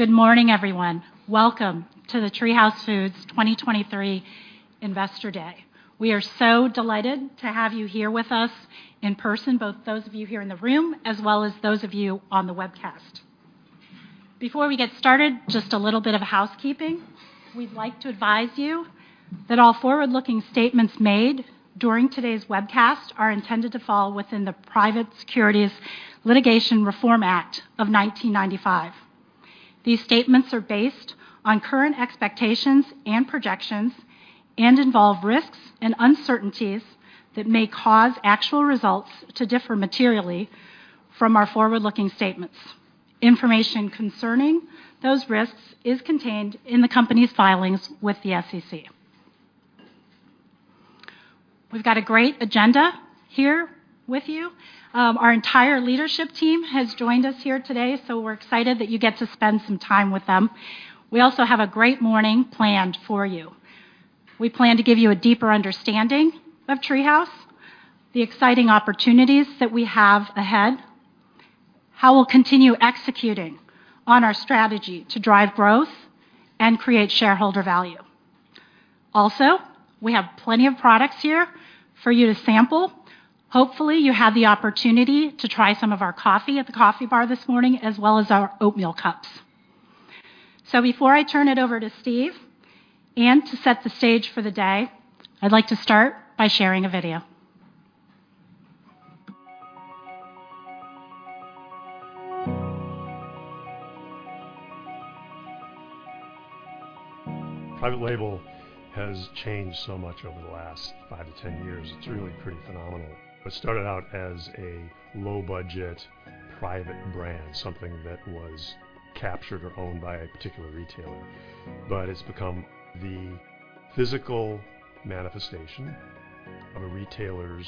Good morning, everyone. Welcome to the TreeHouse Foods 2023 Investor Day. We are so delighted to have you here with us in person, both those of you here in the room, as well as those of you on the webcast. Before we get started, just a little bit of housekeeping. We'd like to advise you that all forward-looking statements made during today's webcast are intended to fall within the Private Securities Litigation Reform Act of 1995. These statements are based on current expectations and projections and involve risks and uncertainties that may cause actual results to differ materially from our forward-looking statements. Information concerning those risks is contained in the company's filings with the SEC. We've got a great agenda here with you. Our entire leadership team has joined us here today, so we're excited that you get to spend some time with them. We also have a great morning planned for you. We plan to give you a deeper understanding of TreeHouse, the exciting opportunities that we have ahead, how we'll continue executing on our strategy to drive growth and create shareholder value. Also, we have plenty of products here for you to sample. Hopefully, you had the opportunity to try some of our coffee at the coffee bar this morning, as well as our oatmeal cups. Before I turn it over to Steve, and to set the stage for the day, I'd like to start by sharing a video. Private label has changed so much over the last five to 10 years. It's really pretty phenomenal. It started out as a low-budget private brand, something that was captured or owned by a particular retailer, but it's become the physical manifestation of a retailer's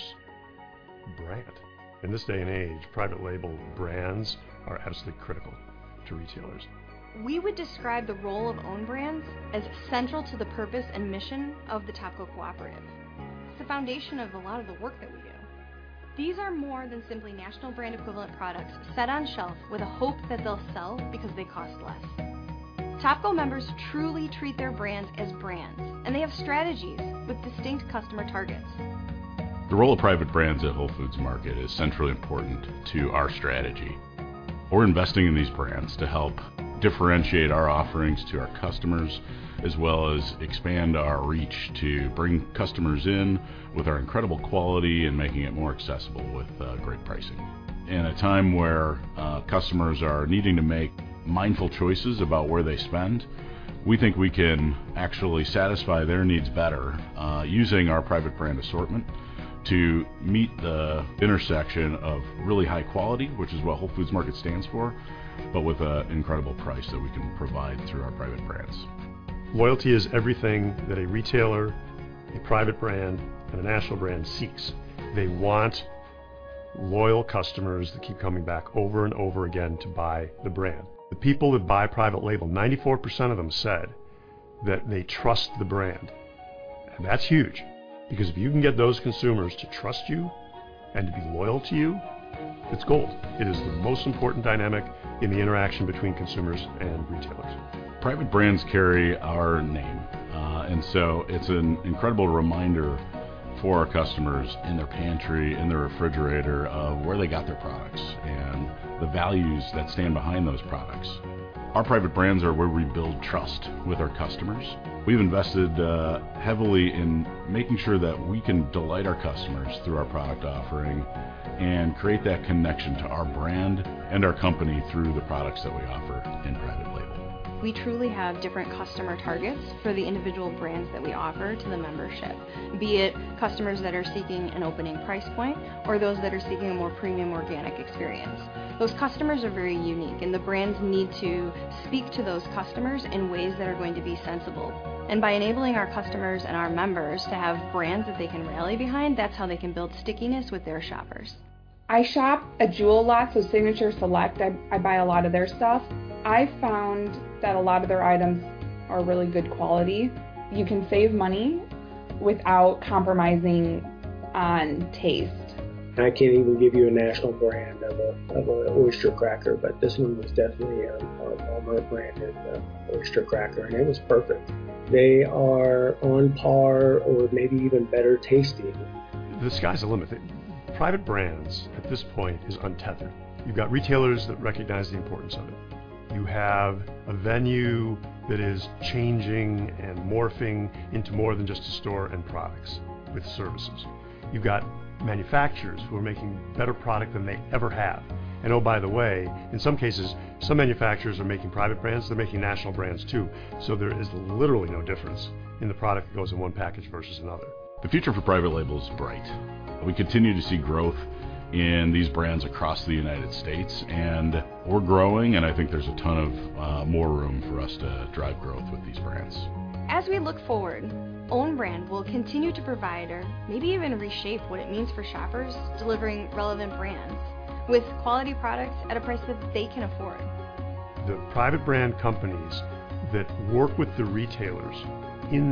brand. In this day and age, private label brands are absolutely critical to retailers. We would describe the role of own brands as central to the purpose and mission of the Topco cooperative. It's the foundation of a lot of the work that we do. These are more than simply national brand equivalent products set on shelf with a hope that they'll sell because they cost less. Topco members truly treat their brands as brands, and they have strategies with distinct customer targets. The role of private brands at Whole Foods Market is centrally important to our strategy. We're investing in these brands to help differentiate our offerings to our customers, as well as expand our reach to bring customers in with our incredible quality and making it more accessible with great pricing. In a time where customers are needing to make mindful choices about where they spend, we think we can actually satisfy their needs better using our private brand assortment to meet the intersection of really high quality, which is what Whole Foods Market stands for, but with an incredible price that we can provide through our private brands. Loyalty is everything that a retailer, a private brand, and a national brand seeks. They want loyal customers that keep coming back over and over again to buy the brand. The people that buy private label, 94% of them said that they trust the brand. That's huge, because if you can get those consumers to trust you and to be loyal to you, it's gold. It is the most important dynamic in the interaction between consumers and retailers. Private brands carry our name, it's an incredible reminder for our customers in their pantry, in their refrigerator, of where they got their products and the values that stand behind those products. Our private brands are where we build trust with our customers. We've invested heavily in making sure that we can delight our customers through our product offering and create that connection to our brand and our company through the products that we offer in private label. We truly have different customer targets for the individual brands that we offer to the membership, be it customers that are seeking an opening price point or those that are seeking a more premium organic experience. Those customers are very unique, and the brands need to speak to those customers in ways that are going to be sensible. By enabling our customers and our members to have brands that they can rally behind, that's how they can build stickiness with their shoppers. I shop at Jewel a lot, so Signature SELECT, I buy a lot of their stuff. I found that a lot of their items are really good quality. You can save money without compromising on taste. I can't even give you a national brand of a oyster cracker. This one was definitely, a well-branded oyster cracker. It was perfect. They are on par or maybe even better tasting. The sky's the limit. Private brands at this point is untethered. You've got retailers that recognize the importance of it. You have a venue that is changing and morphing into more than just a store and products, with services. You've got manufacturers who are making better product than they ever have. Oh, by the way, in some cases, some manufacturers are making private brands, they're making national brands, too. There is literally no difference in the product that goes in one package versus another. The future for private label is bright. We continue to see growth in these brands across the United States. We're growing, and I think there's a ton of more room for us to drive growth with these brands. As we look forward, own brand will continue to provide or maybe even reshape what it means for shoppers, delivering relevant brands with quality products at a price that they can afford. The private brand companies that work with the retailers in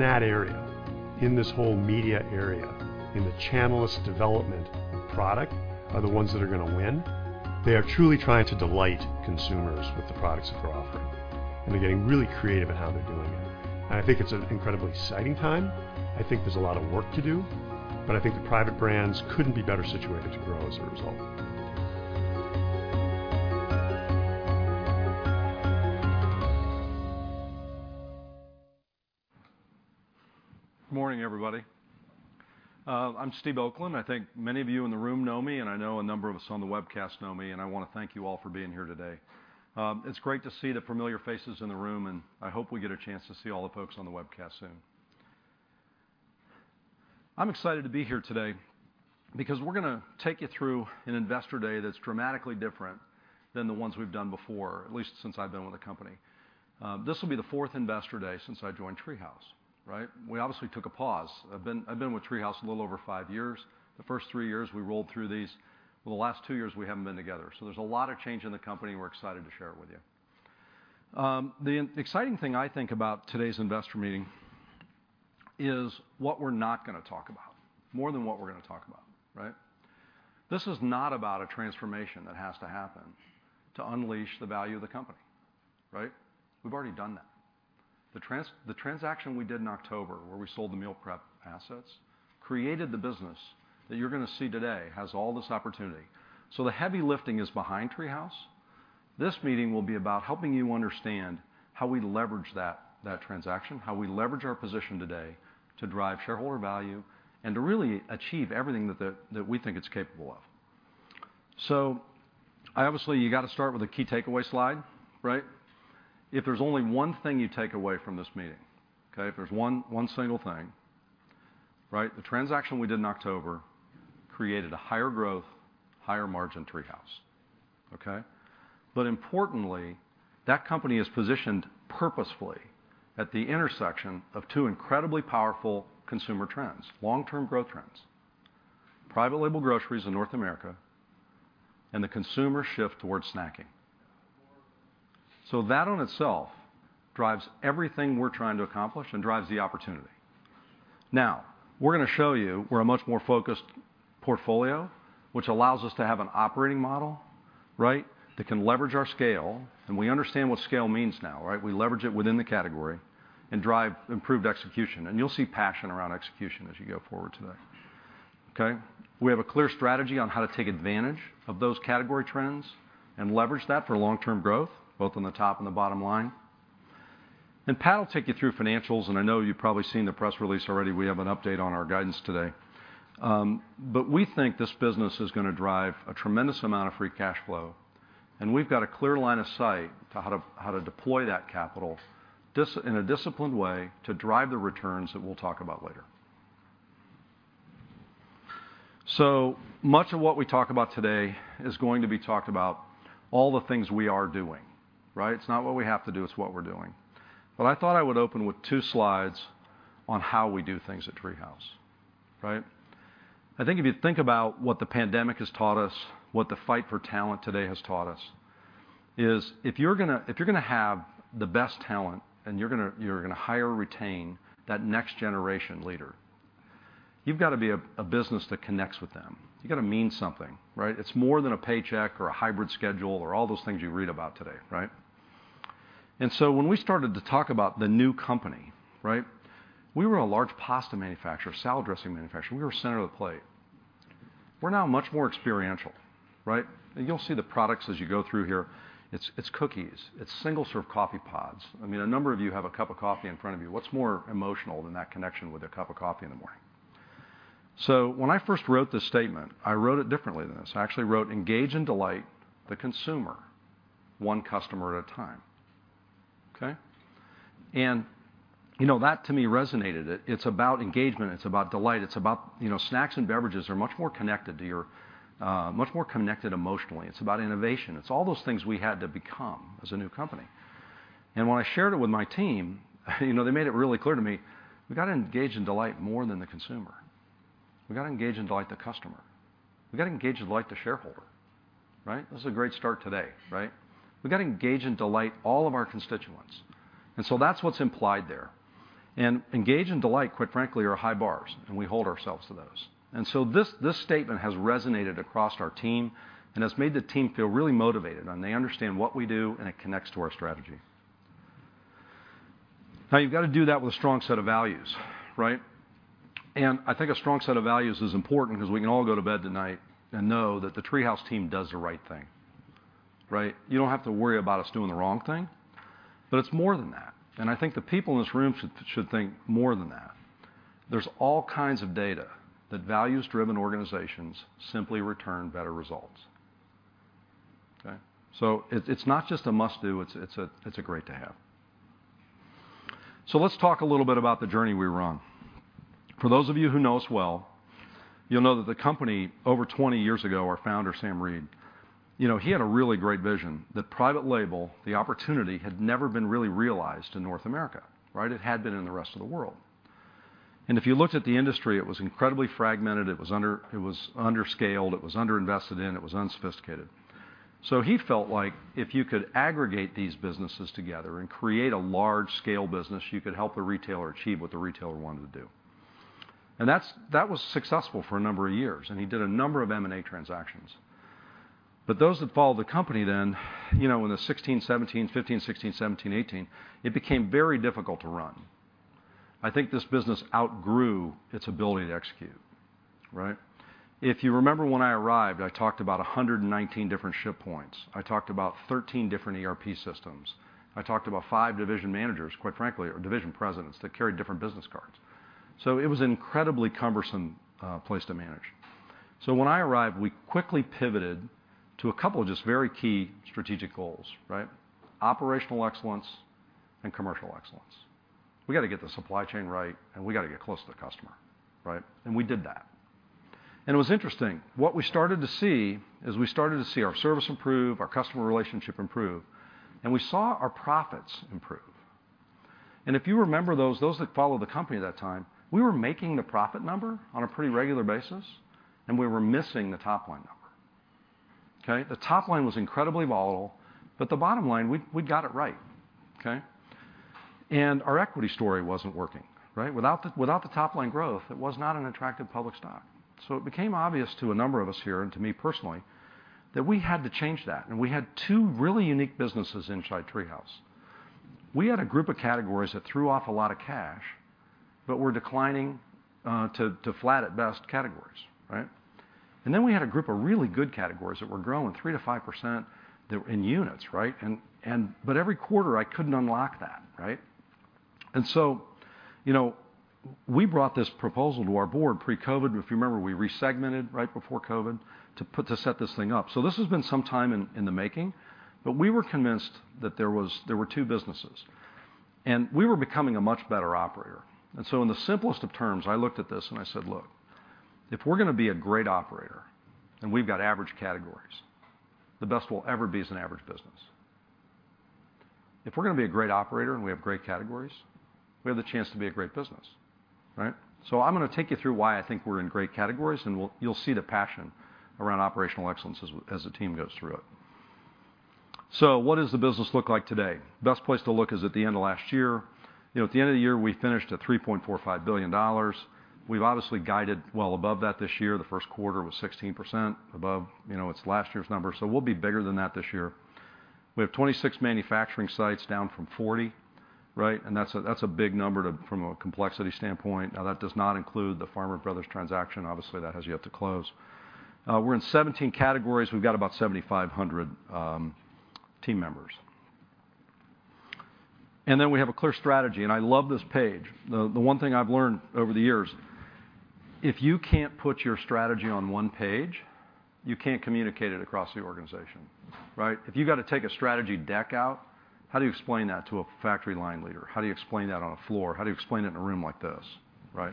this whole media area, in the omnichannel development of product, are the ones that are going to win. They are truly trying to delight consumers with the products that they're offering, and they're getting really creative in how they're doing it. I think it's an incredibly exciting time. I think there's a lot of work to do. I think the private brands couldn't be better situated to grow as a result. Good morning, everybody. I'm Steve Oakland. I think many of you in the room know me, and I know a number of us on the webcast know me, and I want to thank you all for being here today. It's great to see the familiar faces in the room, and I hope we get a chance to see all the folks on the webcast soon. I'm excited to be here today because we're going to take you through an Investor Day that's dramatically different than the ones we've done before, at least since I've been with the company. This will be the fourth Investor Day since I joined TreeHouse, right? We obviously took a pause. I've been with TreeHouse a little over five years. The first three years, we rolled through these, but the last two years, we haven't been together. There's a lot of change in the company, and we're excited to share it with you. The exciting thing I think about today's investor meeting is what we're not going to talk about, more than what we're going to talk about, right? This is not about a transformation that has to happen to unleash the value of the company, right? We've already done that. The transaction we did in October, where we sold the meal prep assets, created the business that you're going to see today, has all this opportunity. The heavy lifting is behind TreeHouse. This meeting will be about helping you understand how we leverage that transaction, how we leverage our position today to drive shareholder value and to really achieve everything that we think it's capable of. You got to start with a key takeaway slide, right? If there's only one thing you take away from this meeting, okay, if there's one single thing, right? The transaction we did in October created a higher growth, higher margin TreeHouse, okay? Importantly, that company is positioned purposefully at the intersection of two incredibly powerful consumer trends, long-term growth trends: private label groceries in North America and the consumer shift towards snacking. That on itself drives everything we're trying to accomplish and drives the opportunity. We're going to show you we're a much more focused portfolio, which allows us to have an operating model, right, that can leverage our scale, and we understand what scale means now, right? We leverage it within the category and drive improved execution, and you'll see passion around execution as you go forward today, okay? We have a clear strategy on how to take advantage of those category trends and leverage that for long-term growth, both on the top and the bottom line. Pat will take you through financials, and I know you've probably seen the press release already. We have an update on our guidance today. We think this business is going to drive a tremendous amount of free cash flow, and we've got a clear line of sight to how to deploy that capital in a disciplined way to drive the returns that we'll talk about later. Much of what we talk about today is going to be talked about all the things we are doing, right? It's not what we have to do, it's what we're doing. I thought I would open with two slides on how we do things at TreeHouse, right? I think if you think about what the pandemic has taught us, what the fight for talent today has taught us, is if you're going to have the best talent, and you're going to hire and retain that next-generation leader, you've got to be a business that connects with them. You've got to mean something, right? It's more than a paycheck or a hybrid schedule or all those things you read about today, right? When we started to talk about the new company, right? We were a large pasta manufacturer, salad dressing manufacturer. We were center of the plate. We're now much more experiential, right? You'll see the products as you go through here. It's cookies. It's single-serve coffee pods. I mean, a number of you have a cup of coffee in front of you. What's more emotional than that connection with a cup of coffee in the morning? When I first wrote this statement, I wrote it differently than this. I actually wrote, "Engage and delight the consumer, one customer at a time." Okay? You know, that to me resonated. It's about engagement, it's about delight, it's about you know, snacks and beverages are much more connected to your much more connected emotionally. It's about innovation. It's all those things we had to become as a new company. When I shared it with my team, you know, they made it really clear to me, we've got to engage and delight more than the consumer. We've got to engage and delight the customer. We've got to engage and delight the shareholder, right? This is a great start today, right? We've got to engage and delight all of our constituents, and so that's what's implied there. Engage and delight, quite frankly, are high bars, and we hold ourselves to those. This statement has resonated across our team and has made the team feel really motivated, and they understand what we do, and it connects to our strategy. Now, you've got to do that with a strong set of values, right? I think a strong set of values is important because we can all go to bed tonight and know that the TreeHouse team does the right thing, right? You don't have to worry about us doing the wrong thing, but it's more than that. I think the people in this room should think more than that. There's all kinds of data that values-driven organizations simply return better results, okay? It's not just a must-do, it's a great to have. Let's talk a little bit about the journey we were on. For those of you who know us well, you'll know that the company, over 20 years ago, our founder, Sam Reed, you know, he had a really great vision that private label, the opportunity, had never been really realized in North America, right? It had been in the rest of the world. If you looked at the industry, it was incredibly fragmented, it was under-scaled, it was under-invested in, it was unsophisticated. He felt like if you could aggregate these businesses together and create a large-scale business, you could help the retailer achieve what the retailer wanted to do. That was successful for a number of years, and he did a number of M&A transactions. Those that followed the company then, you know, in the 2016, 2017, 2015, 2016, 2017, 2018, it became very difficult to run. I think this business outgrew its ability to execute, right? If you remember, when I arrived, I talked about 119 different ship points. I talked about 13 different ERP systems. I talked about five division managers, quite frankly, or division presidents that carried different business cards. It was an incredibly cumbersome place to manage. When I arrived, we quickly pivoted to a couple of just very key strategic goals, right? Operational excellence and commercial excellence. We gotta get the supply chain right, and we gotta get close to the customer, right? We did that. It was interesting. What we started to see is we started to see our service improve, our customer relationship improve, and we saw our profits improve. If you remember, those that followed the company at that time, we were making the profit number on a pretty regular basis, and we were missing the top-line number, okay? The top line was incredibly volatile, but the bottom line, we got it right, okay? Our equity story wasn't working, right? Without the top-line growth, it was not an attractive public stock. It became obvious to a number of us here, and to me personally, that we had to change that, and we had two really unique businesses inside TreeHouse. We had a group of categories that threw off a lot of cash but were declining to flat, at best, categories, right? We had a group of really good categories that were growing 3%-5% in units, right? Every quarter, I couldn't unlock that, right? You know, we brought this proposal to our board pre-COVID. If you remember, we resegmented right before COVID to set this thing up. This has been some time in the making, but we were convinced that there were two businesses, and we were becoming a much better operator. In the simplest of terms, I looked at this, and I said, "Look, if we're gonna be a great operator, and we've got average categories, the best we'll ever be is an average business. If we're gonna be a great operator, and we have great categories, we have the chance to be a great business," right? I'm gonna take you through why I think we're in great categories, and you'll see the passion around operational excellence as the team goes through it. What does the business look like today? Best place to look is at the end of last year. You know, at the end of the year, we finished at $3.45 billion. We've obviously guided well above that this year. The first quarter was 16% above, you know, its last year's number, so we'll be bigger than that this year. We have 26 manufacturing sites, down from 40, right? That's a big number from a complexity standpoint. Now, that does not include the Farmer Brothers transaction. Obviously, that has yet to close. We're in 17 categories. We've got about 7,500 team members. We have a clear strategy, and I love this page. The one thing I've learned over the years: If you can't put your strategy on one page, you can't communicate it across the organization, right? If you've got to take a strategy deck out, how do you explain that to a factory line leader? How do you explain that on a floor? How do you explain it in a room like this, right?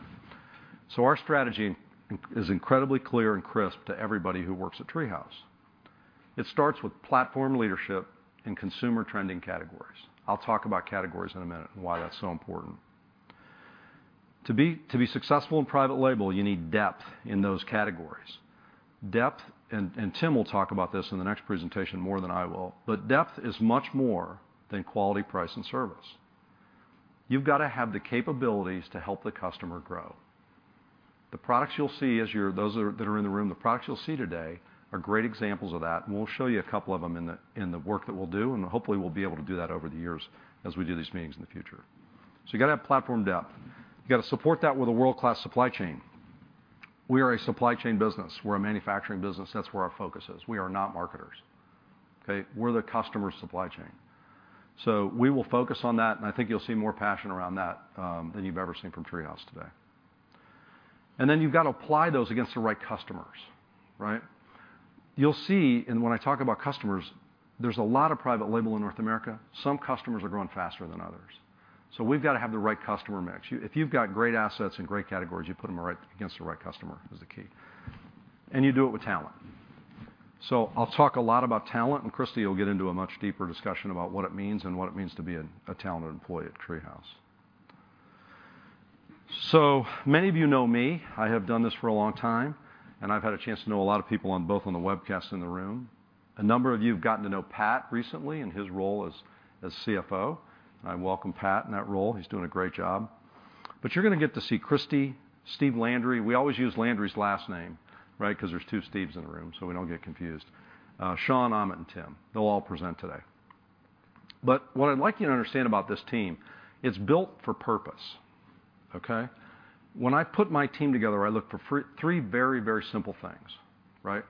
Our strategy is incredibly clear and crisp to everybody who works at TreeHouse. It starts with platform leadership in consumer trending categories. I'll talk about categories in a minute and why that's so important. To be successful in private label, you need depth in those categories. Depth, and Tim will talk about this in the next presentation more than I will. Depth is much more than quality, price, and service. You've got to have the capabilities to help the customer grow. The products you'll see as those that are in the room, the products you'll see today are great examples of that. We'll show you a couple of them in the work that we'll do. Hopefully, we'll be able to do that over the years as we do these meetings in the future. You've got to have platform depth. You've got to support that with a world-class supply chain. We are a supply chain business. We're a manufacturing business. That's where our focus is. We are not marketers, okay? We're the customer's supply chain. We will focus on that, and I think you'll see more passion around that than you've ever seen from TreeHouse today. You've got to apply those against the right customers, right? You'll see, when I talk about customers, there's a lot of private label in North America. Some customers are growing faster than others, so we've got to have the right customer mix. If you've got great assets and great categories, you put them right against the right customer, is the key. You do it with talent. I'll talk a lot about talent, and Kristy will get into a much deeper discussion about what it means and what it means to be a talented employee at TreeHouse. Many of you know me. I have done this for a long time, and I've had a chance to know a lot of people on both on the webcast and in the room. A number of you have gotten to know Pat recently and his role as CFO, and I welcome Pat in that role. He's doing a great job. You're gonna get to see Kristy, Steve Landry. We always use Landry's last name, right? 'Cause there's two Steves in the room, so we don't get confused. Sean, Amit, and Tim. They'll all present today. What I'd like you to understand about this team, it's built for purpose, okay? When I put my team together, I look for three very, very simple things, right?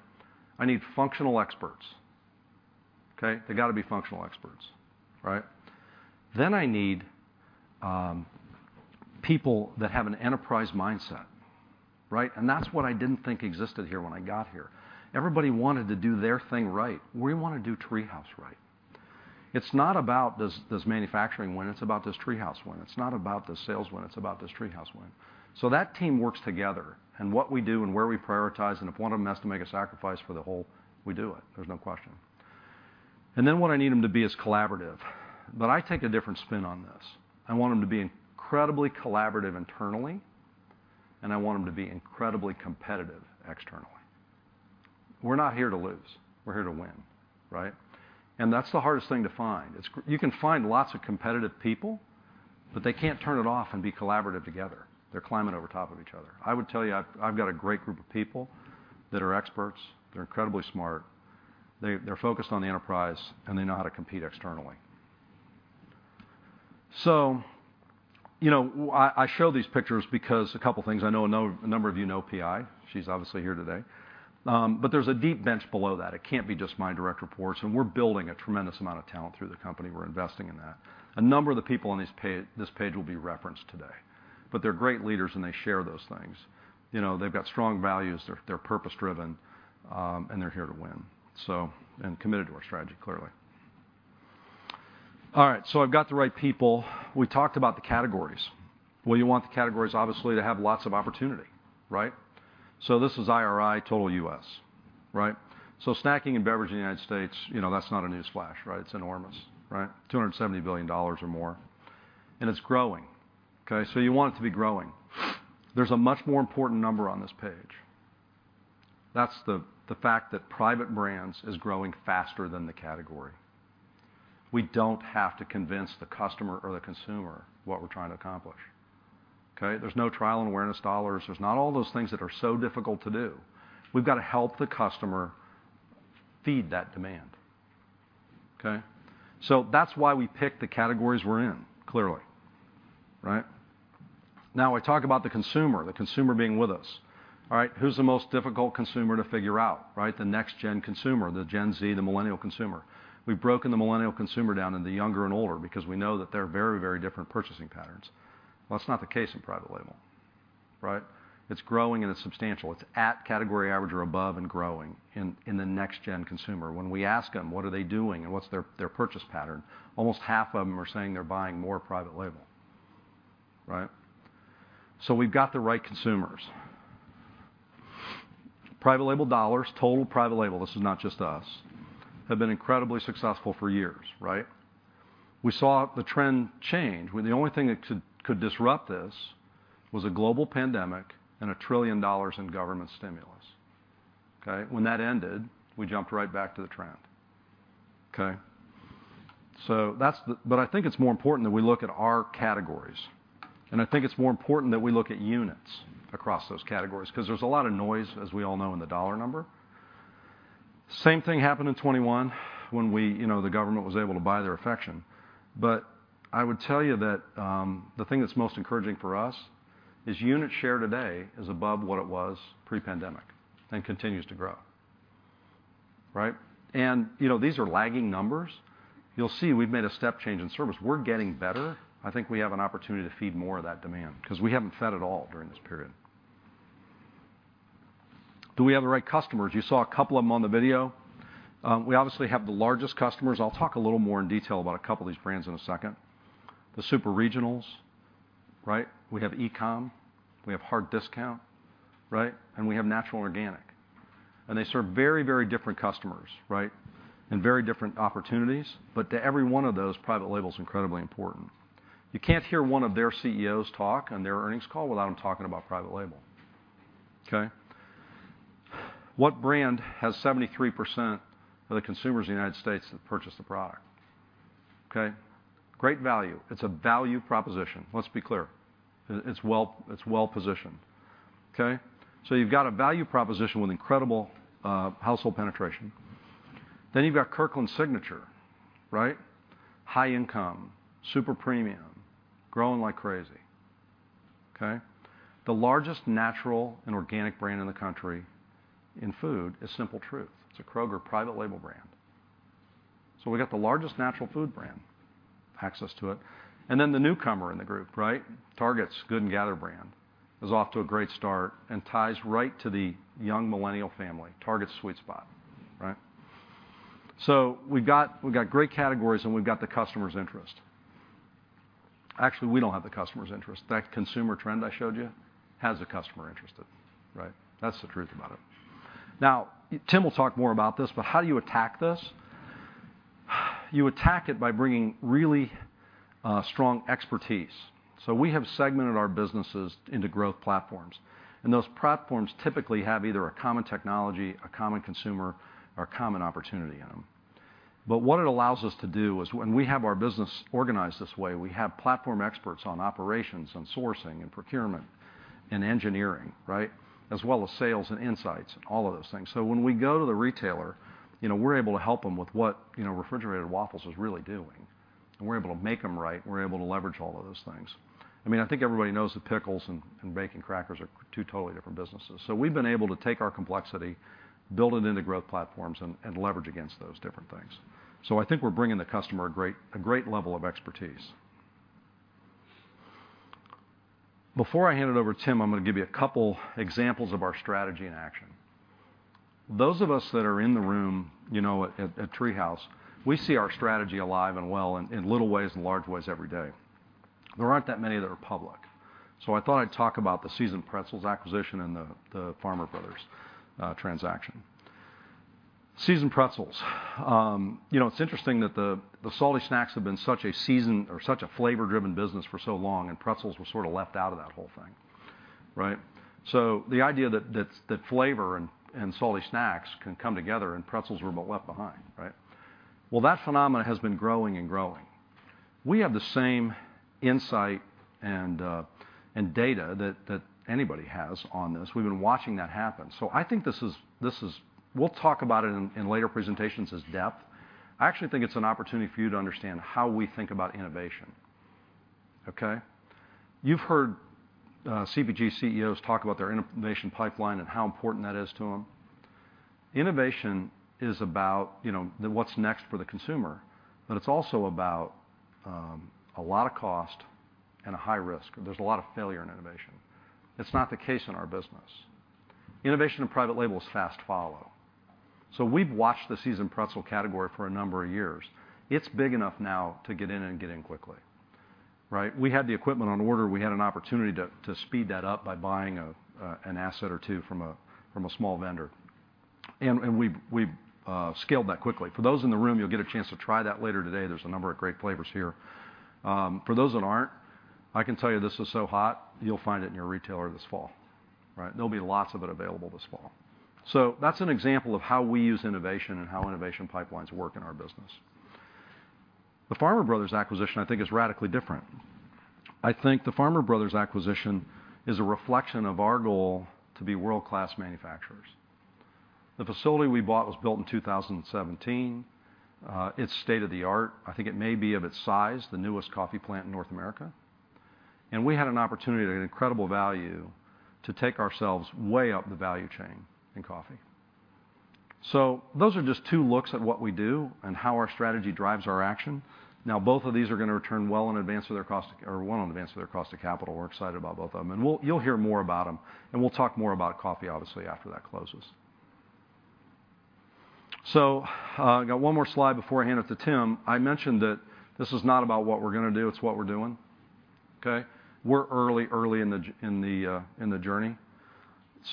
I need functional experts, okay? They gotta be functional experts, right? I need people that have an enterprise mindset, right? That's what I didn't think existed here when I got here. Everybody wanted to do their thing right. We want to do TreeHouse right. It's not about this manufacturing win, it's about this TreeHouse win. It's not about the sales win, it's about this TreeHouse win. That team works together, and what we do and where we prioritize, and if one of them has to make a sacrifice for the whole, we do it. There's no question. Then, what I need them to be is collaborative. I take a different spin on this. I want them to be incredibly collaborative internally, and I want them to be incredibly competitive externally. We're not here to lose, we're here to win, right? That's the hardest thing to find. You can find lots of competitive people, but they can't turn it off and be collaborative together. They're climbing over top of each other. I would tell you, I've got a great group of people that are experts, they're incredibly smart, they're focused on the enterprise, and they know how to compete externally. You know, I show these pictures because a couple things: I know a number of you know PI, she's obviously here today. There's a deep bench below that. It can't be just my direct reports, and we're building a tremendous amount of talent through the company. We're investing in that. A number of the people on this page will be referenced today, but they're great leaders, and they share those things. You know, they've got strong values, they're purpose-driven, and they're here to win. Committed to our strategy, clearly. All right, I've got the right people. We talked about the categories. Well, you want the categories, obviously, to have lots of opportunity, right? This is IRI Tool US, right? Snacking and beverage in the United States, you know, that's not a news flash, right? It's enormous, right? $270 billion or more, and it's growing. Okay, you want it to be growing. There's a much more important number on this page. That's the fact that private brands is growing faster than the category. We don't have to convince the customer or the consumer what we're trying to accomplish, okay? There's no trial and awareness dollars. There's not all those things that are so difficult to do. We've got to help the customer feed that demand, okay? That's why we pick the categories we're in, clearly, right? Now, I talk about the consumer, the consumer being with us. All right, who's the most difficult consumer to figure out, right? The next gen consumer, the Gen Z, the millennial consumer. We've broken the millennial consumer down into younger and older because we know that there are very, very different purchasing patterns. Well, that's not the case in private label, right? It's growing, and it's substantial. It's at category average or above and growing in the next gen consumer. When we ask them, what are they doing, and what's their purchase pattern? Almost half of them are saying they're buying more private label, right? We've got the right consumers. Private label dollars, total private label, this is not just us, have been incredibly successful for years, right? We saw the trend change, when the only thing that could disrupt this was a global pandemic and a $1 trillion in government stimulus, okay? When that ended, we jumped right back to the trend. Okay? I think it's more important that we look at our categories, and I think it's more important that we look at units across those categories, 'cause there's a lot of noise, as we all know, in the dollar number. Same thing happened in 2021 when we, you know, the government was able to buy their affection. I would tell you that the thing that's most encouraging for us is unit share today is above what it was pre-pandemic and continues to grow, right? You know, these are lagging numbers. You'll see we've made a step change in service. We're getting better. I think we have an opportunity to feed more of that demand, 'cause we haven't fed at all during this period. Do we have the right customers? You saw a couple of them on the video. We obviously have the largest customers. I'll talk a little more in detail about a couple of these brands in a second. The super regionals, right? We have e-com, we have hard discount, right? We have natural and organic, and they serve very, very different customers, right, and very different opportunities. To every one of those, private label is incredibly important. You can't hear one of their CEOs talk on their earnings call without them talking about private label, okay? What brand has 73% of the consumers in the United States that purchase the product? Okay, Great Value. It's a value proposition, let's be clear. It's well-positioned, okay? You've got a value proposition with incredible household penetration. You've got Kirkland Signature, right? High income, super premium, growing like crazy. Okay? The largest natural and organic brand in the country in food is Simple Truth. It's a Kroger private label brand. We got the largest natural food brand, access to it, and then the newcomer in the group, right? Target's Good & Gather brand is off to a great start and ties right to the young millennial family, Target's sweet spot, right? We've got great categories, and we've got the customer's interest. Actually, we don't have the customer's interest. That consumer trend I showed you has the customer interested, right? That's the truth about it. Tim will talk more about this. How do you attack this? You attack it by bringing really strong expertise. We have segmented our businesses into growth platforms, and those platforms typically have either a common technology, a common consumer, or a common opportunity in them. What it allows us to do is, when we have our business organized this way, we have platform experts on operations, on sourcing and procurement and engineering, right? As well as sales and insights and all of those things. When we go to the retailer, you know, we're able to help them with what, you know, refrigerated waffles is really doing, and we're able to make them right, and we're able to leverage all of those things. I mean, I think everybody knows that pickles and bacon crackers are two totally different businesses. We've been able to take our complexity, build it into growth platforms, and leverage against those different things. I think we're bringing the customer a great level of expertise. Before I hand it over to Tim, I'm going to give you a couple examples of our strategy in action. Those of us that are in the room, you know, at TreeHouse, we see our strategy alive and well in little ways and large ways every day. There aren't that many that are public, so I thought I'd talk about the Seasoned Pretzels acquisition and the Farmer Brothers transaction. Seasoned Pretzels. You know, it's interesting that the salty snacks have been such a flavor-driven business for so long, and pretzels were sort of left out of that whole thing, right? The idea that flavor and salty snacks can come together, and pretzels were left behind, right? That phenomena has been growing and growing. We have the same insight and data that anybody has on this. We've been watching that happen, I think we'll talk about it in later presentations as depth. I actually think it's an opportunity for you to understand how we think about innovation, okay? You've heard CPG CEOs talk about their innovation pipeline and how important that is to them. Innovation is about, you know, the what's next for the consumer, but it's also about a lot of cost and a high risk. There's a lot of failure in innovation. It's not the case in our business. Innovation in private label is fast follow, we've watched the Seasoned Pretzels category for a number of years. It's big enough now to get in and get in quickly, right? We had the equipment on order. We had an opportunity to speed that up by buying an asset or two from a small vendor, and we've scaled that quickly. For those in the room, you'll get a chance to try that later today. There's a number of great flavors here. For those that aren't, I can tell you this is so hot, you'll find it in your retailer this fall, right? There'll be lots of it available this fall. That's an example of how we use innovation and how innovation pipelines work in our business. The Farmer Brothers acquisition, I think, is radically different. I think the Farmer Brothers acquisition is a reflection of our goal to be world-class manufacturers. The facility we bought was built in 2017. It's state-of-the-art. I think it may be, of its size, the newest coffee plant in North America. We had an opportunity to get incredible value to take ourselves way up the value chain in coffee. Those are just two looks at what we do and how our strategy drives our action. Now, both of these are gonna return well in advance of their cost to capital. We're excited about both of them. You'll hear more about them, and we'll talk more about coffee, obviously, after that closes. I've got one more slide before I hand it to Tim. I mentioned that this is not about what we're gonna do; it's what we're doing, okay? We're early in the journey,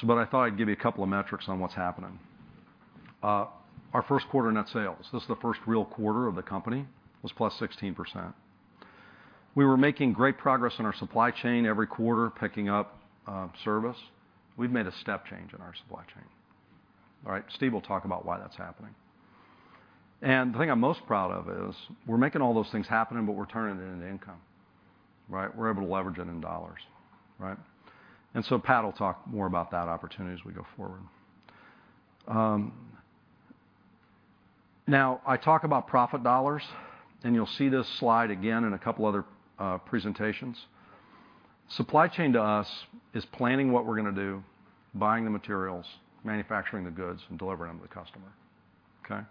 but I thought I'd give you a couple of metrics on what's happening. Our first quarter net sales, this is the first real quarter of the company, was +16%. We were making great progress in our supply chain every quarter, picking up service. We've made a step change in our supply chain, all right? Steve will talk about why that's happening. The thing I'm most proud of is we're making all those things happen, but we're turning it into income, right? We're able to leverage it in dollars, right? Pat will talk more about that opportunity as we go forward. Now, I talk about profit dollars, you'll see this slide again in a couple of other presentations. Supply chain, to us, is planning what we're gonna do, buying the materials, manufacturing the goods, and delivering them to the customer, okay?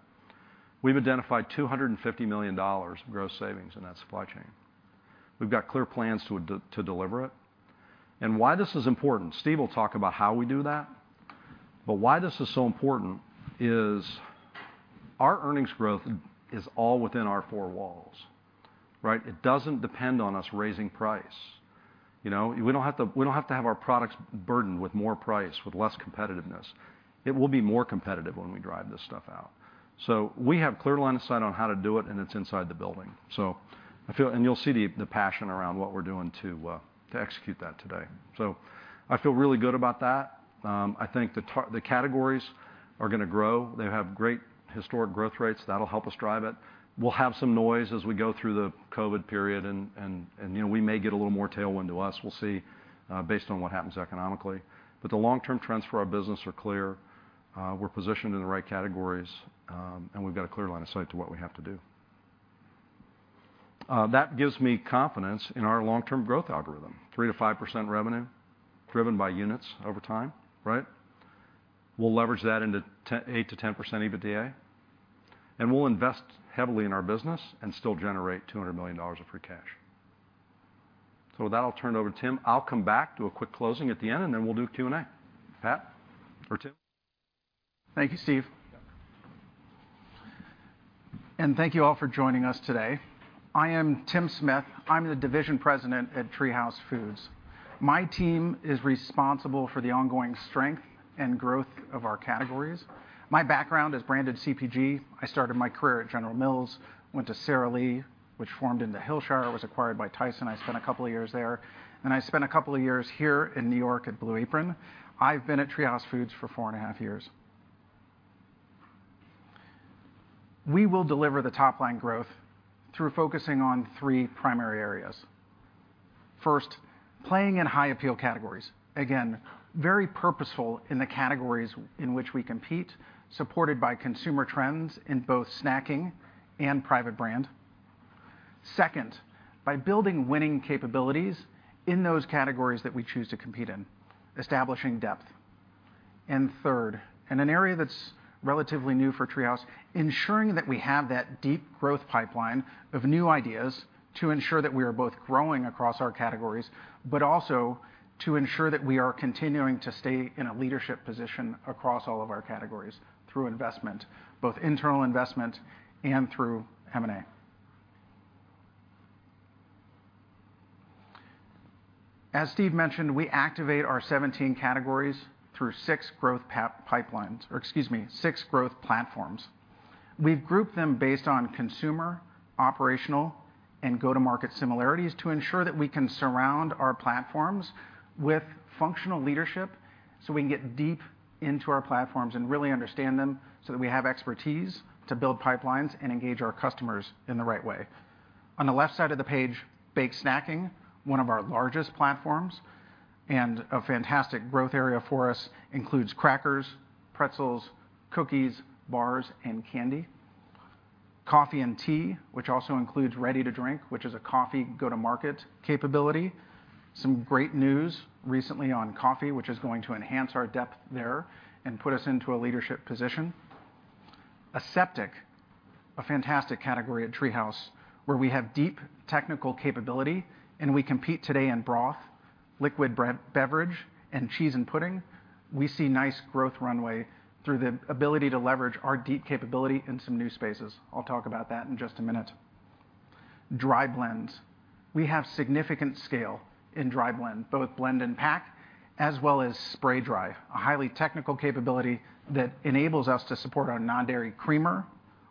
We've identified $250 million of gross savings in that supply chain. We've got clear plans to deliver it. Why this is important. Steve will talk about how we do that, but why this is so important is our earnings growth is all within our four walls, right? It doesn't depend on us raising price. You know, we don't have to have our products burdened with more price, with less competitiveness. It will be more competitive when we drive this stuff out. We have clear line of sight on how to do it, and it's inside the building. I feel. And you'll see the passion around what we're doing to execute that today. I feel really good about that. I think the categories are gonna grow. They have great historic growth rates. That'll help us drive it. We'll have some noise as we go through the COVID period and, you know, we may get a little more tailwind to us. We'll see, based on what happens economically. The long-term trends for our business are clear, we're positioned in the right categories, and we've got a clear line of sight to what we have to do. That gives me confidence in our long-term growth algorithm, 3%-5% revenue, driven by units over time, right? We'll leverage that into 10%, 8%-10% EBITDA, and we'll invest heavily in our business and still generate $200 million of free cash. With that, I'll turn it over to Tim. I'll come back, do a quick closing at the end, and then we'll do Q&A. Pat or Tim? Thank you, Steve. Yeah. Thank you all for joining us today. I am Tim Smith. I'm the division president at TreeHouse Foods. My team is responsible for the ongoing strength and growth of our categories. My background is branded CPG. I started my career at General Mills, went to Sara Lee, which formed into Hillshire. It was acquired by Tyson. I spent a couple of years there, and I spent a couple of years here in New York at Blue Apron. I've been at TreeHouse Foods for 4.5 years. We will deliver the top-line growth through focusing on three primary areas. First, playing in high-appeal categories. Again, very purposeful in the categories in which we compete, supported by consumer trends in both snacking and private brand. Second, by building winning capabilities in those categories that we choose to compete in, establishing depth. Third, in an area that's relatively new for TreeHouse, ensuring that we have that deep growth pipeline of new ideas to ensure that we are both growing across our categories, but also to ensure that we are continuing to stay in a leadership position across all of our categories through investment, both internal investment and through M&A. As Steve mentioned, we activate our 17 categories through six growth pipelines, or excuse me, six growth platforms. We've grouped them based on consumer, operational, and go-to-market similarities to ensure that we can surround our platforms with functional leadership, so we can get deep into our platforms and really understand them, so that we have expertise to build pipelines and engage our customers in the right way. On the left side of the page, baked snacking, one of our largest platforms and a fantastic growth area for us, includes crackers, pretzels, cookies, bars, and candy. Coffee and tea, which also includes ready to drink, which is a coffee go-to-market capability. Some great news recently on coffee, which is going to enhance our depth there and put us into a leadership position. Aseptic, a fantastic category at TreeHouse, where we have deep technical capability and we compete today in broth, liquid beverage, and cheese and pudding. We see nice growth runway through the ability to leverage our deep capability in some new spaces. I'll talk about that in just a minute. Dry blends: we have significant scale in dry blend, both blend and pack, as well as spray dry, a highly technical capability that enables us to support our non-dairy creamer,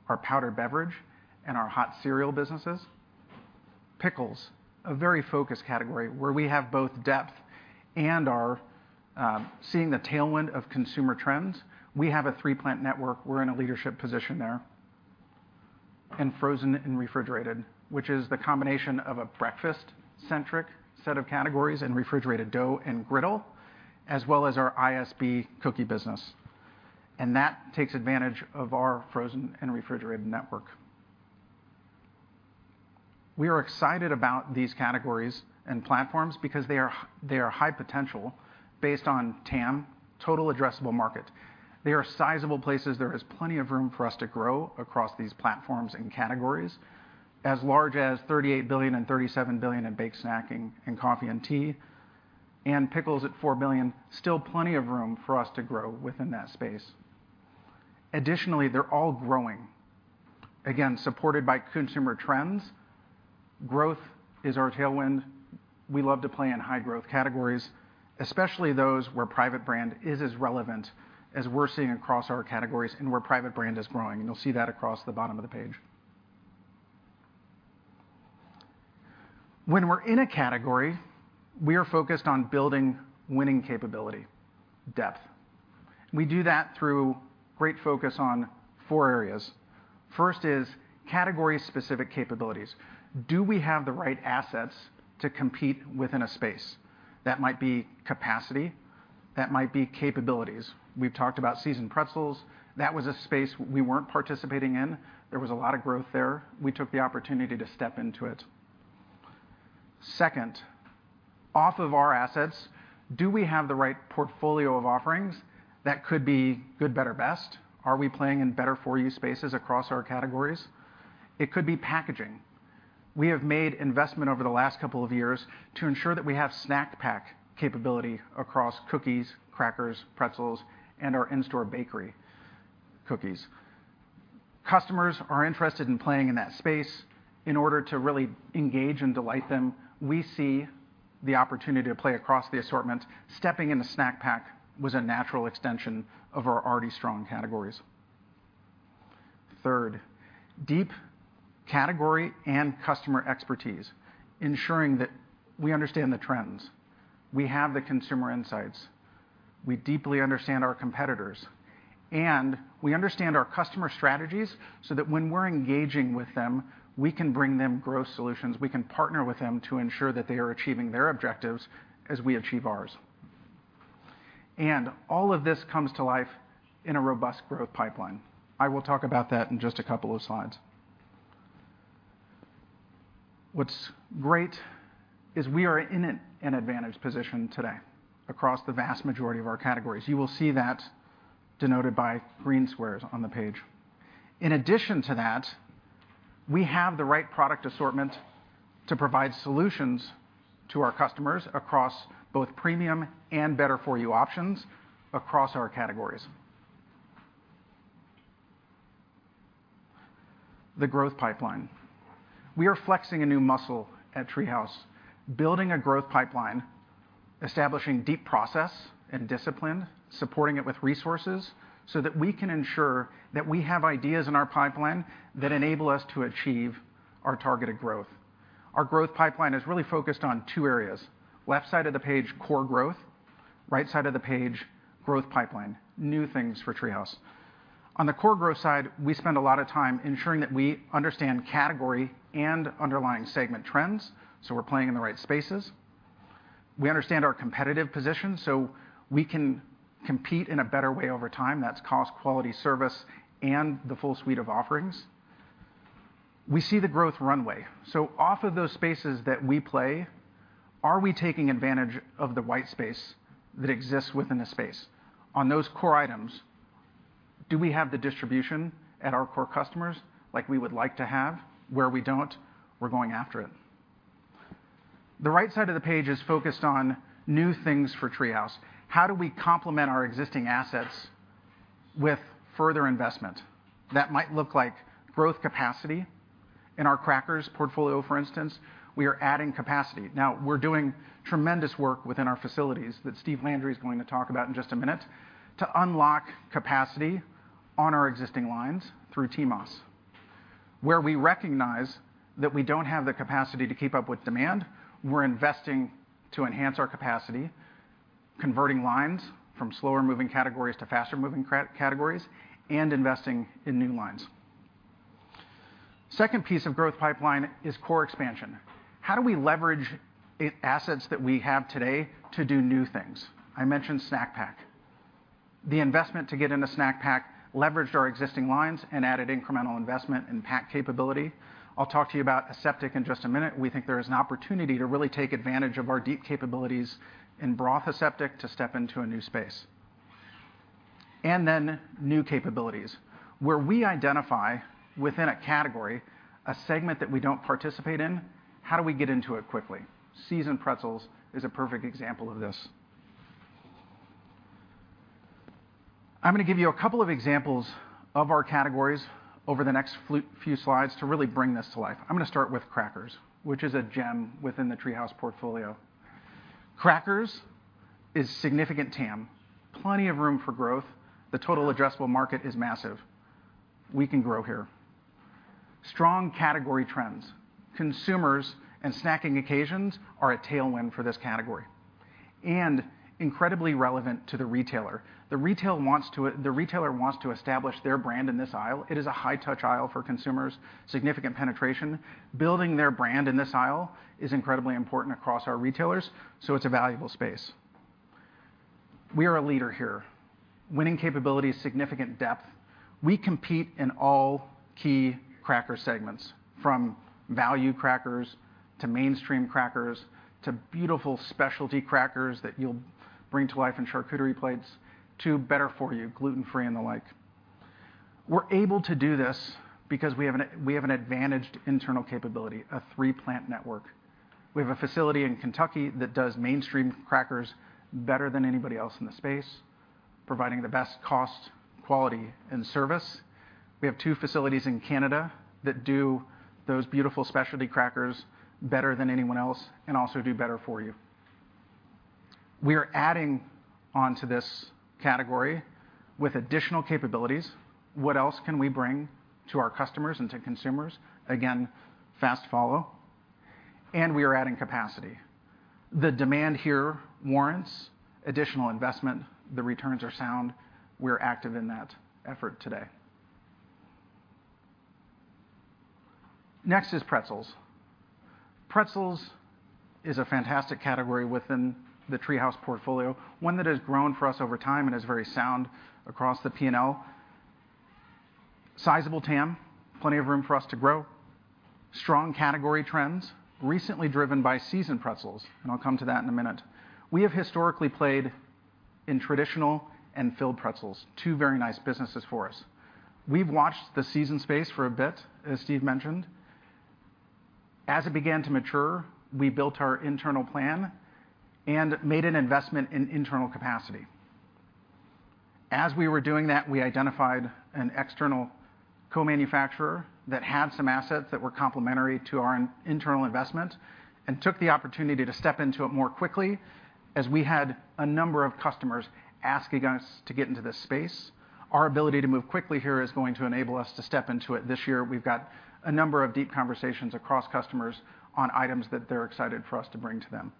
our powdered beverage, and our hot cereal businesses. Pickles, a very focused category, where we have both depth and are seeing the tailwind of consumer trends. We have a three-plant network. We're in a leadership position there. Frozen and refrigerated, which is the combination of a breakfast-centric set of categories and refrigerated dough and griddle, as well as our ISB cookie business, and that takes advantage of our frozen and refrigerated network. We are excited about these categories and platforms because they are high potential based on TAM, total addressable market. They are sizable places. There is plenty of room for us to grow across these platforms and categories, as large as $38 billion and $37 billion in baked snacking and coffee and tea, and pickles at $4 billion, still plenty of room for us to grow within that space. Additionally, they're all growing, again, supported by consumer trends. Growth is our tailwind. We love to play in high growth categories, especially those where private brand is as relevant as we're seeing across our categories and where private brand is growing, and you'll see that across the bottom of the page. When we're in a category, we are focused on building winning capability, depth. We do that through great focus on four areas. First is category-specific capabilities. Do we have the right assets to compete within a space? That might be capacity, that might be capabilities. We've talked about Seasoned Pretzels. That was a space we weren't participating in. There was a lot of growth there. We took the opportunity to step into it. Second, off of our assets, do we have the right portfolio of offerings that could be good, better, best? Are we playing in better-for-you spaces across our categories? It could be packaging. We have made investment over the last couple of years to ensure that we have Snack Pack capability across cookies, crackers, pretzels, and our in-store bakery cookies. Customers are interested in playing in that space. In order to really engage and delight them, we see the opportunity to play across the assortment. Stepping in the Snack Pack was a natural extension of our already strong categories. Third, deep category and customer expertise, ensuring that we understand the trends, we have the consumer insights, we deeply understand our competitors, and we understand our customer strategies so that when we're engaging with them, we can bring them growth solutions. We can partner with them to ensure that they are achieving their objectives as we achieve ours. All of this comes to life in a robust growth pipeline. I will talk about that in just a couple of slides. What's great is we are in an advantage position today across the vast majority of our categories. You will see that denoted by green squares on the page. In addition to that, we have the right product assortment to provide solutions to our customers across both premium and better-for-you options across our categories. The growth pipeline. We are flexing a new muscle at TreeHouse, building a growth pipeline, establishing deep process and discipline, supporting it with resources, so that we can ensure that we have ideas in our pipeline that enable us to achieve our targeted growth. Our growth pipeline is really focused on two areas: left side of the page, core growth, right side of the page, growth pipeline, new things for TreeHouse. On the core growth side, we spend a lot of time ensuring that we understand category and underlying segment trends, so we're playing in the right spaces. We understand our competitive position, so we can compete in a better way over time. That's cost, quality, service, and the full suite of offerings. We see the growth runway, so off of those spaces that we play, are we taking advantage of the white space that exists within a space? On those core items, do we have the distribution at our core customers like we would like to have? Where we don't, we're going after it. The right side of the page is focused on new things for TreeHouse. How do we complement our existing asset with further investment? That might look like growth capacity in our crackers portfolio, for instance, we are adding capacity. Now, we're doing tremendous work within our facilities, that Steve Landry is going to talk about in just one minute, to unlock capacity on our existing lines through TMOS. Where we recognize that we don't have the capacity to keep up with demand, we're investing to enhance our capacity, converting lines from slower moving categories to faster moving categories, and investing in new lines. Second piece of growth pipeline is core expansion. How do we leverage assets that we have today to do new things? I mentioned Snack Pack. The investment to get into Snack Pack leveraged our existing lines and added incremental investment and pack capability. I'll talk to you about aseptic in just a minute. We think there is an opportunity to really take advantage of our deep capabilities in broth aseptic to step into a new space. New capabilities, where we identify within a category, a segment that we don't participate in, how do we get into it quickly? Seasoned Pretzels is a perfect example of this. I'm gonna give you a couple of examples of our categories over the next few slides to really bring this to life. I'm gonna start with crackers, which is a gem within the TreeHouse portfolio. Crackers is significant TAM, plenty of room for growth. The total addressable market is massive. We can grow here. Strong category trends. Consumers and snacking occasions are a tailwind for this category, and incredibly relevant to the retailer. The retailer wants to establish their brand in this aisle. It is a high-touch aisle for consumers, significant penetration. Building their brand in this aisle is incredibly important across our retailers, so it's a valuable space. We are a leader here. Winning capability, significant depth. We compete in all key cracker segments, from value crackers, to mainstream crackers, to beautiful specialty crackers that you'll bring to life in charcuterie plates, to better for you, gluten-free and the like. We're able to do this because we have an advantaged internal capability, a three-plant network. We have a facility in Kentucky that does mainstream crackers better than anybody else in the space, providing the best cost, quality, and service. We have two facilities in Canada that do those beautiful specialty crackers better than anyone else, and also do better for you. We are adding on to this category with additional capabilities. What else can we bring to our customers and to consumers? Fast follow, and we are adding capacity. The demand here warrants additional investment. The returns are sound. We're active in that effort today. Pretzels. Pretzels is a fantastic category within the TreeHouse portfolio, one that has grown for us over time and is very sound across the P&L. Sizable TAM, plenty of room for us to grow. Strong category trends, recently driven by Seasoned Pretzels, and I'll come to that in a minute. We have historically played in traditional and filled pretzels, two very nice businesses for us. We've watched the seasoned space for a bit, as Steve mentioned. As it began to mature, we built our internal plan and made an investment in internal capacity. As we were doing that, we identified an external co-manufacturer that had some assets that were complementary to our internal investment, and took the opportunity to step into it more quickly, as we had a number of customers asking us to get into this space. Our ability to move quickly here is going to enable us to step into it this year. We've got a number of deep conversations across customers on items that they're excited for us to bring to them.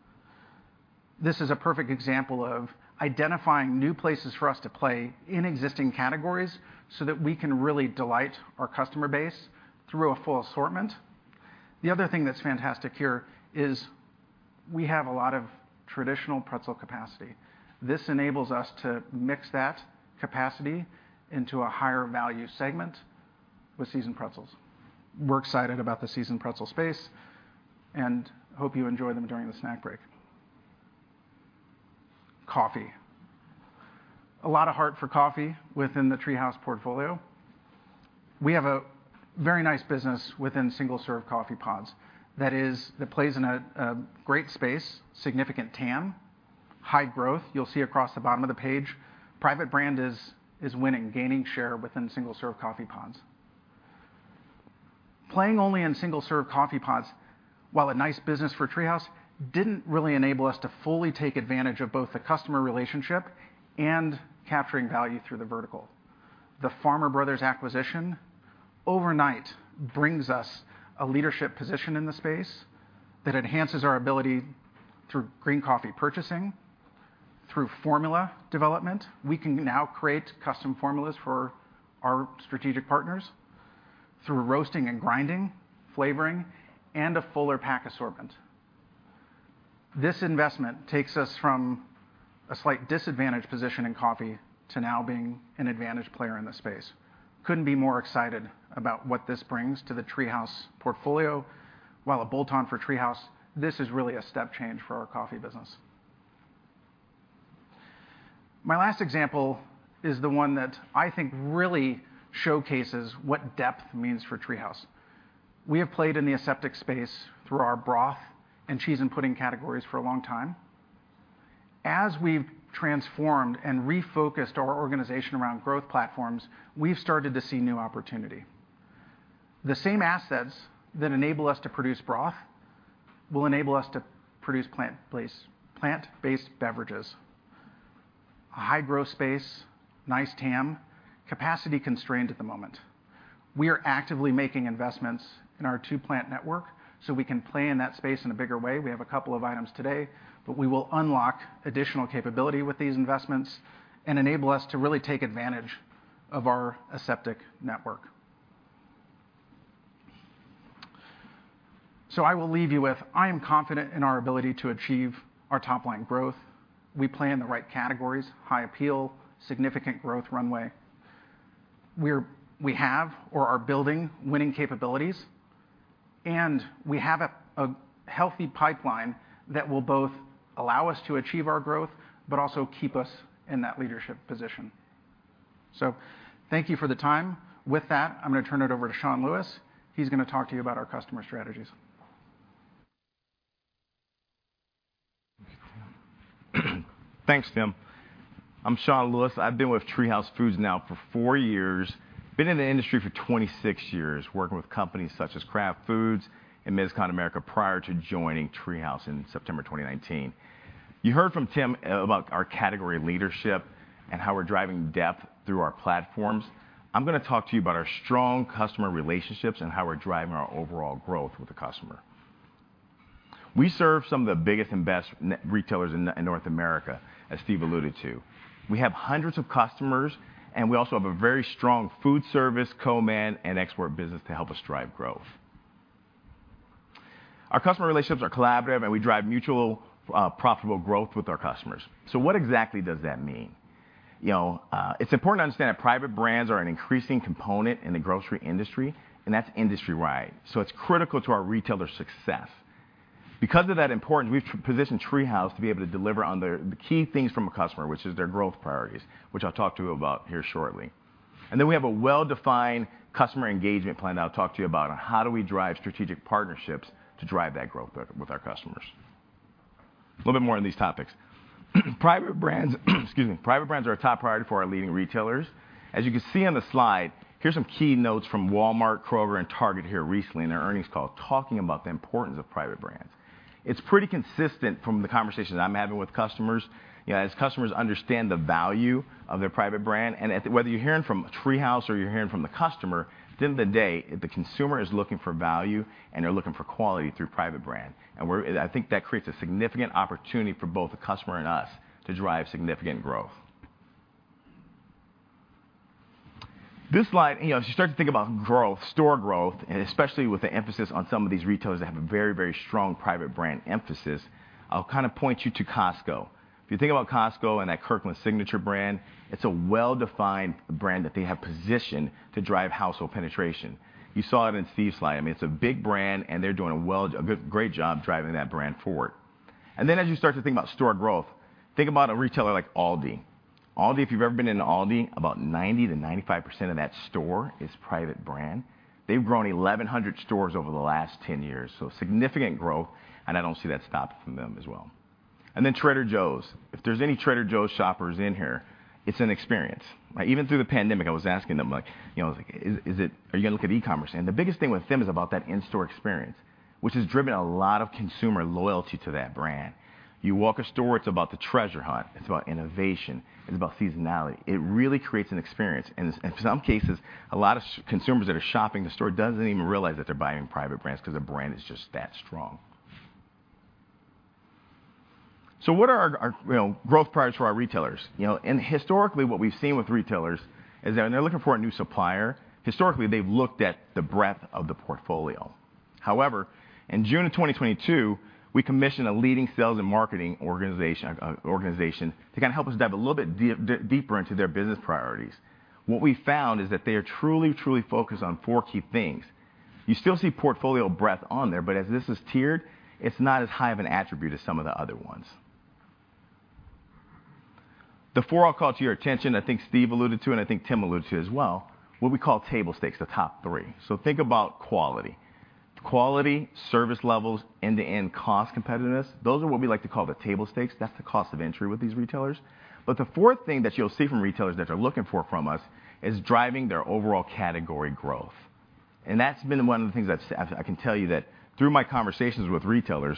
This is a perfect example of identifying new places for us to play in existing categories, that we can really delight our customer base through a full assortment. The other thing that's fantastic here is we have a lot of traditional pretzel capacity. This enables us to mix that capacity into a higher value segment with Seasoned Pretzels. We're excited about the Seasoned Pretzels space, hope you enjoy them during the snack break. Coffee. A lot of heart for coffee within the TreeHouse portfolio. We have a very nice business within single-serve coffee pods, that plays in a great space, significant TAM, high growth. You'll see across the bottom of the page, private brand is winning, gaining share within single-serve coffee pods. Playing only in single-serve coffee pots, while a nice business for TreeHouse, didn't really enable us to fully take advantage of both the customer relationship and capturing value through the vertical. The Farmer Brothers acquisition, overnight, brings us a leadership position in the space that enhances our ability through green coffee purchasing, through formula development. We can now create custom formulas for our strategic partners through roasting and grinding, flavoring, and a fuller pack assortment. This investment takes us from a slight disadvantaged position in coffee to now being an advantaged player in the space. Couldn't be more excited about what this brings to the TreeHouse portfolio. While a bolt-on for TreeHouse, this is really a step change for our coffee business. My last example is the one that I think really showcases what depth means for TreeHouse. We have played in the aseptic space through our broth and cheese and pudding categories for a long time. As we've transformed and refocused our organization around growth platforms, we've started to see new opportunity. The same assets that enable us to produce broth will enable us to produce plant-based beverages. A high-growth space, nice TAM, capacity constrained at the moment. We are actively making investments in our two-plant network so we can play in that space in a bigger way. We have a couple of items today, but we will unlock additional capability with these investments and enable us to really take advantage of our aseptic network. I will leave you with, I am confident in our ability to achieve our top-line growth. We play in the right categories, high appeal, significant growth runway. We have or are building winning capabilities, and we have a healthy pipeline that will both allow us to achieve our growth, but also keep us in that leadership position. Thank you for the time. With that, I'm gonna turn it over to Sean Lewis. He's gonna talk to you about our customer strategies. Thanks, Tim. I'm Sean Lewis. I've been with TreeHouse Foods now for four years, been in the industry for 26 years, working with companies such as Kraft Foods and McCain Foods America prior to joining TreeHouse in September 2019. You heard from Tim about our category leadership and how we're driving depth through our platforms. I'm gonna talk to you about our strong customer relationships and how we're driving our overall growth with the customer. We serve some of the biggest and best net retailers in North America, as Steve alluded to. We have hundreds of customers, and we also have a very strong food service, co-man, and export business to help us drive growth. Our customer relationships are collaborative, and we drive mutual profitable growth with our customers. What exactly does that mean? You know, it's important to understand that private brands are an increasing component in the grocery industry, and that's industry-wide, so it's critical to our retailer success. Because of that importance, we've positioned TreeHouse to be able to deliver on the key things from a customer, which is their growth priorities, which I'll talk to you about here shortly. Then we have a well-defined customer engagement plan that I'll talk to you about, on how do we drive strategic partnerships to drive that growth with our customers. A little bit more on these topics. Excuse me, private brands are a top priority for our leading retailers. As you can see on the slide, here's some key notes from Walmart, Kroger, and Target here recently in their earnings call, talking about the importance of private brands. It's pretty consistent from the conversations I'm having with customers. You know, as customers understand the value of their private brand, and at the... whether you're hearing from TreeHouse or you're hearing from the customer, at the end of the day, the consumer is looking for value, and they're looking for quality through private brand. I think that creates a significant opportunity for both the customer and us to drive significant growth. This slide, you know, as you start to think about growth, store growth, and especially with the emphasis on some of these retailers that have a very, very strong private brand emphasis, I'll kind of point you to Costco. If you think about Costco and that Kirkland Signature brand, it's a well-defined brand that they have positioned to drive household penetration. You saw it in Steve's slide. I mean, it's a big brand, and they're doing a good, great job driving that brand forward. As you start to think about store growth, think about a retailer like Aldi. Aldi, if you've ever been in an Aldi, about 90%-95% of that store is private brand. They've grown 1,100 stores over the last 10 years, significant growth, I don't see that stopping from them as well. Trader Joe's. If there's any Trader Joe's shoppers in here, it's an experience. Even through the pandemic, I was asking them, like, you know, "Are you gonna look at e-commerce?" The biggest thing with them is about that in-store experience, which has driven a lot of consumer loyalty to that brand. You walk a store, it's about the treasure hunt, it's about innovation, it's about seasonality. It really creates an experience, and in some cases, a lot of consumers that are shopping the store doesn't even realize that they're buying private brands because the brand is just that strong. What are our, you know, growth priorities for our retailers? You know, historically, what we've seen with retailers is that when they're looking for a new supplier, historically, they've looked at the breadth of the portfolio. However, in June of 2022, we commissioned a leading sales and marketing organization, to kind of help us dive a little bit deeper into their business priorities. What we found is that they are truly focused on four key things. You still see portfolio breadth on there, but as this is tiered, it's not as high of an attribute as some of the other ones. The four I'll call to your attention, I think Steve alluded to, and I think Tim alluded to as well, what we call table stakes, the top three. Think about quality. Quality, service levels, end-to-end cost competitiveness, those are what we like to call the table stakes. That's the cost of entry with these retailers. The fourth thing that you'll see from retailers that they're looking for from us, is driving their overall category growth. That's been one of the things that's I can tell you that through my conversations with retailers,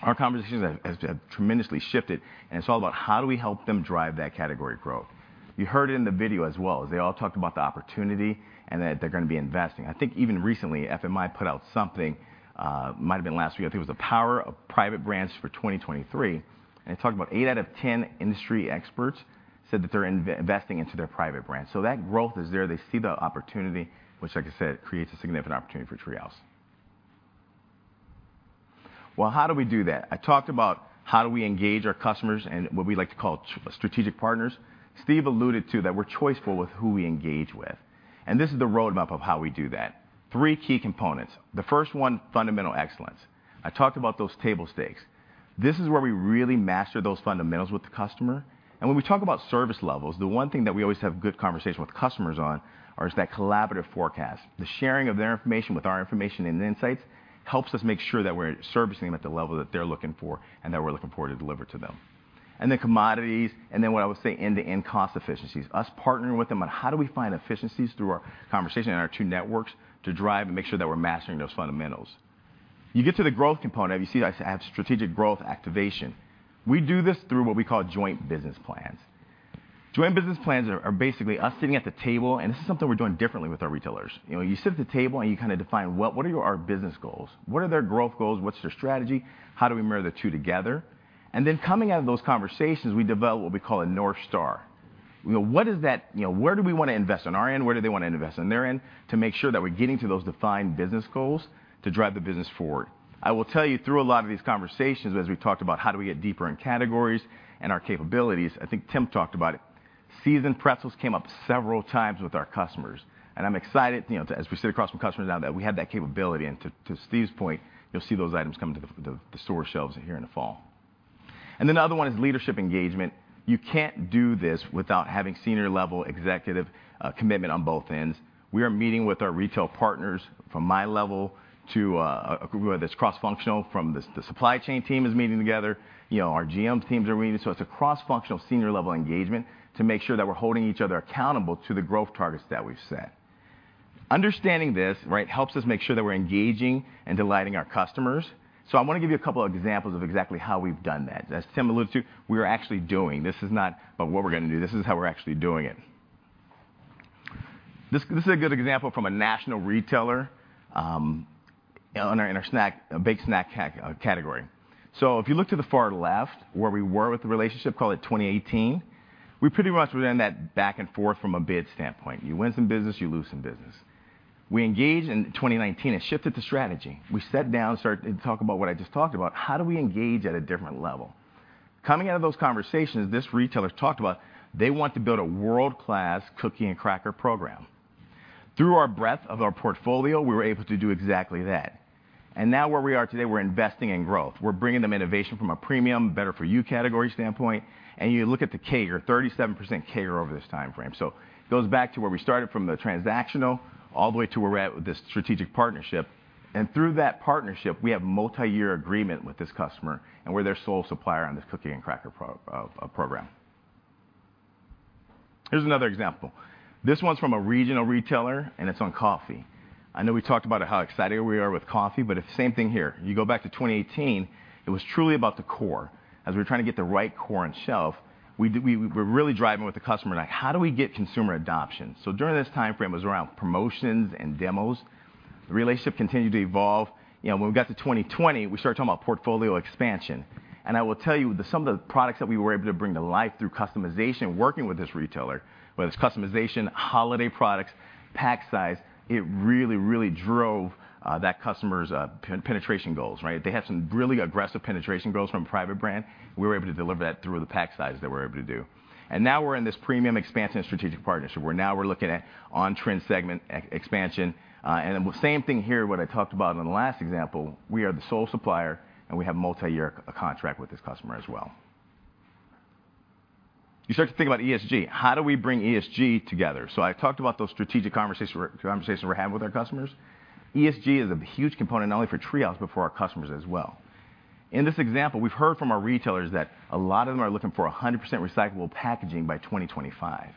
our conversations have tremendously shifted, and it's all about how do we help them drive that category growth? You heard it in the video as well, as they all talked about the opportunity and that they're gonna be investing. I think even recently, FMI put out something, might have been last week, I think it was The Power of Private Brands 2023. It talked about eight out of 10 industry experts said that they're investing into their private brand. That growth is there. They see the opportunity, which, like I said, creates a significant opportunity for TreeHouse. How do we do that? I talked about how do we engage our customers and what we like to call strategic partners. Steve alluded to that we're choiceful with who we engage with. This is the roadmap of how we do that. Three key components: the 1st one, fundamental excellence. I talked about those table stakes. This is where we really master those fundamentals with the customer. When we talk about service levels, the one thing that we always have good conversation with customers on, is that collaborative forecast. The sharing of their information with our information and insights, helps us make sure that we're servicing them at the level that they're looking for, and that we're looking for to deliver to them. Commodities, what I would say, end-to-end cost efficiencies. Us partnering with them on how do we find efficiencies through our conversation and our two networks, to drive and make sure that we're mastering those fundamentals? You get to the growth component, you see I have strategic growth activation. We do this through what we call joint business plans. Joint business plans are basically us sitting at the table, and this is something we're doing differently with our retailers. You know, you sit at the table and you kinda define what are our business goals? What are their growth goals? What's their strategy? How do we marry the two together? Coming out of those conversations, we develop what we call a North Star. You know, what is that. You know, where do we wanna invest on our end? Where do they wanna invest on their end, to make sure that we're getting to those defined business goals to drive the business forward. I will tell you, through a lot of these conversations, as we've talked about how do we get deeper in categories and our capabilities, I think Tim talked about it, Seasoned Pretzels came up several times with our customers. I'm excited, you know, as we sit across from customers, now that we have that capability, to Steve's point, you'll see those items coming to the store shelves here in the fall. The other one is leadership engagement. You can't do this without having senior level executive commitment on both ends. We are meeting with our retail partners, from my level to a group that's cross-functional, from the supply chain team is meeting together. You know, our GM teams are meeting. It's a cross-functional, senior level engagement to make sure that we're holding each other accountable to the growth targets that we've set. Understanding this, right, helps us make sure that we're engaging and delighting our customers. I want to give you a couple of examples of exactly how we've done that. As Tim alluded to, this is not about what we're gonna do, this is how we're actually doing it. This is a good example from a national retailer on our, in our snack, Baked Snack category. If you look to the far left, where we were with the relationship, call it 2018, we pretty much were in that back and forth from a bid standpoint. You win some business, you lose some business. We engaged in 2019 and shifted the strategy. We sat down and started to talk about what I just talked about. How do we engage at a different level? Coming out of those conversations, this retailer talked about they want to build a world-class cookie and cracker program. Through our breadth of our portfolio, we were able to do exactly that. Now, where we are today, we're investing in growth. We're bringing them innovation from a premium, better-for-you category standpoint. You look at the CAGR, 37% CAGR over this time frame. It goes back to where we started from the transactional, all the way to where we're at with this strategic partnership. Through that partnership, we have a multi-year agreement with this customer, and we're their sole supplier on this cookie and cracker program. Here's another example. This one's from a regional retailer, and it's on coffee. I know we talked about how excited we are with coffee, but it's the same thing here. You go back to 2018, it was truly about the core. As we were trying to get the right core on shelf, we're really driving with the customer, like, how do we get consumer adoption? During this time frame, it was around promotions and demos. The relationship continued to evolve. You know, when we got to 2020, we started talking about portfolio expansion. I will tell you, the some of the products that we were able to bring to life through customization, working with this retailer, whether it's customization, holiday products, pack size, it really, really drove that customer's penetration goals, right? They had some really aggressive penetration goals from private brand. We were able to deliver that through the pack sizes that we're able to do. Now we're in this premium expansion and strategic partnership, where now we're looking at on-trend segment expansion. The same thing here, what I talked about in the last example, we are the sole supplier, and we have a multi-year contract with this customer as well. You start to think about ESG. How do we bring ESG together? I talked about those strategic conversations we're having with our customers. ESG is a huge component, not only for TreeHouse, but for our customers as well. In this example, we've heard from our retailers that a lot of them are looking for 100% recyclable packaging by 2025.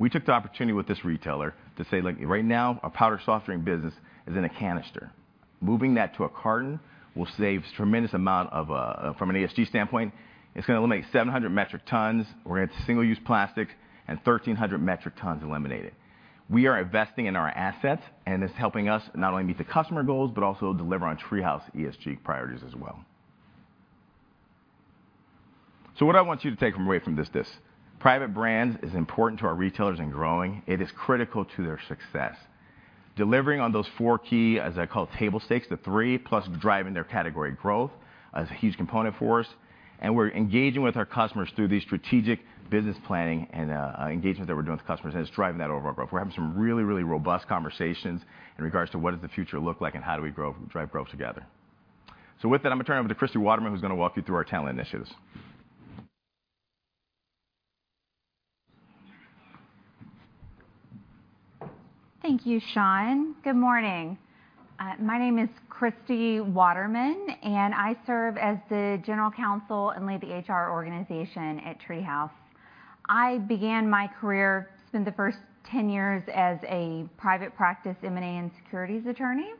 We took the opportunity with this retailer to say, "Look, right now, our powdered soft drink business is in a canister." Moving that to a carton will save tremendous amount of. From an ESG standpoint, it's gonna eliminate 700 metric tons worth of single-use plastics, and 1,300 metric tons eliminated. We are investing in our assets, it's helping us not only meet the customer goals, but also deliver on TreeHouse ESG priorities as well. What I want you to take away from this: Private brands is important to our retailers and growing. It is critical to their success. Delivering on those four key, as I call, table stakes, the three, plus driving their category growth, is a huge component for us. We're engaging with our customers through these strategic business planning and engagement that we're doing with customers, and it's driving that overall growth. We're having some really, really robust conversations in regards to what does the future look like and how do we drive growth together? With that, I'm gonna turn over to Kristy Waterman, who's gonna walk you through our talent initiatives. Thank you, Sean. Good morning. My name is Kristy Waterman, and I serve as the General Counsel and lead the HR organization at TreeHouse. I began my career, spent the first 10 years as a private practice M&A and securities attorney,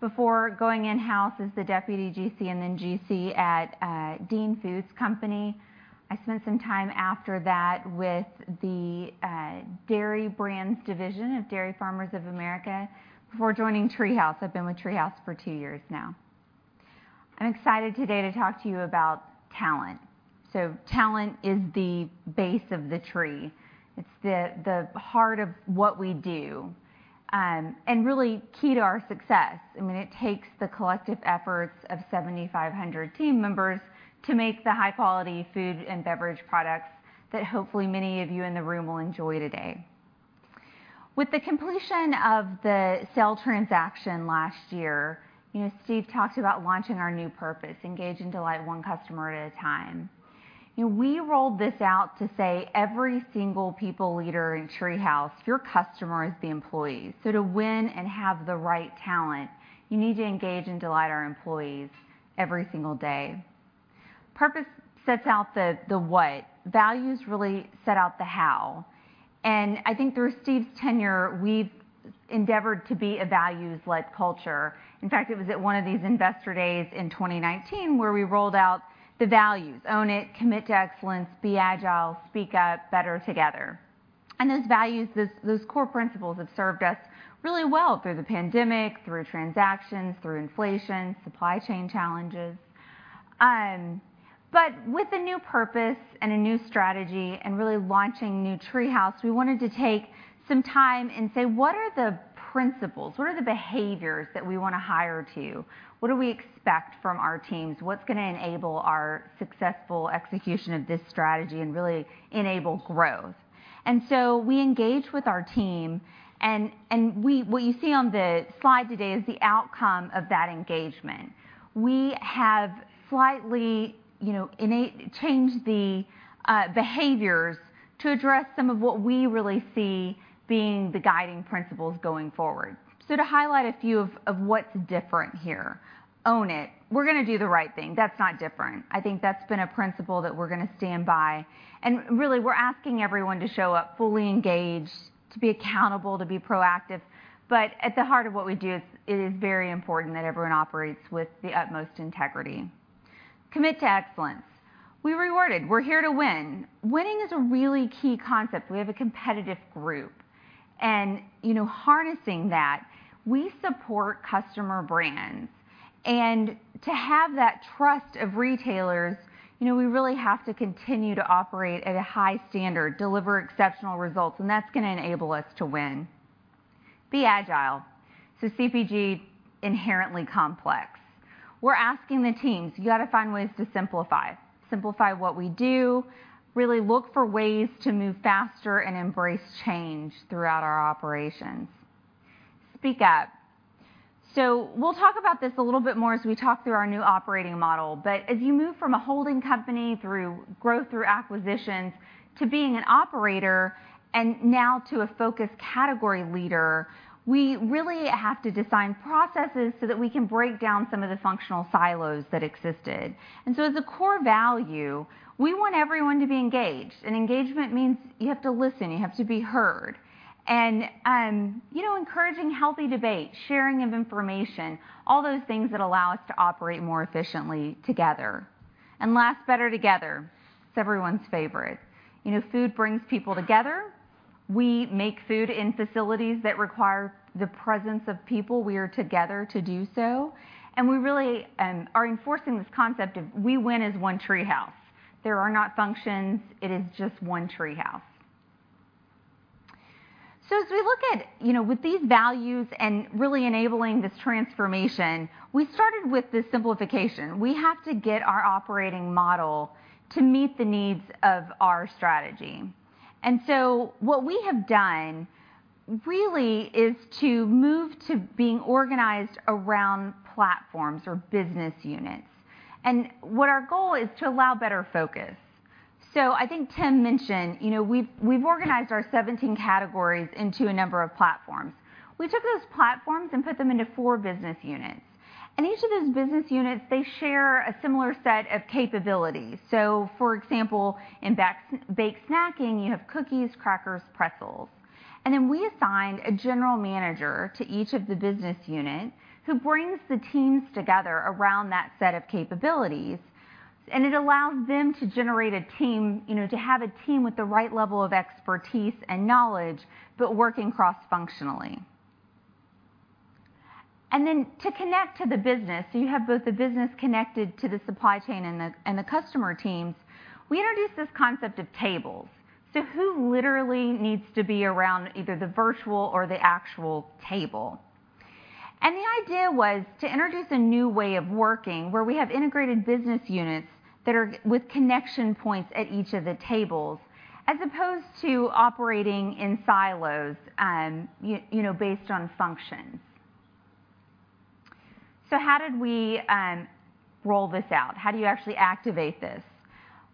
before going in-house as the Deputy GC and then GC at Dean Foods Company. I spent some time after that with the Dairy Brands division of Dairy Farmers of America, before joining TreeHouse. I've been with TreeHouse for two years now. Talent is the base of the tree. It's the heart of what we do, and really key to our success. I mean, it takes the collective efforts of 7,500 team members to make the high-quality food and beverage products, that hopefully many of you in the room will enjoy today. With the completion of the sale transaction last year, you know, Steve talked about launching our new purpose: engage and delight one customer at a time. You know, we rolled this out to say, every single people leader in TreeHouse, your customer is the employee. To win and have the right talent, you need to engage and delight our employees every single day. Purpose sets out the what. Values really set out the how, and I think through Steve's tenure, we've endeavored to be a values-led culture. In fact, it was at one of these investor days in 2019 where we rolled out the values: own it, commit to excellence, be agile, speak up, better together. Those values, those core principles, have served us really well through the pandemic, through transactions, through inflation, supply chain challenges. With a new purpose and a new strategy and really launching new TreeHouse, we wanted to take some time and say: What are the principles? What are the behaviors that we want to hire to? What do we expect from our teams? What's going to enable our successful execution of this strategy and really enable growth? We engaged with our team and what you see on the slide today is the outcome of that engagement. We have slightly, you know, changed the behaviors to address some of what we really see being the guiding principles going forward. To highlight a few of what's different here. Own it. We're going to do the right thing. That's not different. I think that's been a principle that we're gonna stand by, really, we're asking everyone to show up fully engaged, to be accountable, to be proactive. At the heart of what we do, it is very important that everyone operates with the utmost integrity. Commit to excellence. We rewarded. We're here to win. Winning is a really key concept. We have a competitive group, you know, harnessing that, we support customer brands. To have that trust of retailers, you know, we really have to continue to operate at a high standard, deliver exceptional results, and that's gonna enable us to win. Be agile. CPG, inherently complex. We're asking the teams, "You got to find ways to simplify." Simplify what we do, really look for ways to move faster and embrace change throughout our operations. Speak up. We'll talk about this a little bit more as we talk through our new operating model, but as you move from a holding company through growth, through acquisitions, to being an operator and now to a focused category leader, we really have to design processes so that we can break down some of the functional silos that existed. As a core value, we want everyone to be engaged, and engagement means you have to listen, you have to be heard. You know, encouraging healthy debate, sharing of information, all those things that allow us to operate more efficiently together. Last, better together. It's everyone's favorite. You know, food brings people together. We make food in facilities that require the presence of people. We are together to do so, and we really are enforcing this concept of we win as one TreeHouse. There are not functions, it is just one TreeHouse. As we look at, you know, with these values and really enabling this transformation, we started with this simplification. We have to get our operating model to meet the needs of our strategy. What we have done, really, is to move to being organized around platforms or business units. What our goal is to allow better focus. I think Tim mentioned, you know, we've organized our 17 categories into a number of platforms. We took those platforms and put them into four business units, and each of those business units, they share a similar set of capabilities. For example, in baked snacking, you have cookies, crackers, pretzels. We assigned a general manager to each of the business units, who brings the teams together around that set of capabilities, and it allows them to generate a team, you know, to have a team with the right level of expertise and knowledge, but working cross-functionally. To connect to the business, so you have both the business connected to the supply chain and the customer teams, we introduced this concept of tables. Who literally needs to be around either the virtual or the actual table? The idea was to introduce a new way of working, where we have integrated business units with connection points at each of the tables, as opposed to operating in silos, you know, based on functions. How did we roll this out? How do you actually activate this?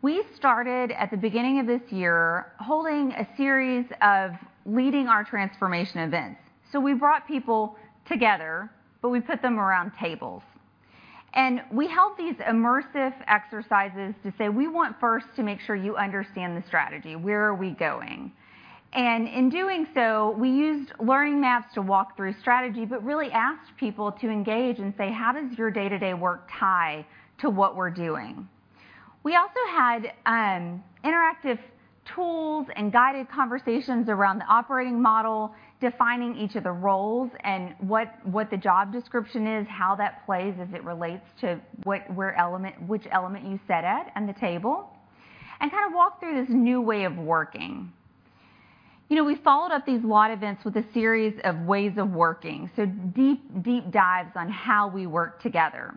We started at the beginning of this year, holding a series of leading our transformation events. We brought people together, but we put them around tables. We held these immersive exercises to say, "We want first to make sure you understand the strategy. Where are we going?" In doing so, we used learning maps to walk through strategy, but really asked people to engage and say, "How does your day-to-day work tie to what we're doing?" We also had interactive tools and guided conversations around the operating model, defining each of the roles and what the job description is, how that plays as it relates to which element you sit at on the table, and kind of walk through this new way of working. You know, we followed up these wide events with a series of ways of working, so deep, deep dives on how we work together.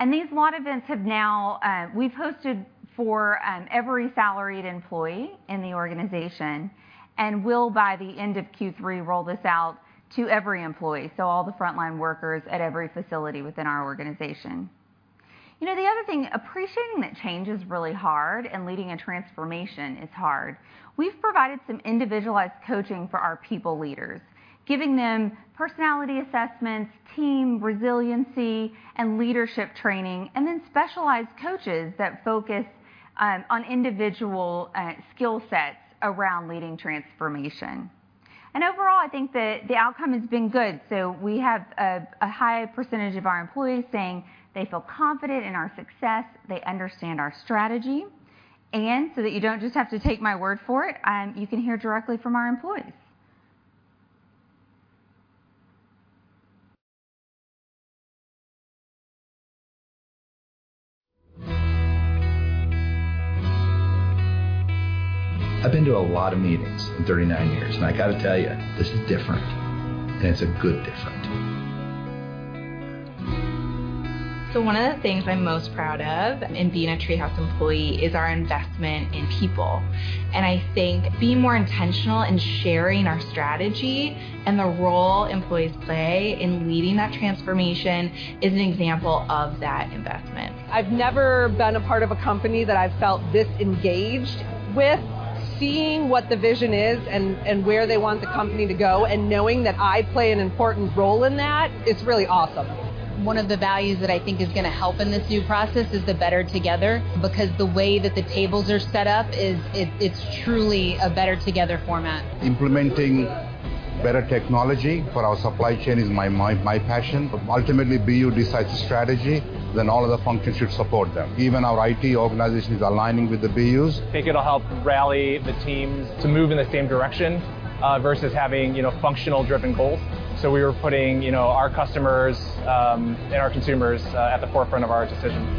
These lot events have now we've hosted for every salaried employee in the organization, and will, by the end of Q3, roll this out to every employee, so all the frontline workers at every facility within our organization. You know, the other thing, appreciating that change is really hard, and leading a transformation is hard. We've provided some individualized coaching for our people leaders, giving them personality assessments, team resiliency, and leadership training, and then specialized coaches that focus on individual skill sets around leading transformation. Overall, I think the outcome has been good. We have a high percentage of our employees saying they feel confident in our success, they understand our strategy. That you don't just have to take my word for it, you can hear directly from our employees. I've been to a lot of meetings in 39 years, and I gotta tell you, this is different, and it's a good different. One of the things I'm most proud of in being a TreeHouse employee is our investment in people. I think being more intentional and sharing our strategy and the role employees play in leading that transformation is an example of that investment. I've never been a part of a company that I've felt this engaged with. Seeing what the vision is and where they want the company to go, and knowing that I play an important role in that, is really awesome. One of the values that I think is gonna help in this new process is the better together, because the way that the tables are set up is it's truly a better together format. Implementing better technology for our supply chain is my passion. Ultimately, BU decides the strategy. All of the functions should support them. Even our IT organization is aligning with the BUs. I think it'll help rally the teams to move in the same direction, versus having, you know, functional-driven goals. We are putting, you know, our customers, and our consumers, at the forefront of our decisions.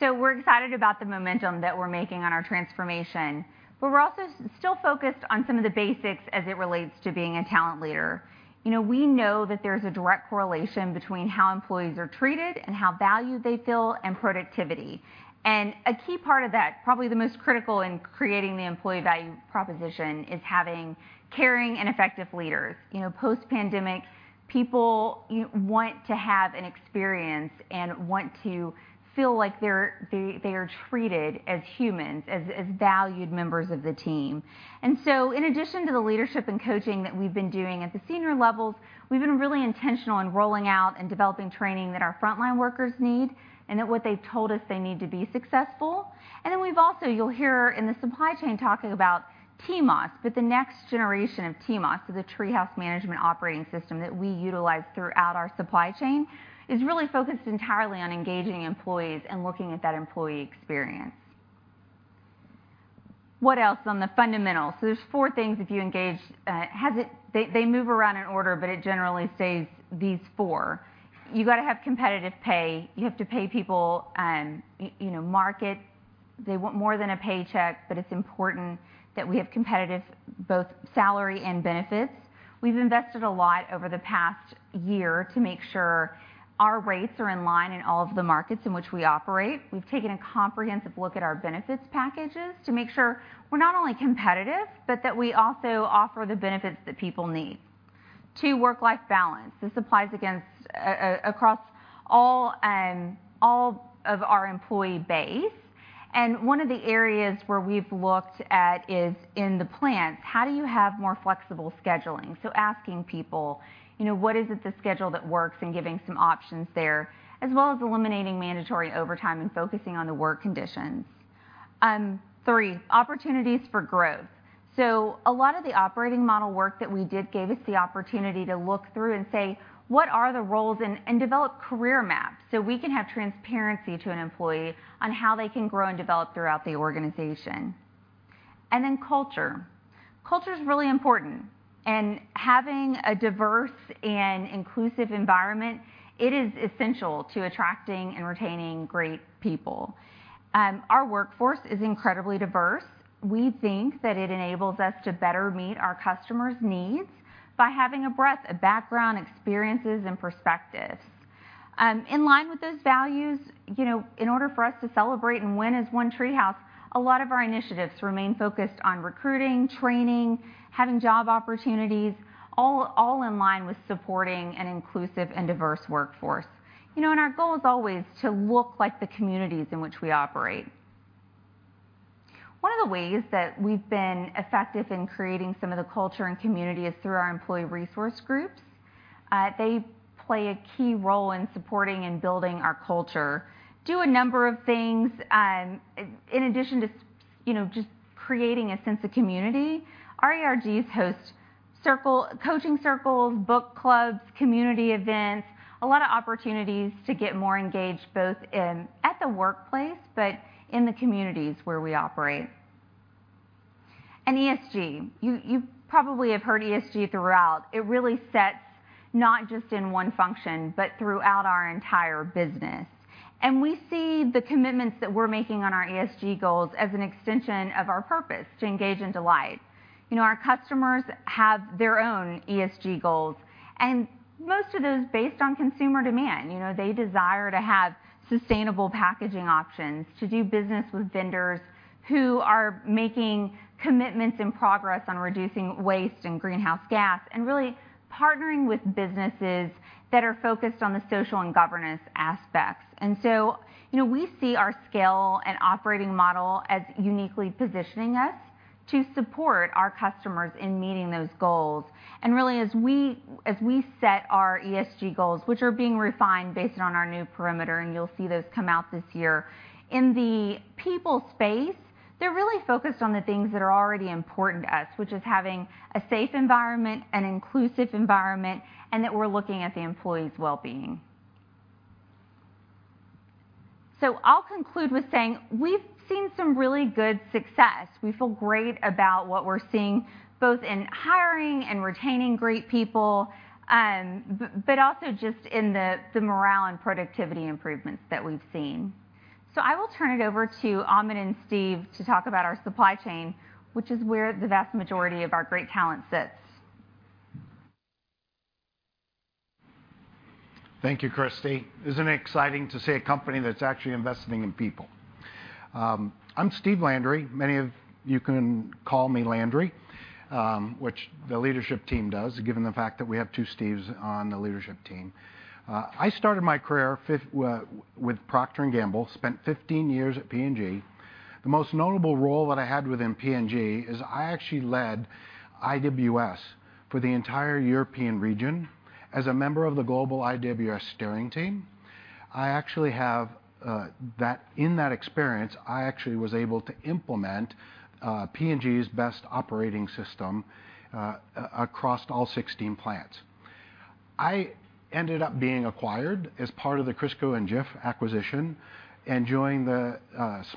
We're excited about the momentum that we're making on our transformation, but we're also still focused on some of the basics as it relates to being a talent leader. You know, we know that there's a direct correlation between how employees are treated and how valued they feel, and productivity. A key part of that, probably the most critical in creating the employee value proposition, is having caring and effective leaders. You know, post-pandemic, people, you want to have an experience and want to feel like they're, they are treated as humans, as valued members of the team. In addition to the leadership and coaching that we've been doing at the senior levels, we've been really intentional in rolling out and developing training that our frontline workers need, and that what they've told us they need to be successful. We've also, you'll hear in the supply chain, talking about TMOS, but the next generation of TMOS, so the TreeHouse Management Operating System, that we utilize throughout our supply chain, is really focused entirely on engaging employees and looking at that employee experience. What else on the fundamentals? There's four things if you engage, they move around in order, but it generally stays these four. You got to have competitive pay. You have to pay people, you know, market. They want more than a paycheck, but it's important that we have competitive, both salary and benefits. We've invested a lot over the past year to make sure our rates are in line in all of the markets in which we operate. We've taken a comprehensive look at our benefits packages to make sure we're not only competitive, but that we also offer the benefits that people need. Two, work-life balance. This applies across all of our employee base. One of the areas where we've looked at is in the plants, how do you have more flexible scheduling? Asking people, you know, what is it the schedule that works, and giving some options there, as well as eliminating mandatory overtime and focusing on the work conditions. Three, opportunities for growth. A lot of the operating model work that we did gave us the opportunity to look through and say: "What are the roles?" Develop career maps, so we can have transparency to an employee on how they can grow and develop throughout the organization. Then culture. Culture is really important, and having a diverse and inclusive environment, it is essential to attracting and retaining great people. Our workforce is incredibly diverse. We think that it enables us to better meet our customers' needs by having a breadth of background, experiences, and perspectives. In line with those values, you know, in order for us to celebrate and win as one TreeHouse, a lot of our initiatives remain focused on recruiting, training, having job opportunities, all in line with supporting an inclusive and diverse workforce. You know, our goal is always to look like the communities in which we operate. One of the ways that we've been effective in creating some of the culture and community is through our Employee Resource Groups. They play a key role in supporting and building our culture. Do a number of things, you know, just creating a sense of community. Our ERGs host coaching circles, book clubs, community events, a lot of opportunities to get more engaged, both at the workplace, but in the communities where we operate. ESG. You probably have heard ESG throughout. It really not just in one function, but throughout our entire business. We see the commitments that we're making on our ESG goals as an extension of our purpose to engage and delight. You know, our customers have their own ESG goals, and most of those based on consumer demand. You know, they desire to have sustainable packaging options, to do business with vendors who are making commitments and progress on reducing waste and greenhouse gas, and really partnering with businesses that are focused on the social and governance aspects. You know, we see our scale and operating model as uniquely positioning us to support our customers in meeting those goals. Really, as we set our ESG goals, which are being refined based on our new perimeter, and you'll see those come out this year, in the people space, they're really focused on the things that are already important to us, which is having a safe environment, an inclusive environment, and that we're looking at the employees' well-being. I'll conclude with saying we've seen some really good success. We feel great about what we're seeing, both in hiring and retaining great people, but also just in the morale and productivity improvements that we've seen. I will turn it over to Amit and Steve to talk about our supply chain, which is where the vast majority of our great talent sits. Thank you, Kristy. Isn't it exciting to see a company that's actually investing in people? I'm Steve Landry. Many of you can call me Landry, which the leadership team does, given the fact that we have two Steves on the leadership team. I started my career with Procter & Gamble, spent 15 years at P&G. The most notable role that I had within P&G is I actually led IWS for the entire European region as a member of the global IWS steering team. In that experience, I actually was able to implement P&G's best operating system across all 16 plants. I ended up being acquired as part of the Crisco and Jif acquisition, and joined the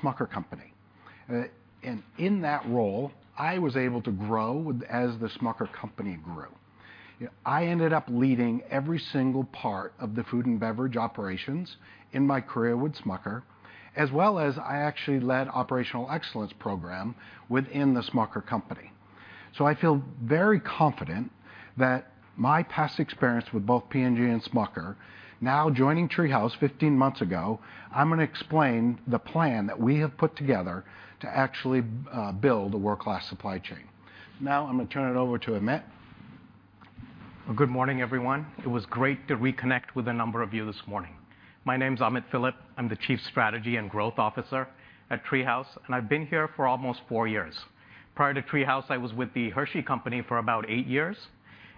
Smucker company. In that role, I was able to grow as the Smucker company grew. I ended up leading every single part of the food and beverage operations in my career with Smucker, as well as I actually led operational excellence program within The Smucker company. I feel very confident that my past experience with both P&G and Smucker, now joining TreeHouse 15 months ago, I'm gonna explain the plan that we have put together to actually build a world-class supply chain. I'm gonna turn it over to Amit. Well, good morning, everyone. It was great to reconnect with a number of you this morning. My name's Amit Philip. I'm the Chief Strategy and Growth Officer at TreeHouse, and I've been here for almost four years. Prior to TreeHouse, I was with The Hershey Company for about eight years,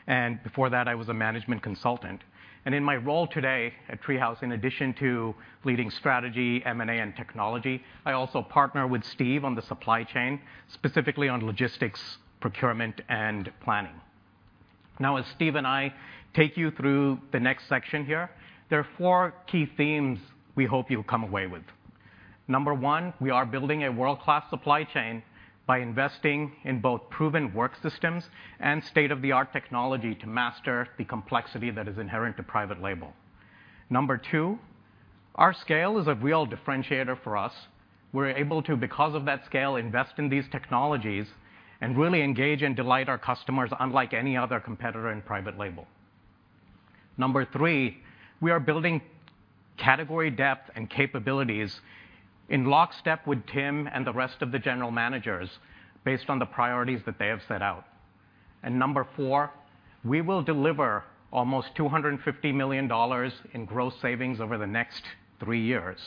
and before that, I was a management consultant. In my role today at TreeHouse, in addition to leading strategy, M&A, and technology, I also partner with Steve on the supply chain, specifically on logistics, procurement, and planning. As Steve and I take you through the next section here, there are four key themes we hope you'll come away with. Number one, we are building a world-class supply chain by investing in both proven work systems and state-of-the-art technology to master the complexity that is inherent to private label. Number two, our scale is a real differentiator for us. We're able to, because of that scale, invest in these technologies and really engage and delight our customers unlike any other competitor in private label. Number three, we are building category depth and capabilities in lockstep with Tim and the rest of the general managers, based on the priorities that they have set out. Number four, we will deliver almost $250 million in gross savings over the next three years,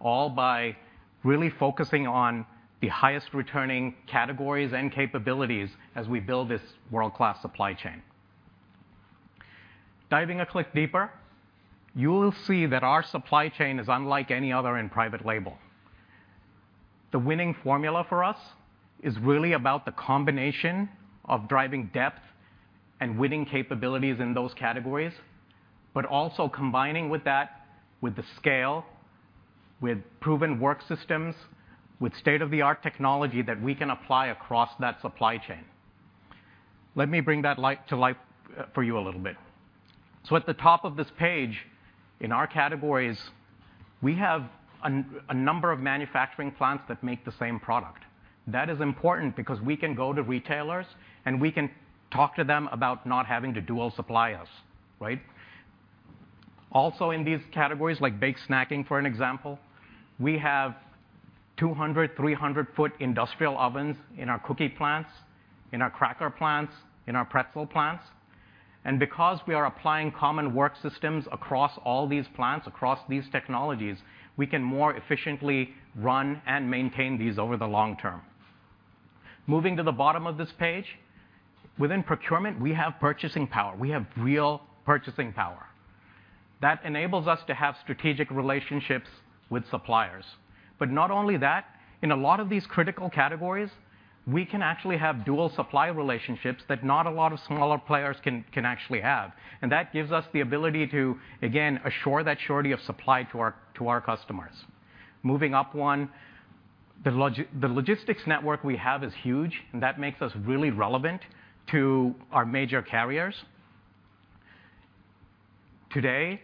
all by really focusing on the highest returning categories and capabilities as we build this world-class supply chain. Diving a click deeper, you will see that our supply chain is unlike any other in private label. The winning formula for us is really about the combination of driving depth and winning capabilities in those categories, but also combining with that, with the scale, with proven work systems, with state-of-the-art technology that we can apply across that supply chain. Let me bring that to light for you a little bit. At the top of this page, in our categories, we have a number of manufacturing plants that make the same product. That is important because we can go to retailers, and we can talk to them about not having to dual supply us, right? Also, in these categories, like baked snacking, for an example, we have 200, 300 foot industrial ovens in our cookie plants, in our cracker plants, in our pretzel plants. Because we are applying common work systems across all these plants, across these technologies, we can more efficiently run and maintain these over the long term. Moving to the bottom of this page, within procurement, we have purchasing power. We have real purchasing power. That enables us to have strategic relationships with suppliers. Not only that, in a lot of these critical categories, we can actually have dual supply relationships that not a lot of smaller players can actually have. That gives us the ability to, again, assure that surety of supply to our customers. Moving up. The logistics network we have is huge, and that makes us really relevant to our major carriers. Today,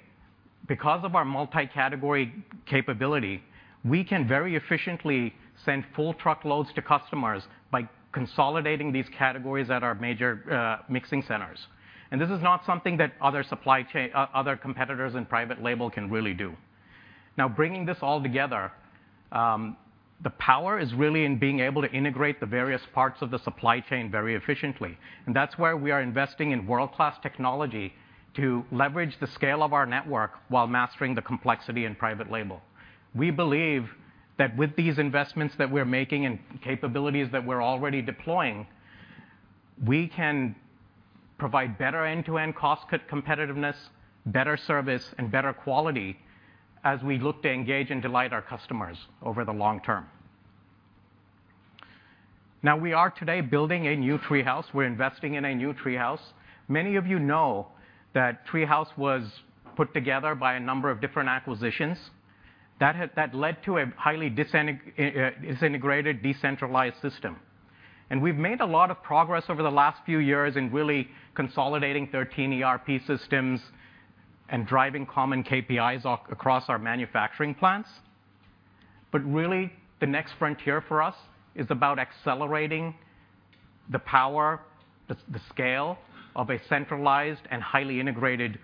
because of our multi-category capability, we can very efficiently send full truckloads to customers by consolidating these categories at our major mixing centers. This is not something that other supply chain, other competitors in private label can really do. Bringing this all together, the power is really in being able to integrate the various parts of the supply chain very efficiently, and that's why we are investing in world-class technology to leverage the scale of our network while mastering the complexity in private label. We believe that with these investments that we're making and capabilities that we're already deploying, we can provide better end-to-end cost-cut competitiveness, better service, and better quality as we look to engage and delight our customers over the long term. We are today building a new TreeHouse. We're investing in a new TreeHouse. Many of you know that TreeHouse was put together by a number of different acquisitions that led to a highly disintegrated, decentralized system. We've made a lot of progress over the last few years in really consolidating 13 ERP systems and driving common KPIs across our manufacturing plants. Really, the next frontier for us is about accelerating the power, the scale of a centralized and highly integrated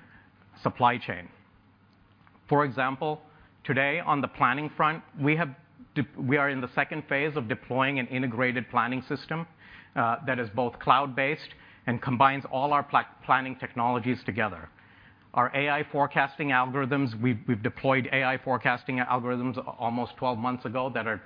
supply chain. For example, today, on the planning front, we are in the second phase of deploying an integrated planning system that is both cloud-based and combines all our planning technologies together. Our AI forecasting algorithms, we've deployed AI forecasting algorithms almost 12 months ago that are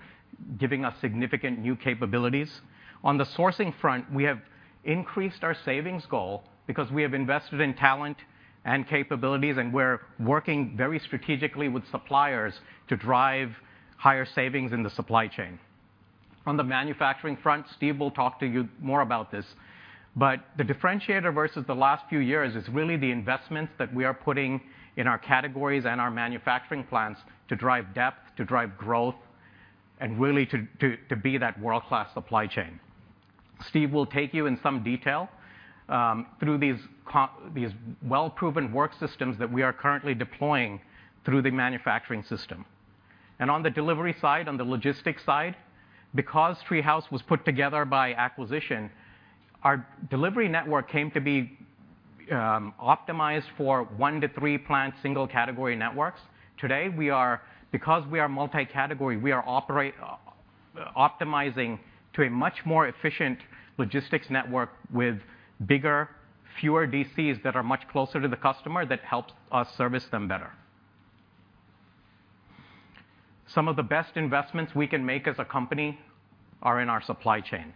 giving us significant new capabilities. On the sourcing front, we have increased our savings goal because we have invested in talent and capabilities, and we're working very strategically with suppliers to drive higher savings in the supply chain. On the manufacturing front, Steve will talk to you more about this, but the differentiator versus the last few years is really the investments that we are putting in our categories and our manufacturing plants to drive depth, to drive growth, and really to be that world-class supply chain. Steve will take you in some detail through these well-proven work systems that we are currently deploying through the manufacturing system. And on the delivery side, on the logistics side, because TreeHouse was put together by acquisition, our delivery network came to be optimized for one to three plant single-category networks. Today, because we are multi-category, we are optimizing to a much more efficient logistics network with bigger, fewer DCs that are much closer to the customer that helps us service them better. Some of the best investments we can make as a company are in our supply chain.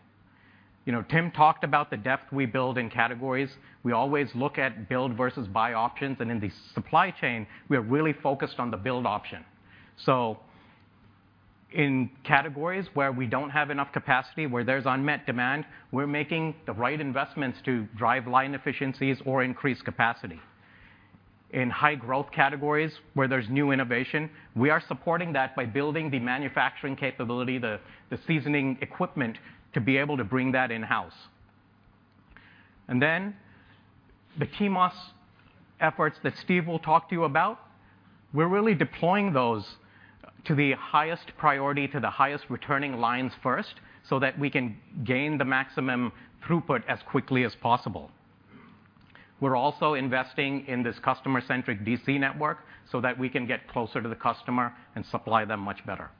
You know, Tim talked about the depth we build in categories. We always look at build versus buy options, and in the supply chain, we are really focused on the build option. In categories where we don't have enough capacity, where there's unmet demand, we're making the right investments to drive line efficiencies or increase capacity. In high growth categories where there's new innovation, we are supporting that by building the manufacturing capability, the seasoning equipment, to be able to bring that in-house. The TMOS efforts that Steve will talk to you about, we're really deploying those to the highest priority, to the highest returning lines first, so that we can gain the maximum throughput as quickly as possible. We're also investing in this customer-centric DC network so that we can get closer to the customer and supply them much better.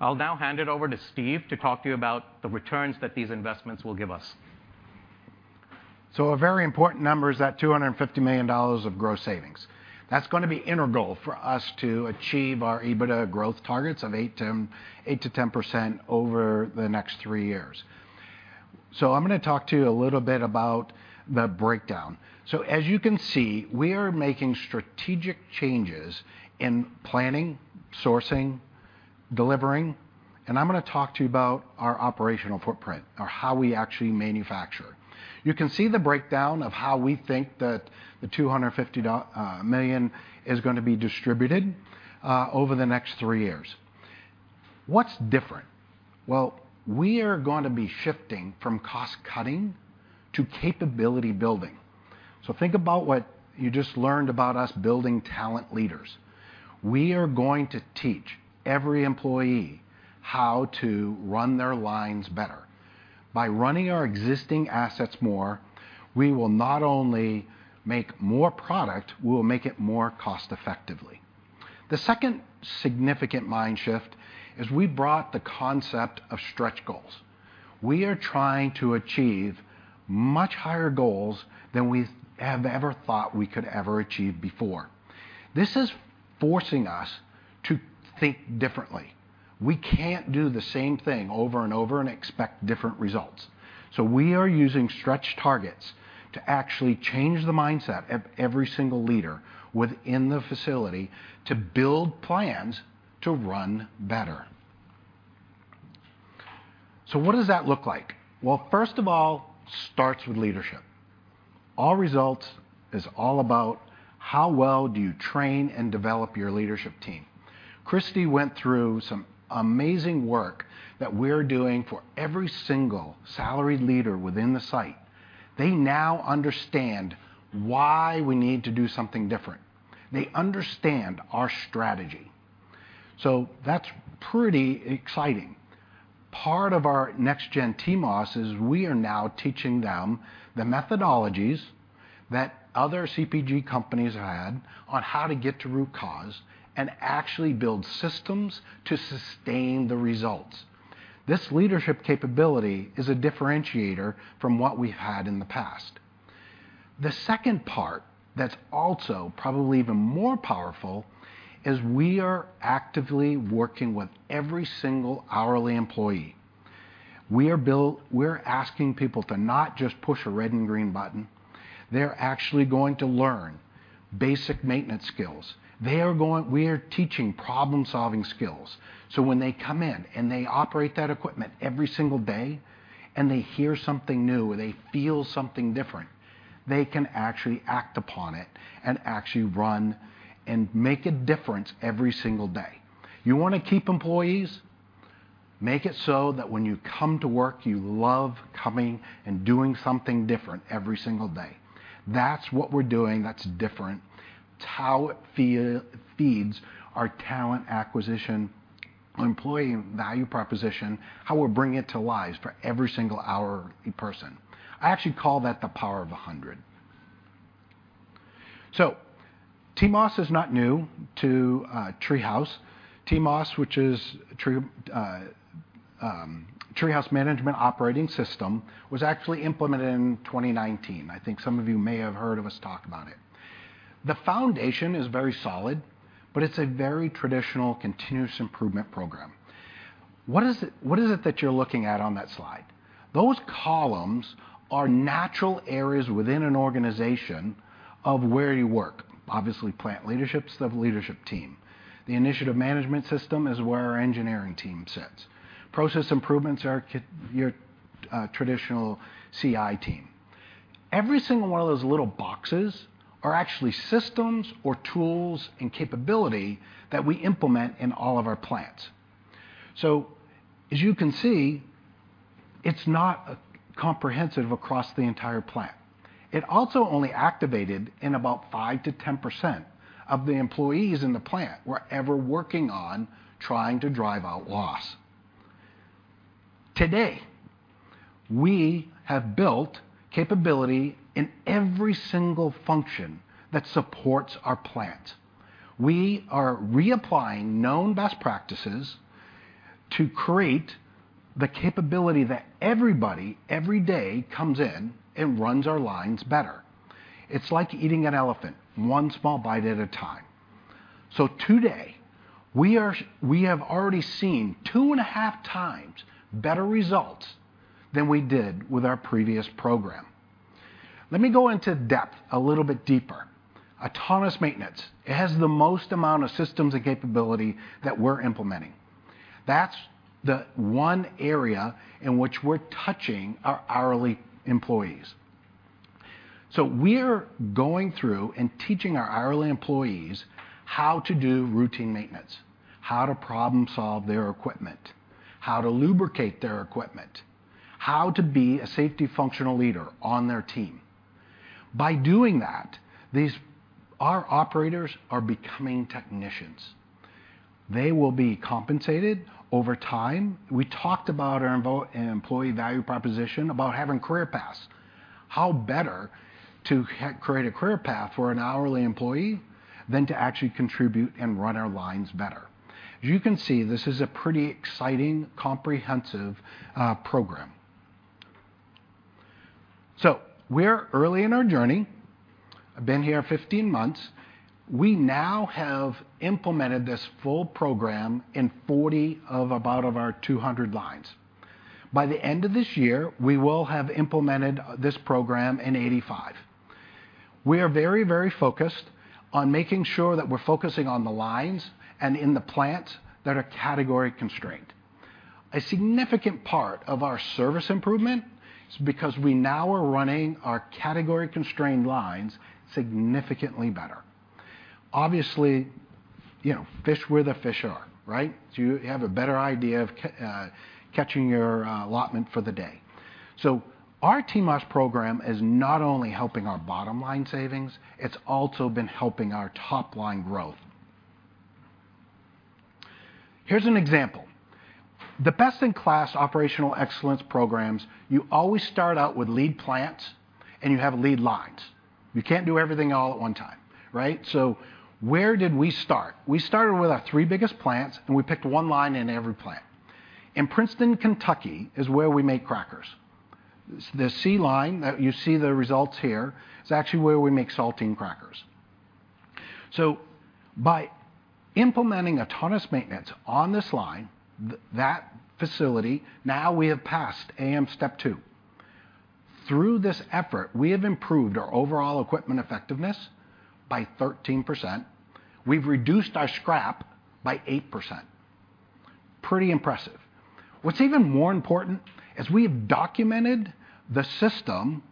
I'll now hand it over to Steve to talk to you about the returns that these investments will give us. A very important number is that $250 million of gross savings. That's going to be integral for us to achieve our EBITDA growth targets of 8%-10% over the next three years. I'm going to talk to you a little bit about the breakdown. As you can see, we are making strategic changes in planning, sourcing, delivering, and I'm going to talk to you about our operational footprint, or how we actually manufacture. You can see the breakdown of how we think that the $250 million is going to be distributed over the next three years. What's different? We are going to be shifting from cost cutting to capability building. Think about what you just learned about us building talent leaders. We are going to teach every employee how to run their lines better. By running our existing assets more, we will not only make more product, we will make it more cost effectively. The second significant mind shift is we brought the concept of stretch goals. We are trying to achieve much higher goals than we have ever thought we could ever achieve before. This is forcing us to think differently. We can't do the same thing over and over and expect different results. We are using stretch targets to actually change the mindset of every single leader within the facility to build plans to run better. What does that look like? Well, first of all, starts with leadership. All results is all about how well do you train and develop your leadership team. Kristy went through some amazing work that we're doing for every single salaried leader within the site. They now understand why we need to do something different. They understand our strategy. That's pretty exciting. Part of our next gen TMOS is we are now teaching them the methodologies that other CPG companies have had on how to get to root cause and actually build systems to sustain the results. This leadership capability is a differentiator from what we've had in the past. The second part, that's also probably even more powerful, is we are actively working with every single hourly employee. We're asking people to not just push a red and green button. They're actually going to learn basic maintenance skills. We are teaching problem-solving skills, so when they come in, and they operate that equipment every single day, and they hear something new, or they feel something different, they can actually act upon it and actually run and make a difference every single day. You want to keep employees? Make it so that when you come to work, you love coming and doing something different every single day. That's what we're doing that's different. It's how it feeds our talent acquisition, employee value proposition, how we're bringing it to life for every single hourly person. I actually call that the power of 100. TMOS is not new to TreeHouse. TMOS, which is TreeHouse Management Operating System, was actually implemented in 2019. I think some of you may have heard us talk about it. The foundation is very solid, but it's a very traditional continuous improvement program. What is it that you're looking at on that slide? Those columns are natural areas within an organization of where you work. Obviously, plant leadership, stuff leadership team. The initiative management system is where our engineering team sits. Process improvements are your traditional CI team. Every single one of those little boxes are actually systems or tools and capability that we implement in all of our plants. As you can see, it's not comprehensive across the entire plant. It also only activated, about 5%-10% of the employees in the plant were ever working on trying to drive out loss. Today, we have built capability in every single function that supports our plant. We are reapplying known best practices to create the capability that everybody, every day, comes in and runs our lines better. It's like eating an elephant, one small bite at a time. Today, we have already seen 2.5 times better results than we did with our previous program. Let me go into depth, a little bit deeper. Autonomous Maintenance. It has the most amount of systems and capability that we're implementing. That's the one area in which we're touching our hourly employees. We're going through and teaching our hourly employees how to do routine maintenance, how to problem-solve their equipment, how to lubricate their equipment, how to be a safety functional leader on their team. By doing that, our operators are becoming technicians. They will be compensated over time. We talked about our employee value proposition, about having career paths. How better to create a career path for an hourly employee than to actually contribute and run our lines better? As you can see, this is a pretty exciting, comprehensive program. We're early in our journey. I've been here 15 months. We now have implemented this full program in 40 of our 200 lines. By the end of this year, we will have implemented this program in 85. We are very, very focused on making sure that we're focusing on the lines and in the plants that are category constrained. A significant part of our service improvement is because we now are running our category-constrained lines significantly better. Obviously, you know, fish where the fish are, right? You have a better idea of catching your allotment for the day. Our TMOS program is not only helping our bottom-line savings, it's also been helping our top-line growth. Here's an example. The best-in-class operational excellence programs, you always start out with lead plants, and you have lead lines. You can't do everything all at one time, right? Where did we start? We started with our three biggest plants, and we picked one line in every plant. In Princeton, Kentucky, is where we make crackers. The C line, that you see the results here, is actually where we make saltine crackers. By implementing Autonomous Maintenance on this line, that facility, now we have passed AM Step two. Through this effort, we have improved our overall equipment effectiveness by 13%. We've reduced our scrap by 8%. Pretty impressive. What's even more important is we have documented the system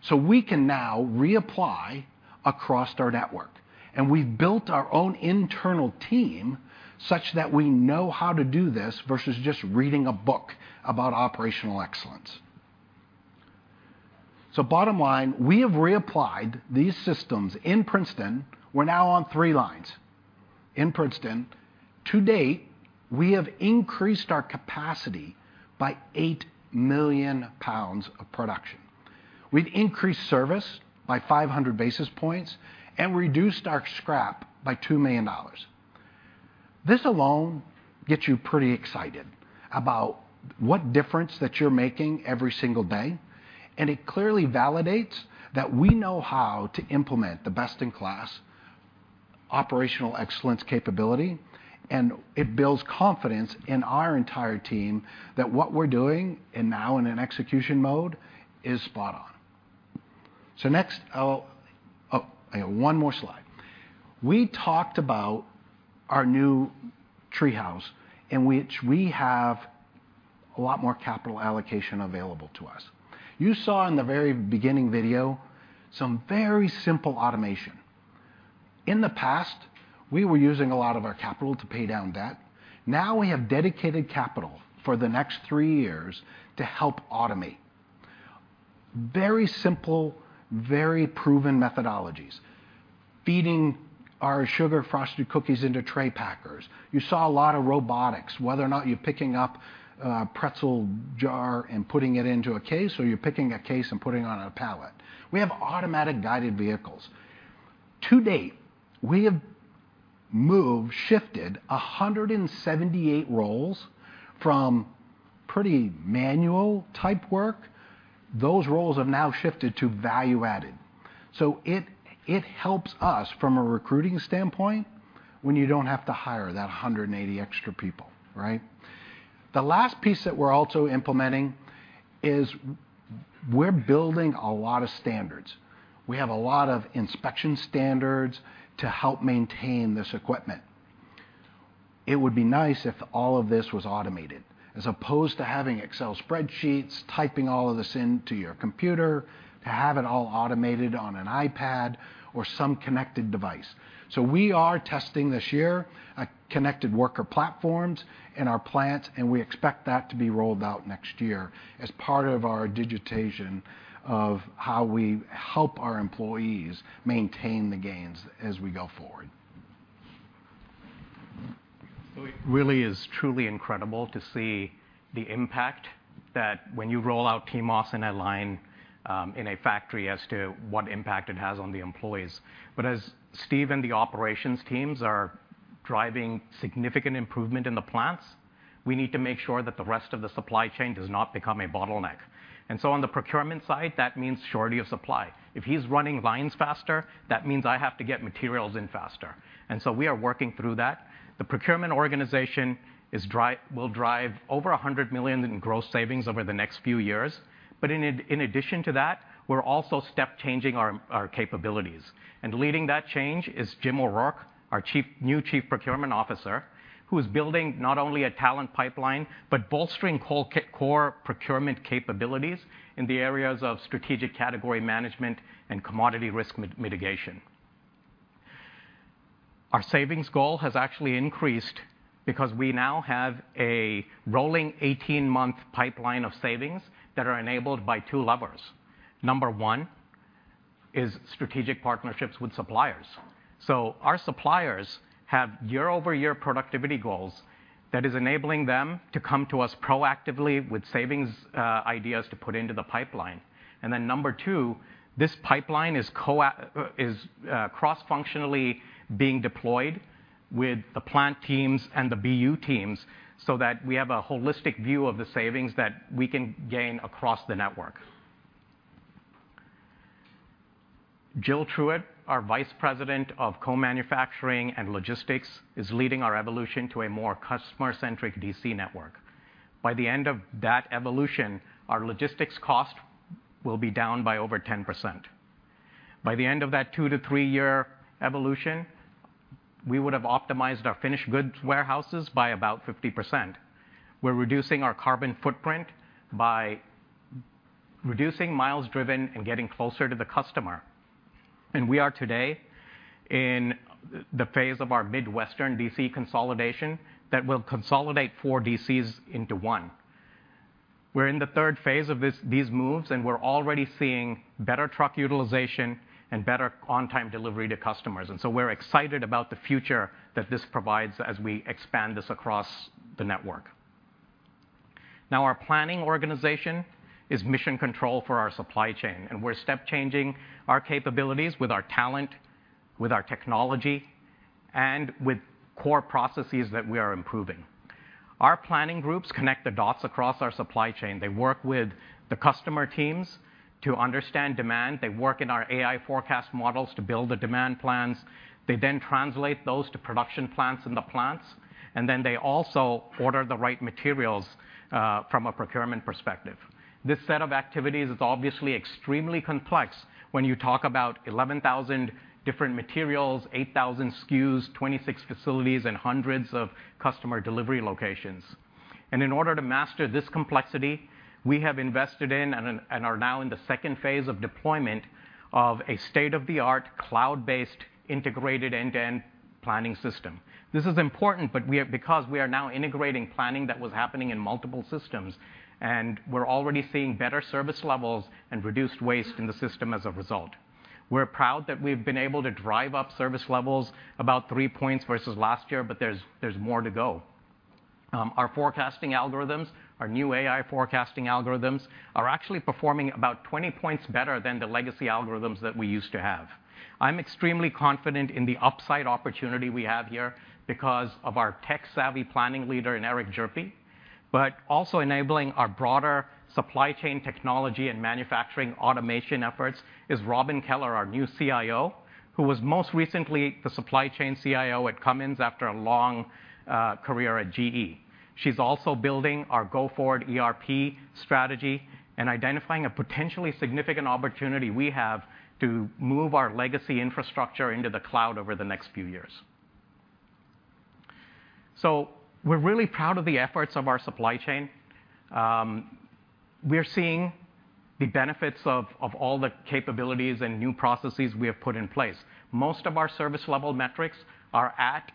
so we can now reapply across our network, and we've built our own internal team such that we know how to do this versus just reading a book about operational excellence. Bottom line, we have reapplied these systems in Princeton. We're now on three lines in Princeton. To date, we have increased our capacity by 8 million lbs of production. We've increased service by 500 basis points and reduced our scrap by $2 million. This alone gets you pretty excited about what difference that you're making every single day, and it clearly validates that we know how to implement the best-in-class operational excellence capability, and it builds confidence in our entire team that what we're doing, and now in an execution mode, is spot on. Next, I got one more slide. We talked about our new TreeHouse, in which we have a lot more capital allocation available to us. You saw in the very beginning video some very simple automation. In the past, we were using a lot of our capital to pay down debt. Now, we have dedicated capital for the next three years to help automate. Very simple, very proven methodologies. Feeding our sugar frosted cookies into tray packers. You saw a lot of robotics, whether or not you're picking up a pretzel jar and putting it into a case, or you're picking a case and putting it on a pallet. We have automatic guided vehicles. To date, we have moved, shifted 178 roles from pretty manual type work. Those roles have now shifted to value added. It helps us from a recruiting standpoint when you don't have to hire that 180 extra people, right? The last piece that we're also implementing is we're building a lot of standards. We have a lot of inspection standards to help maintain this equipment. It would be nice if all of this was automated, as opposed to having Excel spreadsheets, typing all of this into your computer, to have it all automated on an iPad or some connected device. We are testing this year, a connected worker platforms in our plants, and we expect that to be rolled out next year as part of our digitization of how we help our employees maintain the gains as we go forward. It really is truly incredible to see the impact that when you roll out TMOS in a line, in a factory, as to what impact it has on the employees. As Steve and the operations teams are driving significant improvement in the plants, we need to make sure that the rest of the supply chain does not become a bottleneck. On the procurement side, that means surety of supply. If he's running lines faster, that means I have to get materials in faster, and so we are working through that. The procurement organization will drive over $100 million in gross savings over the next few years, but in addition to that, we're also step changing our capabilities. Leading that change is Jim O'Rourke, our new Chief Procurement Officer, who is building not only a talent pipeline, but bolstering core procurement capabilities in the areas of strategic category management and commodity risk mitigation. Our savings goal has actually increased because we now have a rolling 18-month pipeline of savings that are enabled by two levers. Number one is strategic partnerships with suppliers. Our suppliers have year-over-year productivity goals that is enabling them to come to us proactively with savings ideas to put into the pipeline. Number two, this pipeline is cross-functionally being deployed with the plant teams and the BU teams, so that we have a holistic view of the savings that we can gain across the network. Jill Truitt, our Vice President of Co-Manufacturing and Logistics, is leading our evolution to a more customer-centric DC network. By the end of that evolution, our logistics cost will be down by over 10%. By the end of that 2-3 year evolution, we would have optimized our finished goods warehouses by about 50%. We're reducing our carbon footprint by reducing miles driven and getting closer to the customer. We are today in the phase of our Midwestern DC consolidation that will consolidate four DCs into one. We're in the third phase of these moves. We're already seeing better truck utilization and better on-time delivery to customers. We're excited about the future that this provides as we expand this across the network. Our planning organization is mission control for our supply chain. We're step changing our capabilities with our talent, with our technology, with core processes that we are improving. Our planning groups connect the dots across our supply chain. They work with the customer teams to understand demand. They work in our AI forecast models to build the demand plans. They translate those to production plans in the plants. They also order the right materials from a procurement perspective. This set of activities is obviously extremely complex when you talk about 11,000 different materials, 8,000 SKUs, 26 facilities, and hundreds of customer delivery locations. In order to master this complexity, we have invested in, and are now in the second phase of deployment of a state-of-the-art, cloud-based, integrated, end-to-end planning system. This is important because we are now integrating planning that was happening in multiple systems, and we're already seeing better service levels and reduced waste in the system as a result. We're proud that we've been able to drive up service levels about points versus last year, but there's more to go. Our forecasting algorithms, our new AI forecasting algorithms, are actually performing about 20 points better than the legacy algorithms that we used to have. I'm extremely confident in the upside opportunity we have here because of our tech-savvy planning leader in Erik Hjerpe, but also enabling our broader supply chain technology and manufacturing automation efforts is Robin Keller, our new CIO, who was most recently the supply chain CIO at Cummins after a long career at GE. She's also building our go-forward ERP strategy and identifying a potentially significant opportunity we have to move our legacy infrastructure into the cloud over the next few years. We're really proud of the efforts of our supply chain. We're seeing the benefits of all the capabilities and new processes we have put in place. Most of our service level metrics are at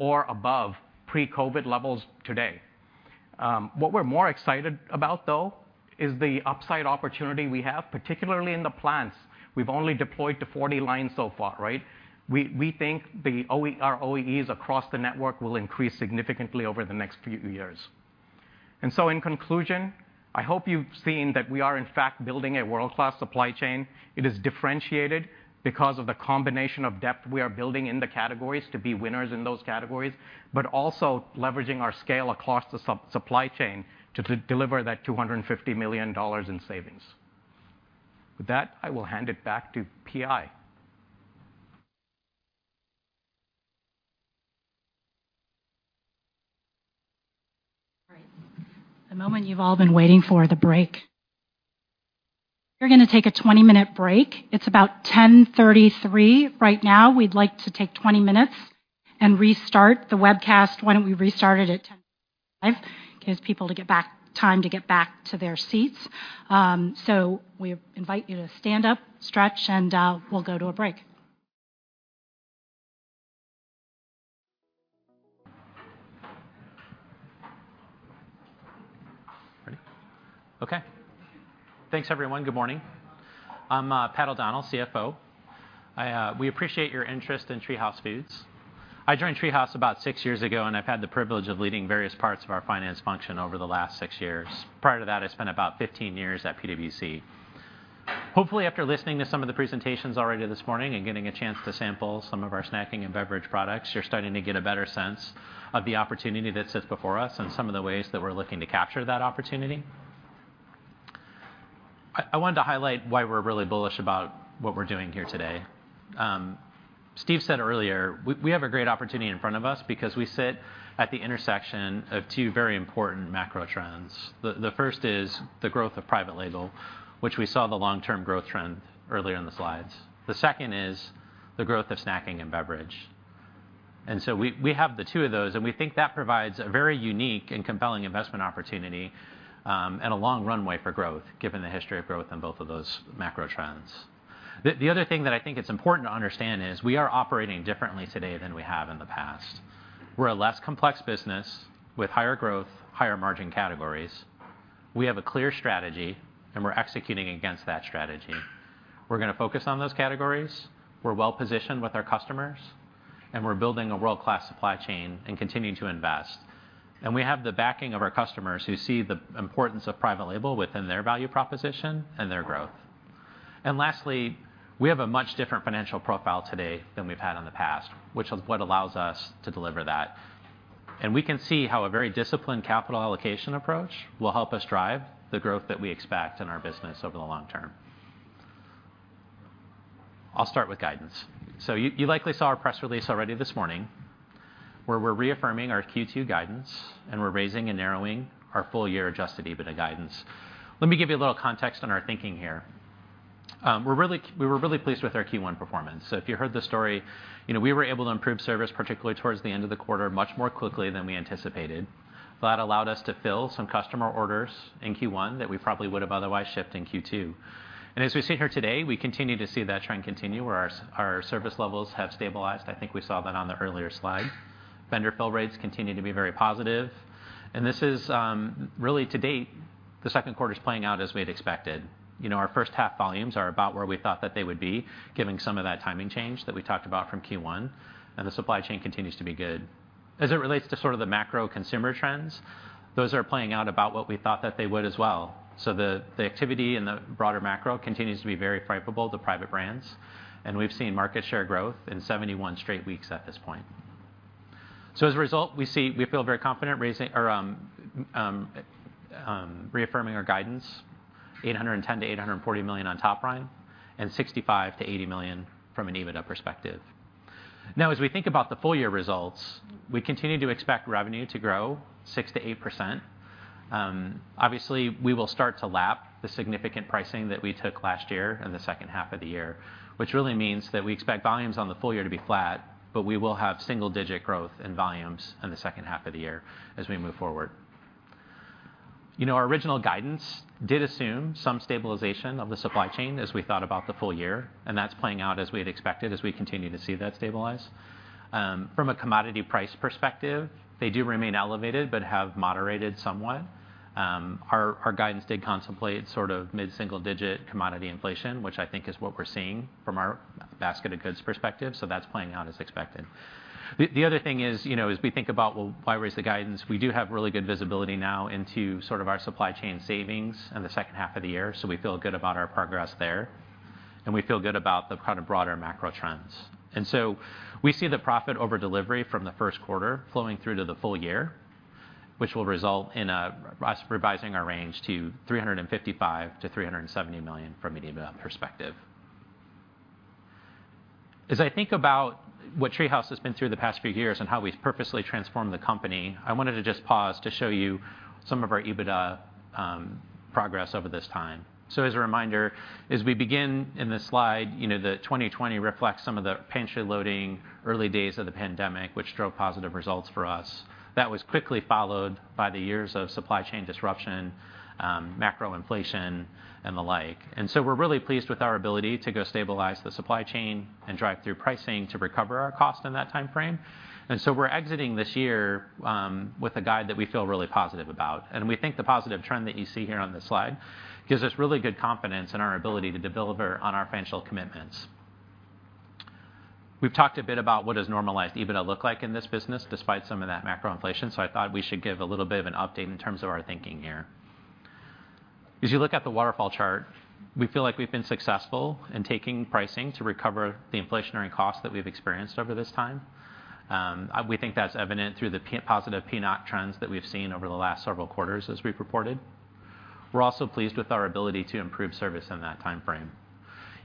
or above pre-COVID levels today. What we're more excited about, though, is the upside opportunity we have, particularly in the plants. We've only deployed to 40 lines so far, right? We think our OEEs across the network will increase significantly over the next few years. In conclusion, I hope you've seen that we are in fact building a world-class supply chain. It is differentiated because of the combination of depth we are building in the categories to be winners in those categories, but also leveraging our scale across the supply chain to deliver that $250 million in savings. With that, I will hand it back to PI. All right. The moment you've all been waiting for, the break. We're gonna take a 20-minute break. It's about 10:33 A.M. right now. We'd like to take 20 minutes and restart the webcast. Why don't we restart it at 10:35 A.M.? Gives people time to get back to their seats. We invite you to stand up, stretch, and we'll go to a break. Ready? Okay. Thanks, everyone. Good morning. I'm Pat O'Donnell, CFO. We appreciate your interest in TreeHouse Foods. I joined TreeHouse about six years ago, and I've had the privilege of leading various parts of our finance function over the last six years. Prior to that, I spent about 15 years at PwC. Hopefully, after listening to some of the presentations already this morning and getting a chance to sample some of our snacking and beverage products, you're starting to get a better sense of the opportunity that sits before us and some of the ways that we're looking to capture that opportunity. I wanted to highlight why we're really bullish about what we're doing here today. Steve said earlier, we have a great opportunity in front of us because we sit at the intersection of two very important macro trends. The first is the growth of private label, which we saw the long-term growth trend earlier in the slides. The second is the growth of snacking and beverage. We have the two of those, and we think that provides a very unique and compelling investment opportunity, and a long runway for growth, given the history of growth in both of those macro trends. The other thing that I think it's important to understand is we are operating differently today than we have in the past. We're a less complex business with higher growth, higher margin categories. We have a clear strategy, and we're executing against that strategy. We're gonna focus on those categories, we're well-positioned with our customers, and we're building a world-class supply chain and continuing to invest. We have the backing of our customers, who see the importance of private label within their value proposition and their growth. Lastly, we have a much different financial profile today than we've had in the past, which is what allows us to deliver that. We can see how a very disciplined capital allocation approach will help us drive the growth that we expect in our business over the long term. I'll start with guidance. You likely saw our press release already this morning, where we're reaffirming our Q2 guidance, and we're raising and narrowing our full year adjusted EBITDA guidance. Let me give you a little context on our thinking here. We were really pleased with our Q1 performance. If you heard the story, you know, we were able to improve service, particularly towards the end of the quarter, much more quickly than we anticipated. That allowed us to fill some customer orders in Q1 that we probably would have otherwise shipped in Q2. As we sit here today, we continue to see that trend continue, where our service levels have stabilized. I think we saw that on the earlier slide. Vendor fill rates continue to be very positive. This is, really to date, the second quarter's playing out as we'd expected. You know, our first half volumes are about where we thought that they would be, given some of that timing change that we talked about from Q1. The supply chain continues to be good. as it relates to sort of the macro consumer trends, those are playing out about what we thought that they would as well. The activity in the broader macro continues to be very favorable to private brands, and we've seen market share growth in 71 straight weeks at this point. As a result, we feel very confident reaffirming our guidance, $810 million-$840 million on top line, and $65 million-$80 million from an EBITDA perspective. As we think about the full year results, we continue to expect revenue to grow 6%-8%. Obviously, we will start to lap the significant pricing that we took last year in the second half of the year, which really means that we expect volumes on the full year to be flat. We will have single-digit growth in volumes in the second half of the year as we move forward. You know, our original guidance did assume some stabilization of the supply chain as we thought about the full year. That's playing out as we had expected, as we continue to see that stabilize. From a commodity price perspective, they do remain elevated. They have moderated somewhat. Our guidance did contemplate sort of mid-single digit commodity inflation, which I think is what we're seeing from our basket of goods perspective. That's playing out as expected. The other thing is, you know, as we think about, well, why raise the guidance? We do have really good visibility now into sort of our supply chain savings in the second half of the year, so we feel good about our progress there, and we feel good about the kind of broader macro trends. We see the profit over delivery from the first quarter flowing through to the full year, which will result in us revising our range to $355 million-$370 million from an EBITDA perspective. As I think about what TreeHouse has been through the past few years and how we've purposely transformed the company, I wanted to just pause to show you some of our EBITDA progress over this time. As a reminder, as we begin in this slide, you know, the 2020 reflects some of the pantry loading, early days of the pandemic, which drove positive results for us. That was quickly followed by the years of supply chain disruption, macro inflation, and the like. We're really pleased with our ability to go stabilize the supply chain and drive through pricing to recover our cost in that timeframe. We're exiting this year with a guide that we feel really positive about. We think the positive trend that you see here on this slide gives us really good confidence in our ability to deliver on our financial commitments. We've talked a bit about what does normalized EBITDA look like in this business, despite some of that macro inflation, so I thought we should give a little bit of an update in terms of our thinking here. We think that's evident through the positive PNOC trends that we've seen over the last several quarters as we've reported. We're also pleased with our ability to improve service in that timeframe.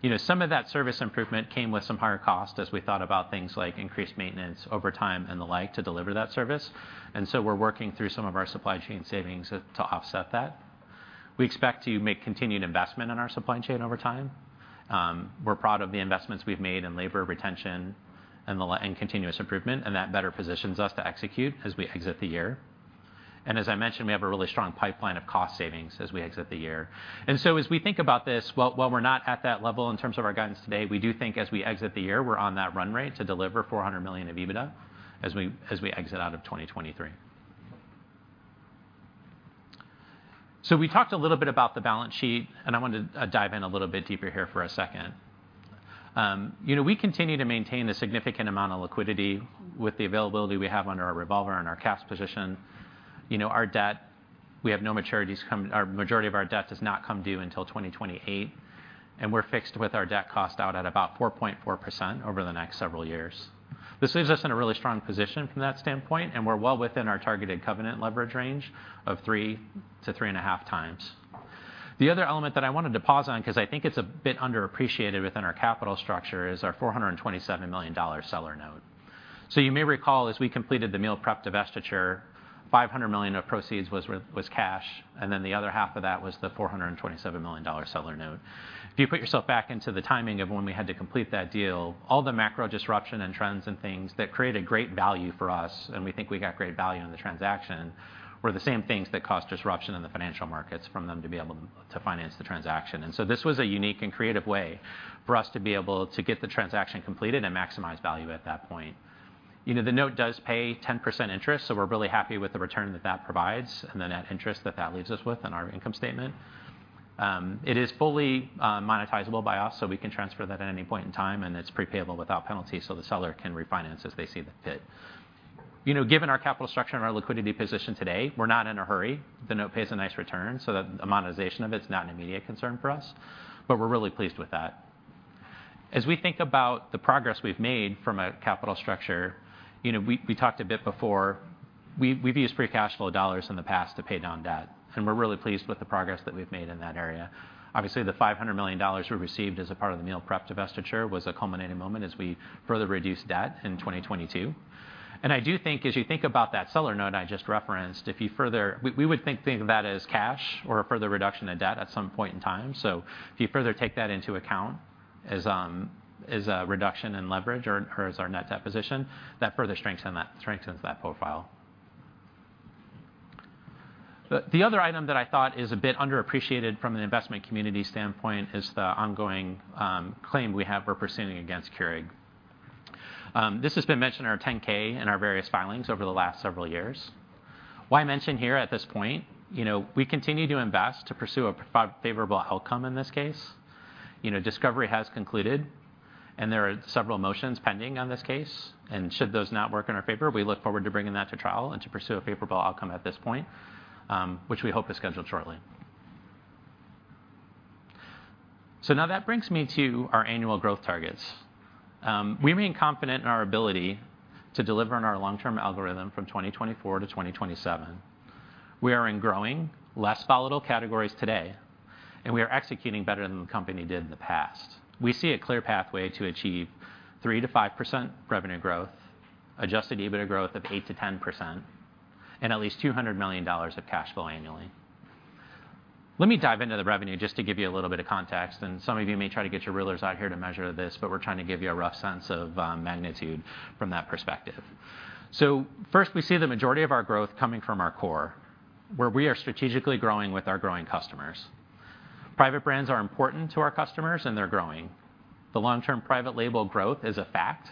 You know, some of that service improvement came with some higher cost as we thought about things like increased maintenance over time and the like, to deliver that service. We're working through some of our supply chain savings to offset that. We expect to make continued investment in our supply chain over time. We're proud of the investments we've made in labor retention and continuous improvement, and that better positions us to execute as we exit the year. As I mentioned, we have a really strong pipeline of cost savings as we exit the year. As we think about this, while we're not at that level in terms of our guidance today, we do think as we exit the year, we're on that run rate to deliver $400 million of EBITDA as we exit out of 2023. We talked a little bit about the balance sheet, and I want to dive in a little bit deeper here for a second. You know, we continue to maintain a significant amount of liquidity with the availability we have under our revolver and our cash position. You know, our debt, we have no maturities, majority of our debt does not come due until 2028, and we're fixed with our debt cost out at about 4.4% over the next several years. This leaves us in a really strong position from that standpoint, and we're well within our targeted covenant leverage range of 3x-3.5x. The other element that I wanted to pause on, because I think it's a bit underappreciated within our capital structure, is our $427 million seller note. You may recall, as we completed the Meal Preparation divestiture, $500 million of proceeds was cash, and then the other half of that was the $427 million seller note. If you put yourself back into the timing of when we had to complete that deal, all the macro disruption and trends and things that created great value for us, and we think we got great value in the transaction, were the same things that caused disruption in the financial markets from them to be able to finance the transaction. This was a unique and creative way for us to be able to get the transaction completed and maximize value at that point. You know, the note does pay 10% interest, so we're really happy with the return that that provides and the net interest that that leaves us with in our income statement. It is fully monetizable by us, so we can transfer that at any point in time, and it's pre-payable without penalty, so the seller can refinance as they see fit. You know, given our capital structure and our liquidity position today, we're not in a hurry. The note pays a nice return, so the monetization of it is not an immediate concern for us, but we're really pleased with that. As we think about the progress we've made from a capital structure, you know, we talked a bit before, we've used free cash flow dollars in the past to pay down debt, and we're really pleased with the progress that we've made in that area. Obviously, the $500 million we received as a part of the meal prep divestiture was a culminating moment as we further reduced debt in 2022. I do think as you think about that seller note I just referenced. We would think of that as cash or a further reduction in debt at some point in time. If you further take that into account as a reduction in leverage or as our net debt position, that further strengthens that profile. The other item that I thought is a bit underappreciated from an investment community standpoint is the ongoing claim we have we're pursuing against Keurig. This has been mentioned in our 10-K and our various filings over the last several years. Why mention here at this point? You know, we continue to invest to pursue a favorable outcome in this case. You know, discovery has concluded, and there are several motions pending on this case, and should those not work in our favor, we look forward to bringing that to trial and to pursue a favorable outcome at this point, which we hope is scheduled shortly. Now that brings me to our annual growth targets. We remain confident in our ability to deliver on our long-term algorithm from 2024-2027. We are in growing, less volatile categories today. We are executing better than the company did in the past. We see a clear pathway to achieve 3%-5% revenue growth, adjusted EBITDA growth of 8%-10%, and at least $200 million of cash flow annually. Let me dive into the revenue just to give you a little bit of context, and some of you may try to get your rulers out here to measure this, but we're trying to give you a rough sense of magnitude from that perspective. First, we see the majority of our growth coming from our core, where we are strategically growing with our growing customers. Private brands are important to our customers, and they're growing. The long-term private label growth is a fact,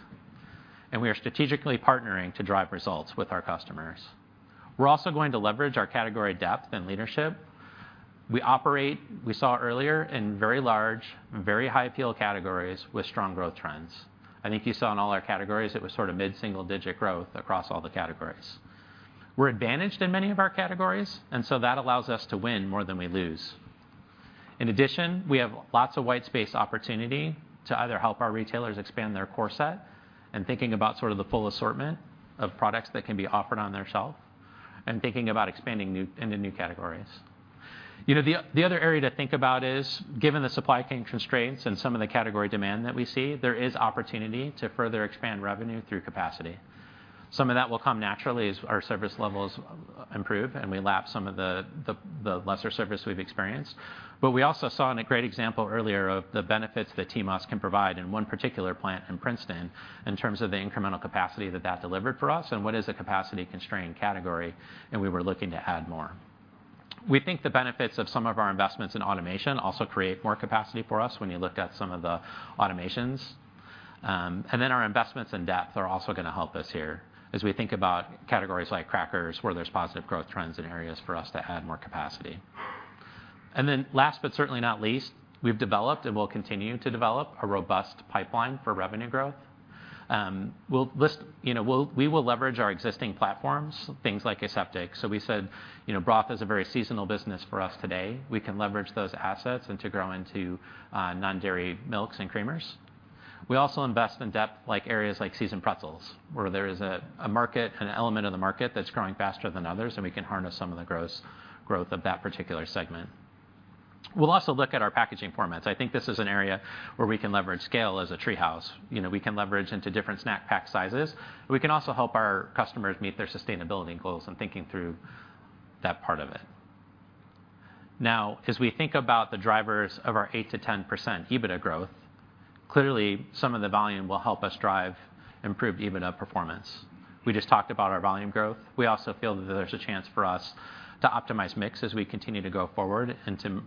and we are strategically partnering to drive results with our customers. We're also going to leverage our category depth and leadership. We operate, we saw earlier, in very large, very high appeal categories with strong growth trends. I think you saw in all our categories it was sort of mid-single-digit growth across all the categories. We're advantaged in many of our categories, and so that allows us to win more than we lose. In addition, we have lots of white space opportunity to either help our retailers expand their core set and thinking about sort of the full assortment of products that can be offered on their shelf, and thinking about expanding into new categories. You know, the other area to think about is, given the supply chain constraints and some of the category demand that we see, there is opportunity to further expand revenue through capacity. Some of that will come naturally as our service levels improve and we lap some of the lesser service we've experienced. We also saw in a great example earlier of the benefits that TMOS can provide in one particular plant in Princeton, in terms of the incremental capacity that that delivered for us, and what is a capacity-constrained category, and we were looking to add more. We think the benefits of some of our investments in automation also create more capacity for us when you look at some of the automations. Our investments in depth are also going to help us here as we think about categories like crackers, where there's positive growth trends and areas for us to add more capacity. Last, but certainly not least, we've developed and will continue to develop a robust pipeline for revenue growth. You know, we will leverage our existing platforms, things like aseptic. We said, you know, broth is a very seasonal business for us today. We can leverage those assets and to grow into non-dairy milks and creamers. We also invest in depth, like areas like Seasoned Pretzels, where there is a market, an element of the market that's growing faster than others, and we can harness some of the growth of that particular segment. We'll also look at our packaging formats. I think this is an area where we can leverage scale as a TreeHouse. You know, we can leverage into different Snack Pack sizes. We can also help our customers meet their sustainability goals in thinking through that part of it. As we think about the drivers of our 8%-10% EBITDA growth, clearly, some of the volume will help us drive improved EBITDA performance. We just talked about our volume growth. We also feel that there's a chance for us to optimize mix as we continue to go forward and to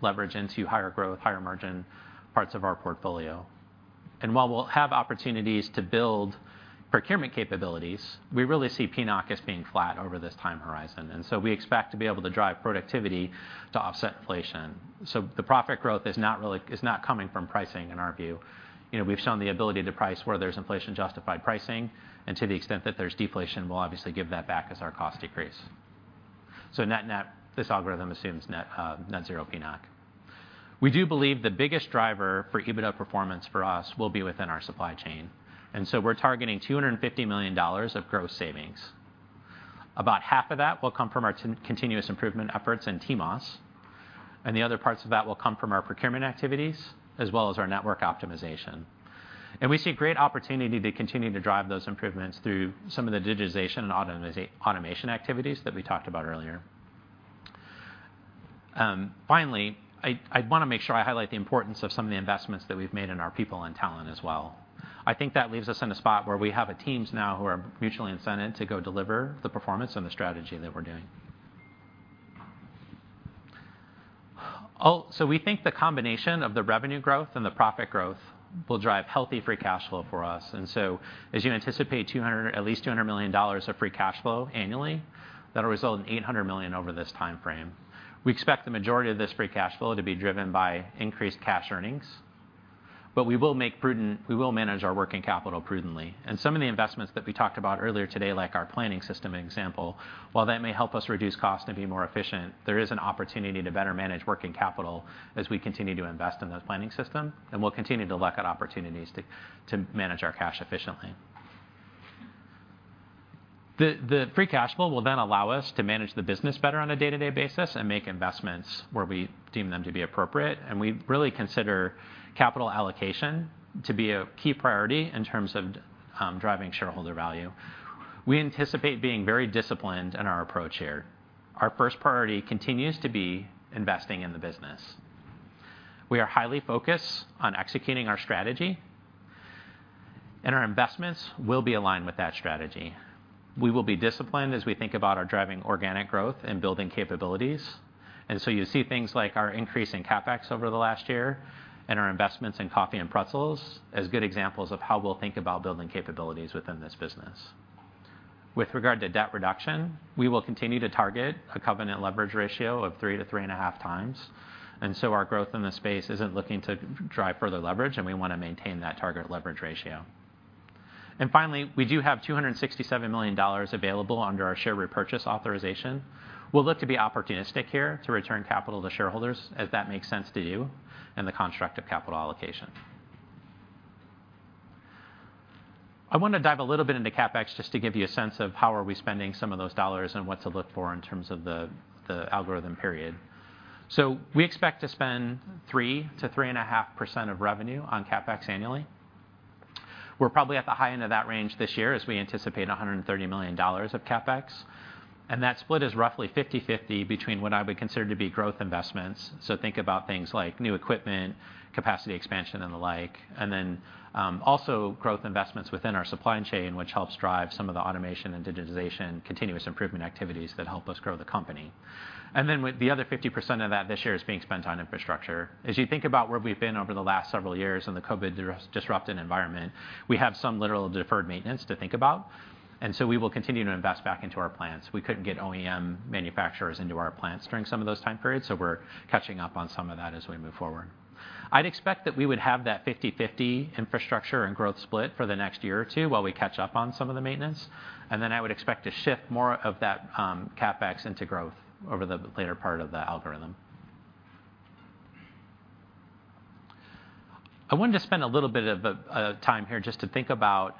leverage into higher growth, higher margin parts of our portfolio. While we'll have opportunities to build procurement capabilities, we really see PNOC as being flat over this time horizon, we expect to be able to drive productivity to offset inflation. The profit growth is not coming from pricing in our view. You know, we've shown the ability to price where there's inflation-justified pricing, to the extent that there's deflation, we'll obviously give that back as our costs decrease. Net-net, this algorithm assumes net net zero PNOC. We do believe the biggest driver for EBITDA performance for us will be within our supply chain, we're targeting $250 million of gross savings. About half of that will come from our continuous improvement efforts in TMOS, the other parts of that will come from our procurement activities, as well as our network optimization. We see great opportunity to continue to drive those improvements through some of the digitization and automation activities that we talked about earlier. Finally, I want to make sure I highlight the importance of some of the investments that we've made in our people and talent as well. I think that leaves us in a spot where we have a teams now who are mutually incented to go deliver the performance and the strategy that we're doing. We think the combination of the revenue growth and the profit growth will drive healthy free cash flow for us. As you anticipate at least $200 million of free cash flow annually, that'll result in $800 million over this timeframe. We expect the majority of this free cash flow to be driven by increased cash earnings, we will manage our working capital prudently. Some of the investments that we talked about earlier today, like our planning system example, while that may help us reduce cost and be more efficient, there is an opportunity to better manage working capital as we continue to invest in those planning system, and we'll continue to look at opportunities to manage our cash efficiently. The free cash flow will then allow us to manage the business better on a day-to-day basis and make investments where we deem them to be appropriate, and we really consider capital allocation to be a key priority in terms of driving shareholder value. We anticipate being very disciplined in our approach here. Our first priority continues to be investing in the business. We are highly focused on executing our strategy, and our investments will be aligned with that strategy. We will be disciplined as we think about our driving organic growth and building capabilities. You see things like our increase in CapEx over the last year, and our investments in coffee and pretzels, as good examples of how we'll think about building capabilities within this business. With regard to debt reduction, we will continue to target a covenant leverage ratio of 3x-3.5x, our growth in the space isn't looking to drive further leverage, and we wanna maintain that target leverage ratio. Finally, we do have $267 million available under our share repurchase authorization. We'll look to be opportunistic here to return capital to shareholders, as that makes sense to do, in the construct of capital allocation. I wanna dive a little bit into CapEx, just to give you a sense of how are we spending some of those dollars and what to look for in terms of the algorithm period. We expect to spend 3%-3.5% of revenue on CapEx annually. We're probably at the high end of that range this year, as we anticipate $130 million of CapEx, and that split is roughly 50/50 between what I would consider to be growth investments, so think about things like new equipment, capacity expansion, and the like. Also growth investments within our supply chain, which helps drive some of the automation and digitization, continuous improvement activities that help us grow the company. With the other 50% of that this year is being spent on infrastructure. As you think about where we've been over the last several years in the COVID disrupting environment, we have some literal deferred maintenance to think about, and so we will continue to invest back into our plants. We couldn't get OEM manufacturers into our plants during some of those time periods, so we're catching up on some of that as we move forward. I'd expect that we would have that 50/50 infrastructure and growth split for the next year or two while we catch up on some of the maintenance, and then I would expect to shift more of that CapEx into growth over the later part of the algorithm. I wanted to spend a little bit of time here just to think about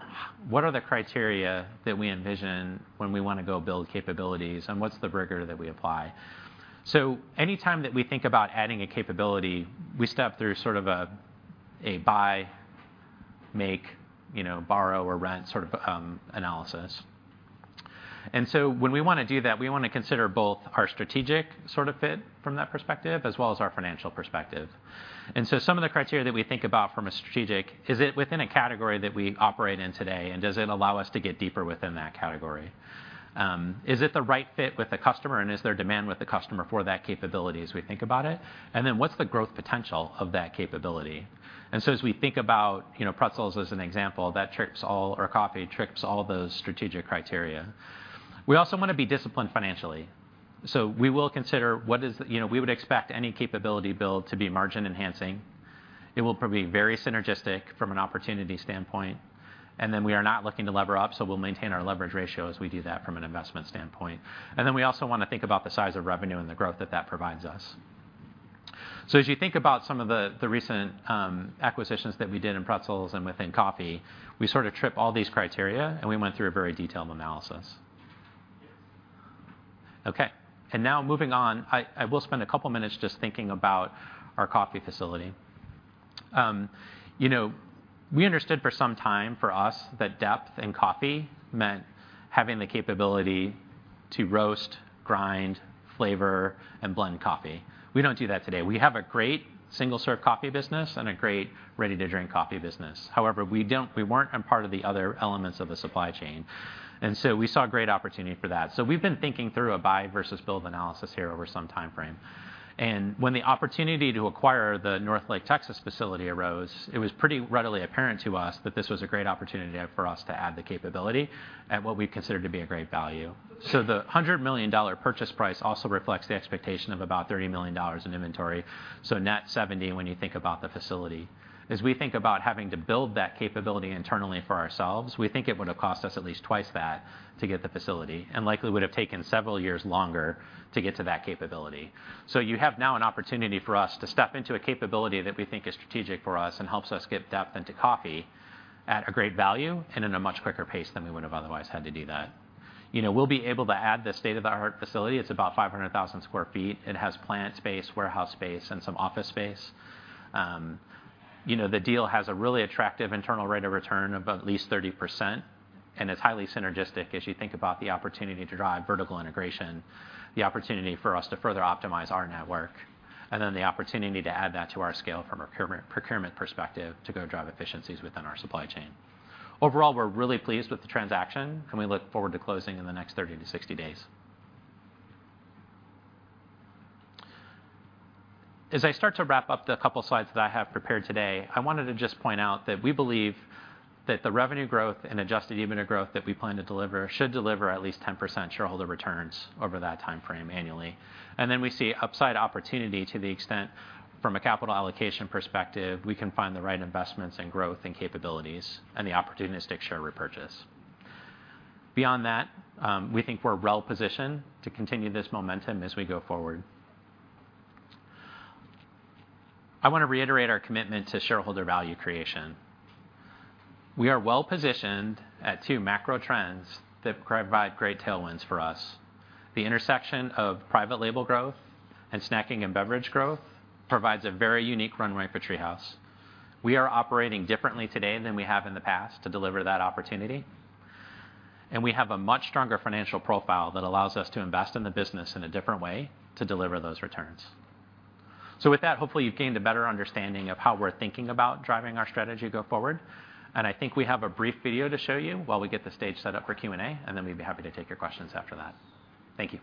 what are the criteria that we envision when we wanna go build capabilities, and what's the rigor that we apply? Anytime that we think about adding a capability, we step through sort of a buy, make, you know, borrow or rent sort of analysis. When we wanna do that, we wanna consider both our strategic sort of fit from that perspective, as well as our financial perspective. Some of the criteria that we think about from a strategic: Is it within a category that we operate in today, and does it allow us to get deeper within that category? Is it the right fit with the customer, and is there demand with the customer for that capability as we think about it? What's the growth potential of that capability? As we think about, you know, pretzels as an example, or coffee, trips all those strategic criteria. We also wanna be disciplined financially, so we will consider what is. You know, we would expect any capability build to be margin-enhancing. It will probably be very synergistic from an opportunity standpoint, and then we are not looking to lever up, so we'll maintain our leverage ratio as we do that from an investment standpoint. We also wanna think about the size of revenue and the growth that that provides us. As you think about some of the recent acquisitions that we did in pretzels and within coffee, we sort of trip all these criteria, and we went through a very detailed analysis. Moving on, I will spend a couple minutes just thinking about our coffee facility. You know, we understood for some time, for us, that depth in coffee meant having the capability to roast, grind, flavor, and blend coffee. We don't do that today. We have a great single-serve coffee business and a great ready-to-drink coffee business. We weren't a part of the other elements of the supply chain, and so we saw a great opportunity for that. We've been thinking through a buy versus build analysis here over some time frame, and when the opportunity to acquire the Northlake, Texas, facility arose, it was pretty readily apparent to us that this was a great opportunity to have for us to add the capability at what we considered to be a great value. The $100 million purchase price also reflects the expectation of about $30 million in inventory, net $70 million when you think about the facility. As we think about having to build that capability internally for ourselves, we think it would have cost us at least twice that to get the facility and likely would have taken several years longer to get to that capability. You have now an opportunity for us to step into a capability that we think is strategic for us and helps us get depth into coffee at a great value and in a much quicker pace than we would have otherwise had to do that. You know, we'll be able to add the state-of-the-art facility. It's about 500,000 sq ft. It has plant space, warehouse space, and some office space. You know, the deal has a really attractive internal rate of return of at least 30%. It's highly synergistic as you think about the opportunity to drive vertical integration, the opportunity for us to further optimize our network, and then the opportunity to add that to our scale from a procurement perspective to go drive efficiencies within our supply chain. Overall, we're really pleased with the transaction. We look forward to closing in the next 30-60 days. As I start to wrap up the couple slides that I have prepared today, I wanted to just point out that we believe that the revenue growth and adjusted EBITDA growth that we plan to deliver should deliver at least 10% shareholder returns over that time frame annually. We see upside opportunity to the extent, from a capital allocation perspective, we can find the right investments in growth and capabilities and the opportunistic share repurchase. Beyond that, we think we're well-positioned to continue this momentum as we go forward. I wanna reiterate our commitment to shareholder value creation. We are well-positioned at two macro trends that provide great tailwinds for us. The intersection of private label growth and snacking and beverage growth provides a very unique runway for TreeHouse. We are operating differently today than we have in the past to deliver that opportunity, and we have a much stronger financial profile that allows us to invest in the business in a different way to deliver those returns. With that, hopefully, you've gained a better understanding of how we're thinking about driving our strategy go forward. I think we have a brief video to show you while we get the stage set up for Q&A, and then we'd be happy to take your questions after that. Thank you.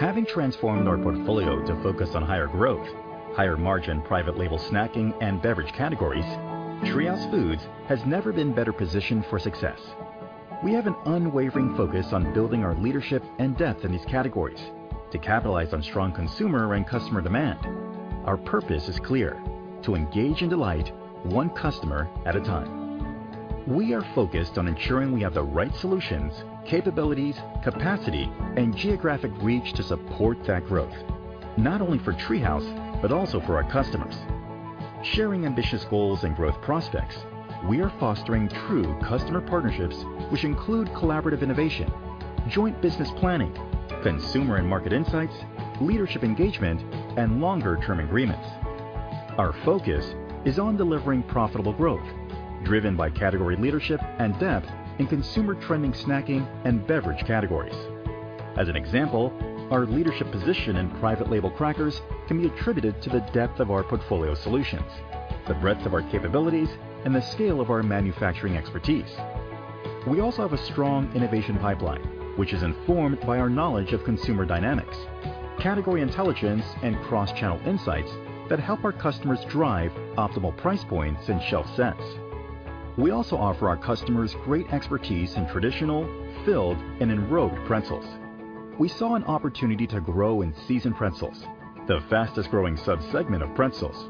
Having transformed our portfolio to focus on higher growth, higher margin, private label snacking, and beverage categories, TreeHouse Foods has never been better positioned for success. We have an unwavering focus on building our leadership and depth in these categories to capitalize on strong consumer and customer demand. Our purpose is clear: to engage and delight one customer at a time. We are focused on ensuring we have the right solutions, capabilities, capacity, and geographic reach to support that growth, not only for TreeHouse, but also for our customers. Sharing ambitious goals and growth prospects, we are fostering true customer partnerships, which include collaborative innovation, joint business planning, consumer and market insights, leadership engagement, and longer-term agreements. Our focus is on delivering profitable growth, driven by category leadership and depth in consumer trending, snacking, and beverage categories. As an example, our leadership position in private label crackers can be attributed to the depth of our portfolio solutions, the breadth of our capabilities, and the scale of our manufacturing expertise. We also have a strong innovation pipeline, which is informed by our knowledge of consumer dynamics, category intelligence, and cross-channel insights that help our customers drive optimal price points and shelf sense. We also offer our customers great expertise in traditional, filled, and enrobed pretzels. We saw an opportunity to grow in Seasoned Pretzels, the fastest-growing subsegment of pretzels.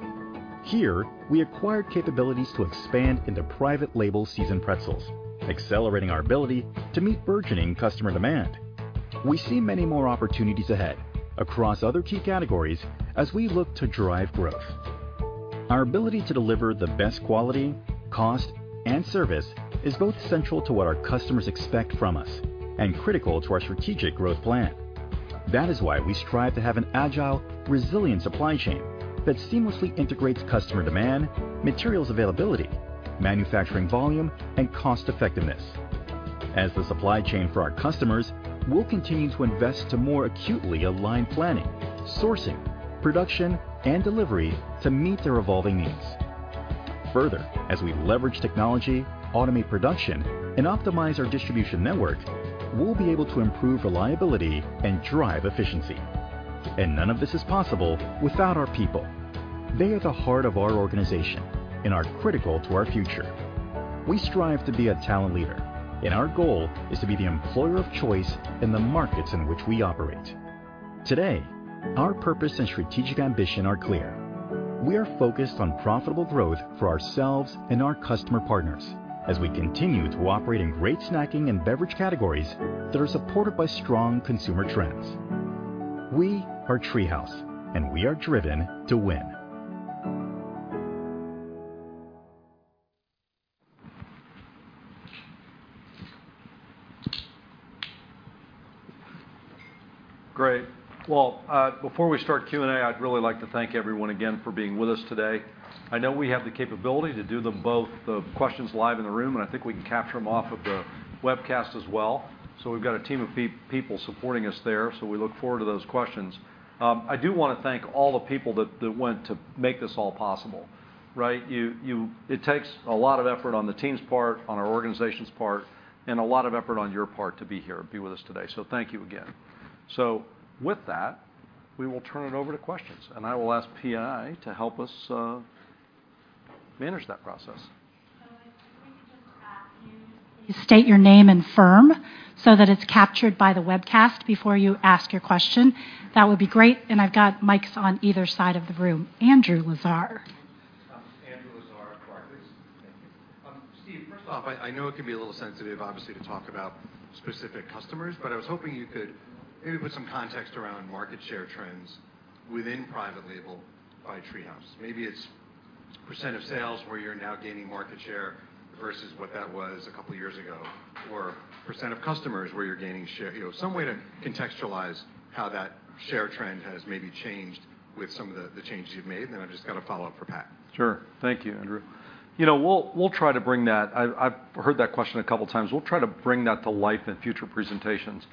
Here, we acquired capabilities to expand into private label Seasoned Pretzels, accelerating our ability to meet burgeoning customer demand. We see many more opportunities ahead across other key categories as we look to drive growth. Our ability to deliver the best quality, cost, and service is both central to what our customers expect from us and critical to our strategic growth plan. That is why we strive to have an agile, resilient supply chain that seamlessly integrates customer demand, materials availability, manufacturing volume, and cost effectiveness. As the supply chain for our customers, we'll continue to invest to more acutely align planning, sourcing, production, and delivery to meet their evolving needs. Further, as we leverage technology, automate production, and optimize our distribution network, we'll be able to improve reliability and drive efficiency. None of this is possible without our people. They are the heart of our organization and are critical to our future. We strive to be a talent leader, and our goal is to be the employer of choice in the markets in which we operate. Today, our purpose and strategic ambition are clear. We are focused on profitable growth for ourselves and our customer partners as we continue to operate in great snacking and beverage categories that are supported by strong consumer trends. We are TreeHouse, and we are driven to win. Great! Well, before we start Q&A, I'd really like to thank everyone again for being with us today. I know we have the capability to do them both, the questions live in the room, and I think we can capture them off of the webcast as well. We've got a team of people supporting us there, so we look forward to those questions. I do wanna thank all the people that went to make this all possible, right? It takes a lot of effort on the team's part, on our organization's part, and a lot of effort on your part to be here, be with us today, so thank you again. With that, we will turn it over to questions, and I will ask PI to help us manage that process. If we could just ask you to state your name and firm so that it's captured by the webcast before you ask your question, that would be great. I've got mics on either side of the room. Andrew Lazar. Andrew Lazar, Barclays. Thank you. Steve, first off, I know it can be a little sensitive, obviously, to talk about specific customers, but I was hoping you could maybe put some context around market share trends within private label by TreeHouse. Maybe it's percent of sales where you're now gaining market share versus what that was a couple years ago, or percent of customers where you're gaining share. You know, some way to contextualize how that share trend has maybe changed with some of the changes you've made. Then I've just got a follow-up for Pat. Sure. Thank you, Andrew. You know, we'll try to bring that. I've heard that question a couple times. We'll try to bring that to life in future presentations.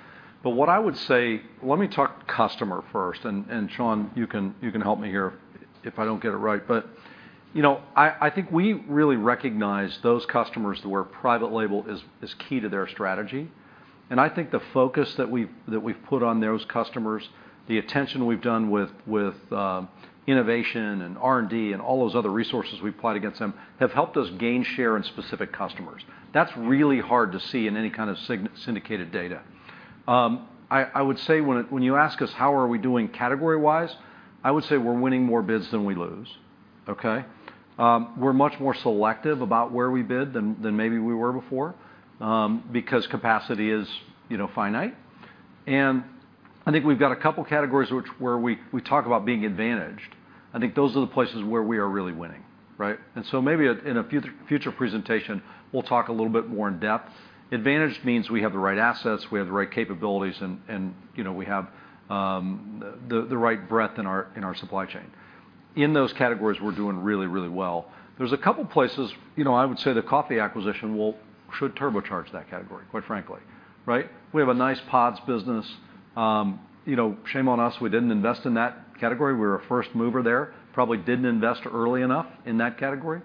What I would say, let me talk customer first, and Sean, you can help me here if I don't get it right. You know, I think we really recognize those customers where private label is key to their strategy, and I think the focus that we've put on those customers, the attention we've done with innovation and R&D and all those other resources we've applied against them, have helped us gain share in specific customers. That's really hard to see in any kind of syndicated data. I would say when you ask us, how are we doing category-wise, I would say we're winning more bids than we lose, okay? We're much more selective about where we bid than maybe we were before, because capacity is, you know, finite. I think we've got a couple categories which, where we talk about being advantaged. I think those are the places where we are really winning, right? Maybe at, in a future presentation, we'll talk a little bit more in depth. Advantage means we have the right assets, we have the right capabilities, and, you know, we have the right breadth in our supply chain. In those categories, we're doing really, really well. There's a couple places you know, I would say the coffee acquisition should turbocharge that category, quite frankly, right? We have a nice pods business. You know, shame on us, we didn't invest in that category. We were a first mover there. Probably didn't invest early enough in that category.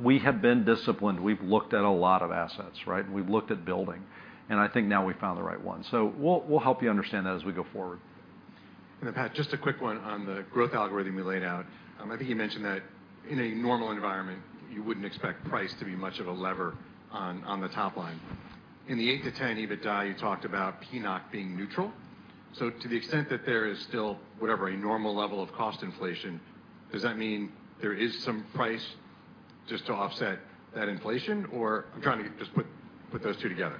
We have been disciplined. We've looked at a lot of assets, right? We've looked at building, and I think now we've found the right one. We'll help you understand that as we go forward. Pat, just a quick one on the growth algorithm you laid out. I think you mentioned that in a normal environment, you wouldn't expect price to be much of a lever on the top line. In the 8%-10% EBITDA, you talked about PNOC being neutral. To the extent that there is still, whatever, a normal level of cost inflation, does that mean there is some price just to offset that inflation, or? I'm trying to get just put those two together.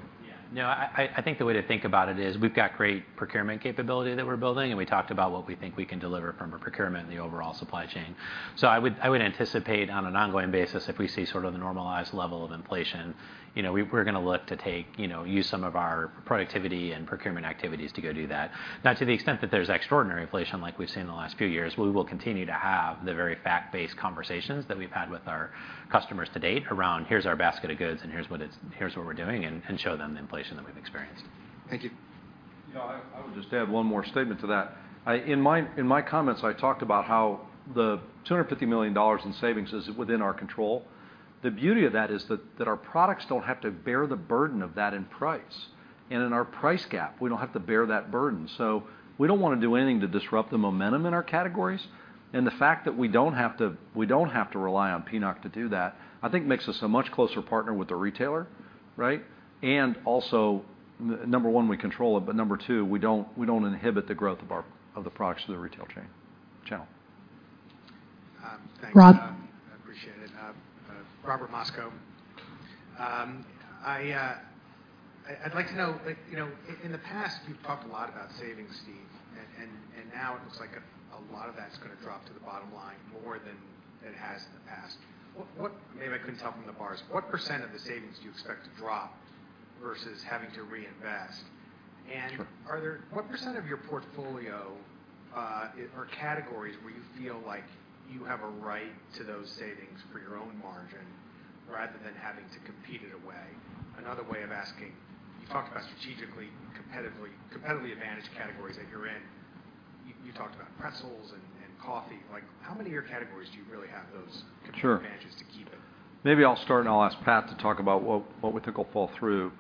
I think the way to think about it is, we've got great procurement capability that we're building, and we talked about what we think we can deliver from a procurement and the overall supply chain. I would anticipate, on an ongoing basis, if we see sort of the normalized level of inflation, you know, we're gonna look to use some of our productivity and procurement activities to go do that. To the extent that there's extraordinary inflation like we've seen in the last few years, we will continue to have the very fact-based conversations that we've had with our customers to date around, "Here's our basket of goods, and here's what we're doing," and show them the inflation that we've experienced. Thank you. Yeah, I would just add one more statement to that. In my comments, I talked about how the $250 million in savings is within our control. The beauty of that is that our products don't have to bear the burden of that in price. In our price gap, we don't have to bear that burden. We don't wanna do anything to disrupt the momentum in our categories, and the fact that we don't have to rely on PNOC to do that, I think, makes us a much closer partner with the retailer, right? Also, number one, we control it, but number two, we don't inhibit the growth of the products through the retail chain, channel. Thanks. Rob? I appreciate it. Robert Moskow. I'd like to know, like, you know, in the past, you've talked a lot about savings, Steve, and now it looks like a lot of that's gonna drop to the bottom line, more than it has in the past. What Maybe I couldn't tell from the bars, what percent of the savings do you expect to drop versus having to reinvest? Sure. What percent of your portfolio, or categories where you feel like you have a right to those savings for your own margin, rather than having to compete it away? Another way of asking, you talked about strategically, competitively advantaged categories that you're in. You talked about pretzels and coffee. Like, how many of your categories do you really have? Sure Competitive advantages to keep it? Maybe I'll start, and I'll ask Pat to talk about what we think will fall through.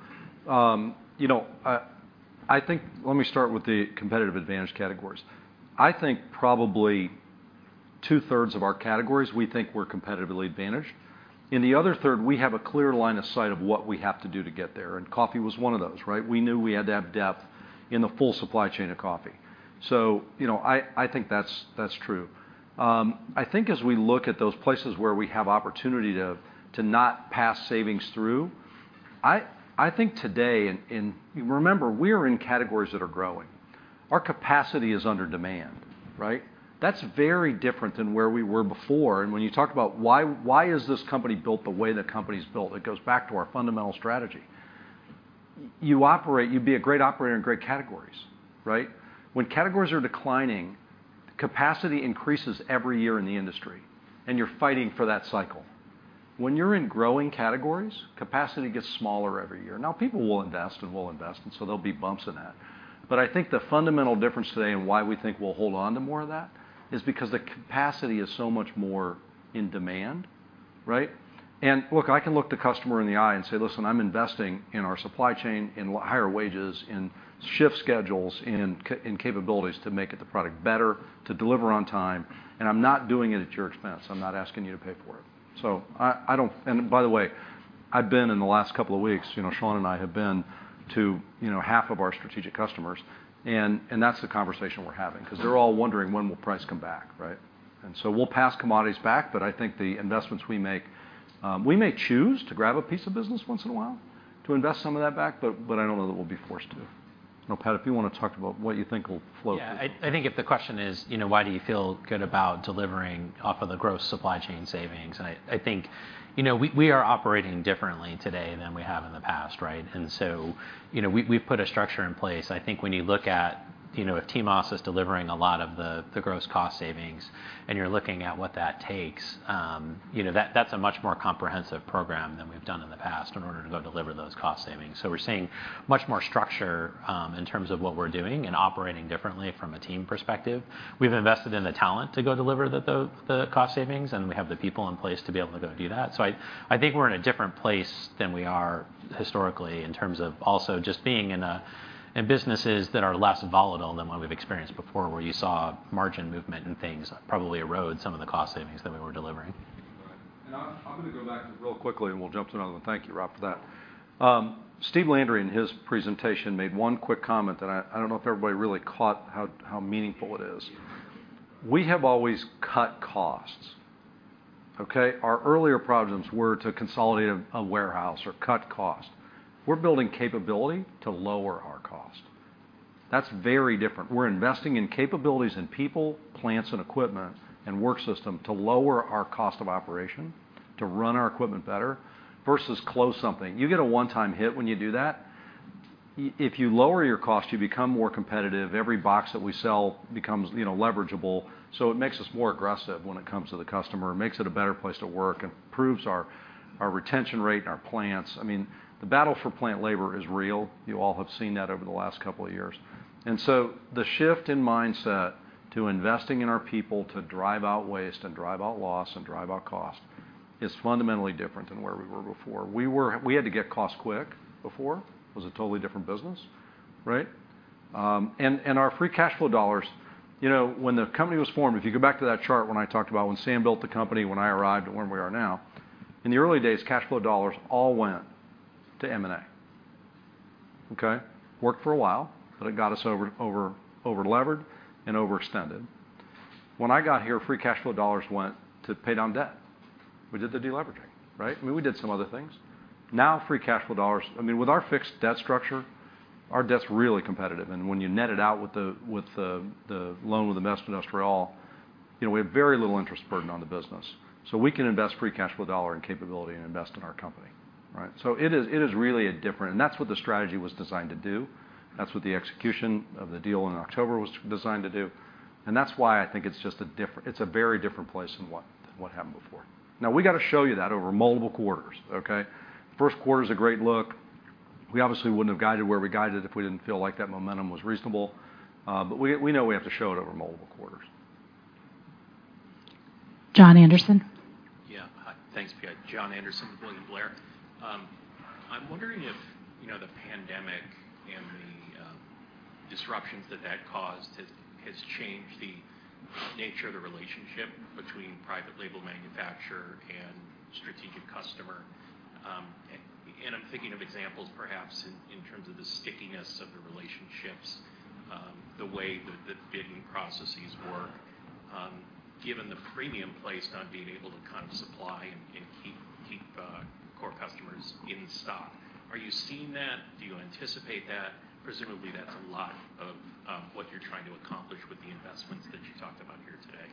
You know, Let me start with the competitive advantage categories. I think probably 2/3 of our categories, we think we're competitively advantaged. In the other third, we have a clear line of sight of what we have to do to get there, and coffee was one of those, right? We knew we had to have depth in the full supply chain of coffee. You know, I think that's true. I think as we look at those places where we have opportunity to not pass savings through, I think today, Remember, we're in categories that are growing. Our capacity is under demand, right? That's very different than where we were before. When you talk about why is this company built the way the company's built, it goes back to our fundamental strategy. You be a great operator in great categories, right? When categories are declining, capacity increases every year in the industry, and you're fighting for that cycle. When you're in growing categories, capacity gets smaller every year. Now, people will invest, and we'll invest, there'll be bumps in that. I think the fundamental difference today, and why we think we'll hold on to more of that, is because the capacity is so much more in demand, right? Look, I can look the customer in the eye and say, "Listen, I'm investing in our supply chain, in higher wages, in shift schedules, in capabilities to make the product better, to deliver on time, I'm not doing it at your expense. I'm not asking you to pay for it." By the way, I've been, in the last couple of weeks, you know, Sean and I have been to, you know, half of our strategic customers, that's the conversation we're having, 'cause they're all wondering, when will price come back, right? We'll pass commodities back, but I think the investments we make. We may choose to grab a piece of business once in a while, to invest some of that back, but I don't know that we'll be forced to. You know, Pat, if you wanna talk about what you think will flow- Yeah. I think if the question is, you know, why do you feel good about delivering off of the gross supply chain savings? I think, you know, we are operating differently today than we have in the past, right? We've put a structure in place. I think when you look at, you know, if TMOS is delivering a lot of the gross cost savings, and you're looking at what that takes, you know, that's a much more comprehensive program than we've done in the past in order to go deliver those cost savings. We're seeing much more structure, in terms of what we're doing and operating differently from a team perspective. We've invested in the talent to go deliver the cost savings, and we have the people in place to be able to go do that. I think we're in a different place than we are historically, in terms of also just being in businesses that are less volatile than what we've experienced before, where you saw margin movement and things probably erode some of the cost savings that we were delivering. Right. I'm gonna go back real quickly, we'll jump to another one. Thank you, Rob, for that. Steve Landry, in his presentation, made one quick comment that I don't know if everybody really caught how meaningful it is. We have always cut costs, okay? Our earlier problems were to consolidate a warehouse or cut cost. We're building capability to lower our cost. That's very different. We're investing in capabilities, in people, plants, and equipment, and work system to lower our cost of operation, to run our equipment better, versus close something. You get a one-time hit when you do that. If you lower your cost, you become more competitive. Every box that we sell becomes, you know, leverageable, it makes us more aggressive when it comes to the customer. It makes it a better place to work, improves our retention rate in our plants. I mean, the battle for plant labor is real. You all have seen that over the last couple of years. The shift in mindset to investing in our people, to drive out waste and drive out loss and drive out cost, is fundamentally different than where we were before. We had to get costs quick before. It was a totally different business, right? Our free cash flow dollars. You know, when the company was formed, if you go back to that chart when I talked about when Sam Reed built the company, when I arrived, and where we are now, in the early days, cash flow dollars all went to M&A. Okay? Worked for a while, it got us over-levered and overextended. When I got here, free cash flow dollars went to pay down debt. We did the de-leveraging, right? I mean, we did some other things. Now, free cash flow dollars-- I mean, with our fixed debt structure, our debt's really competitive, and when you net it out with the, with the loan with Investindustrial, you know, we have very little interest burden on the business. We can invest free cash flow dollar in capability and invest in our company, right? It is, it is really a different. That's what the strategy was designed to do. That's what the execution of the deal in October was designed to do. That's why I think it's just a different. It's a very different place than what happened before. Now, we got to show you that over multiple quarters, okay? First quarter is a great look. We obviously wouldn't have guided where we guided if we didn't feel like that momentum was reasonable, but we know we have to show it over multiple quarters. Jon Andersen. Yeah. Hi, thanks, PI. Jon Andersen with William Blair. I'm wondering if, you know, the pandemic and the disruptions that that caused has changed the nature of the relationship between private label manufacturer and strategic customer. And I'm thinking of examples, perhaps, in terms of the stickiness of the relationships, the way the bidding processes work, given the premium placed on being able to kind of supply and keep core customers in stock. Are you seeing that? Do you anticipate that? Presumably, that's a lot of what you're trying to accomplish with the investments that you talked about here today.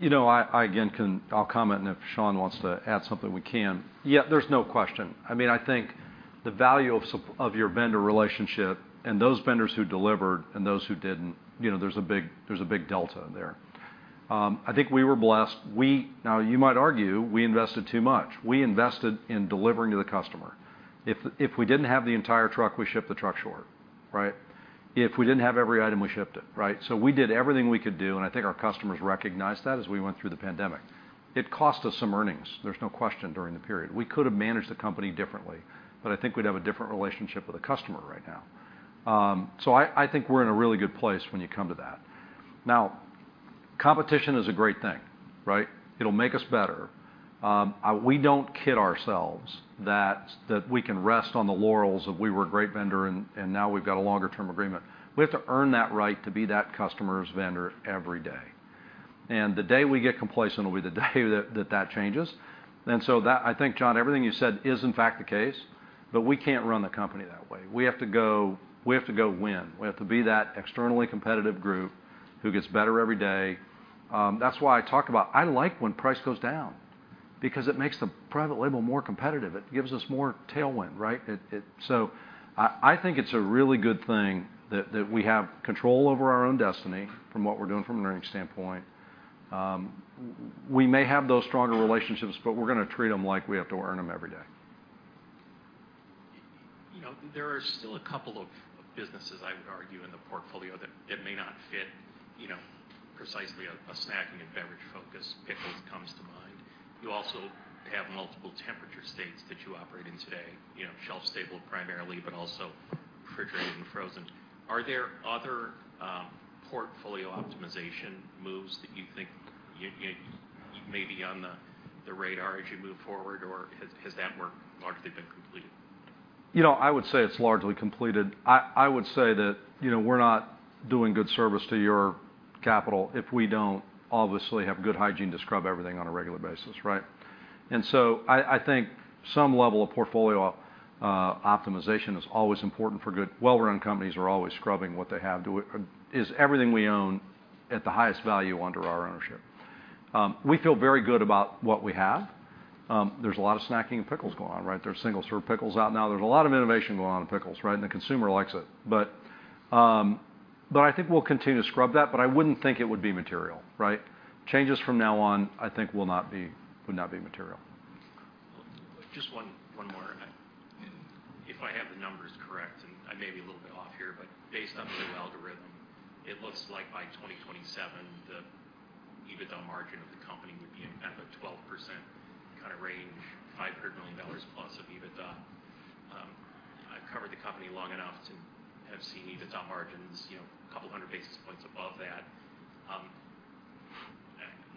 You know, I, again, I'll comment, and if Sean wants to add something, we can. Yeah, there's no question. I mean, I think the value of your vendor relationship and those vendors who delivered and those who didn't, you know, there's a big delta there. I think we were blessed. Now, you might argue we invested too much. We invested in delivering to the customer. If we didn't have the entire truck, we shipped the truck short, right? If we didn't have every item, we shipped it, right? We did everything we could do, and I think our customers recognized that as we went through the pandemic. It cost us some earnings, there's no question, during the period. We could have managed the company differently, but I think we'd have a different relationship with the customer right now. I think we're in a really good place when you come to that. Now, competition is a great thing, right? It'll make us better. We don't kid ourselves that we can rest on the laurels of we were a great vendor and now we've got a longer-term agreement. We have to earn that right to be that customer's vendor every day. The day we get complacent will be the day that changes. I think, John, everything you said is, in fact, the case, but we can't run the company that way. We have to go win. We have to be that externally competitive group who gets better every day. That's why I talk about I like when price goes down, because it makes the private label more competitive. It gives us more tailwind, right? I think it's a really good thing that we have control over our own destiny from what we're doing from an earnings standpoint. We may have those stronger relationships, but we're gonna treat them like we have to earn them every day. You know, there are still a couple of businesses, I would argue, in the portfolio that may not fit, you know, precisely a snacking and beverage focus. Pickles comes to mind. You also have multiple temperature states that you operate in today, you know, shelf-stable primarily, but also refrigerated and frozen. Are there other portfolio optimization moves that you think you may be on the radar as you move forward, or has that work largely been completed? You know, I would say it's largely completed. I would say that, you know, we're not doing good service to your capital if we don't obviously have good hygiene to scrub everything on a regular basis, right? I think some level of portfolio optimization is always important for good. Well-run companies are always scrubbing what they have. Is everything we own at the highest value under our ownership? We feel very good about what we have. There's a lot of snacking and pickles going on, right? There's single-serve pickles out now. There's a lot of innovation going on in pickles, right? The consumer likes it. I think we'll continue to scrub that, but I wouldn't think it would be material, right? Changes from now on, I think, will not be material. Just one more. If I have the numbers correct, and I may be a little bit off here, but based on the algorithm, it looks like by 2027, the EBITDA margin of the company would be at a 12% kind of range, $500 million+ of EBITDA. I've covered the company long enough to have seen EBITDA margins, you know, 200 basis points above that.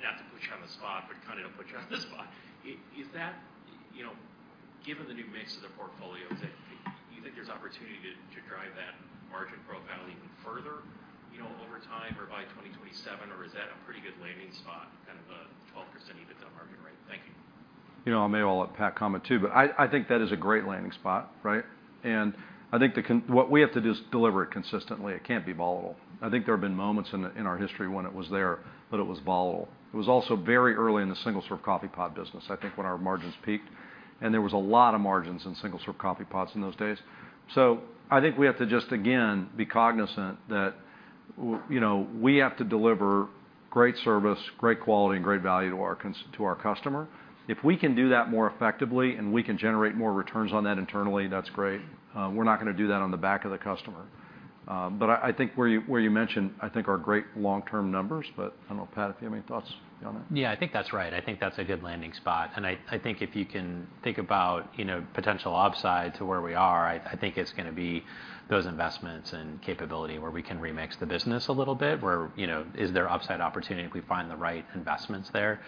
Not to put you on the spot, but kind of to put you on the spot: is that, you know, given the new mix of the portfolio, do you think there's opportunity to drive that margin profile even further? over time or by 2027, or is that a pretty good landing spot, kind of a 12% EBITDA margin rate? Thank you. You know, I may all let Pat comment, too, but I think that is a great landing spot, right? I think what we have to do is deliver it consistently. It can't be volatile. I think there have been moments in our history when it was there, but it was volatile. It was also very early in the single-serve coffee pod business, I think, when our margins peaked, and there was a lot of margins in single-serve coffee pods in those days. I think we have to just, again, be cognizant that you know, we have to deliver great service, great quality, and great value to our customer. If we can do that more effectively, and we can generate more returns on that internally, that's great. We're not gonna do that on the back of the customer. I think where you mentioned, I think, are great long-term numbers, but I don't know, Pat, if you have any thoughts on that? Yeah, I think that's right. I think that's a good landing spot. I think if you can think about, you know, potential upside to where we are, I think it's gonna be those investments and capability where we can remix the business a little bit, where, you know, is there upside opportunity if we find the right investments there?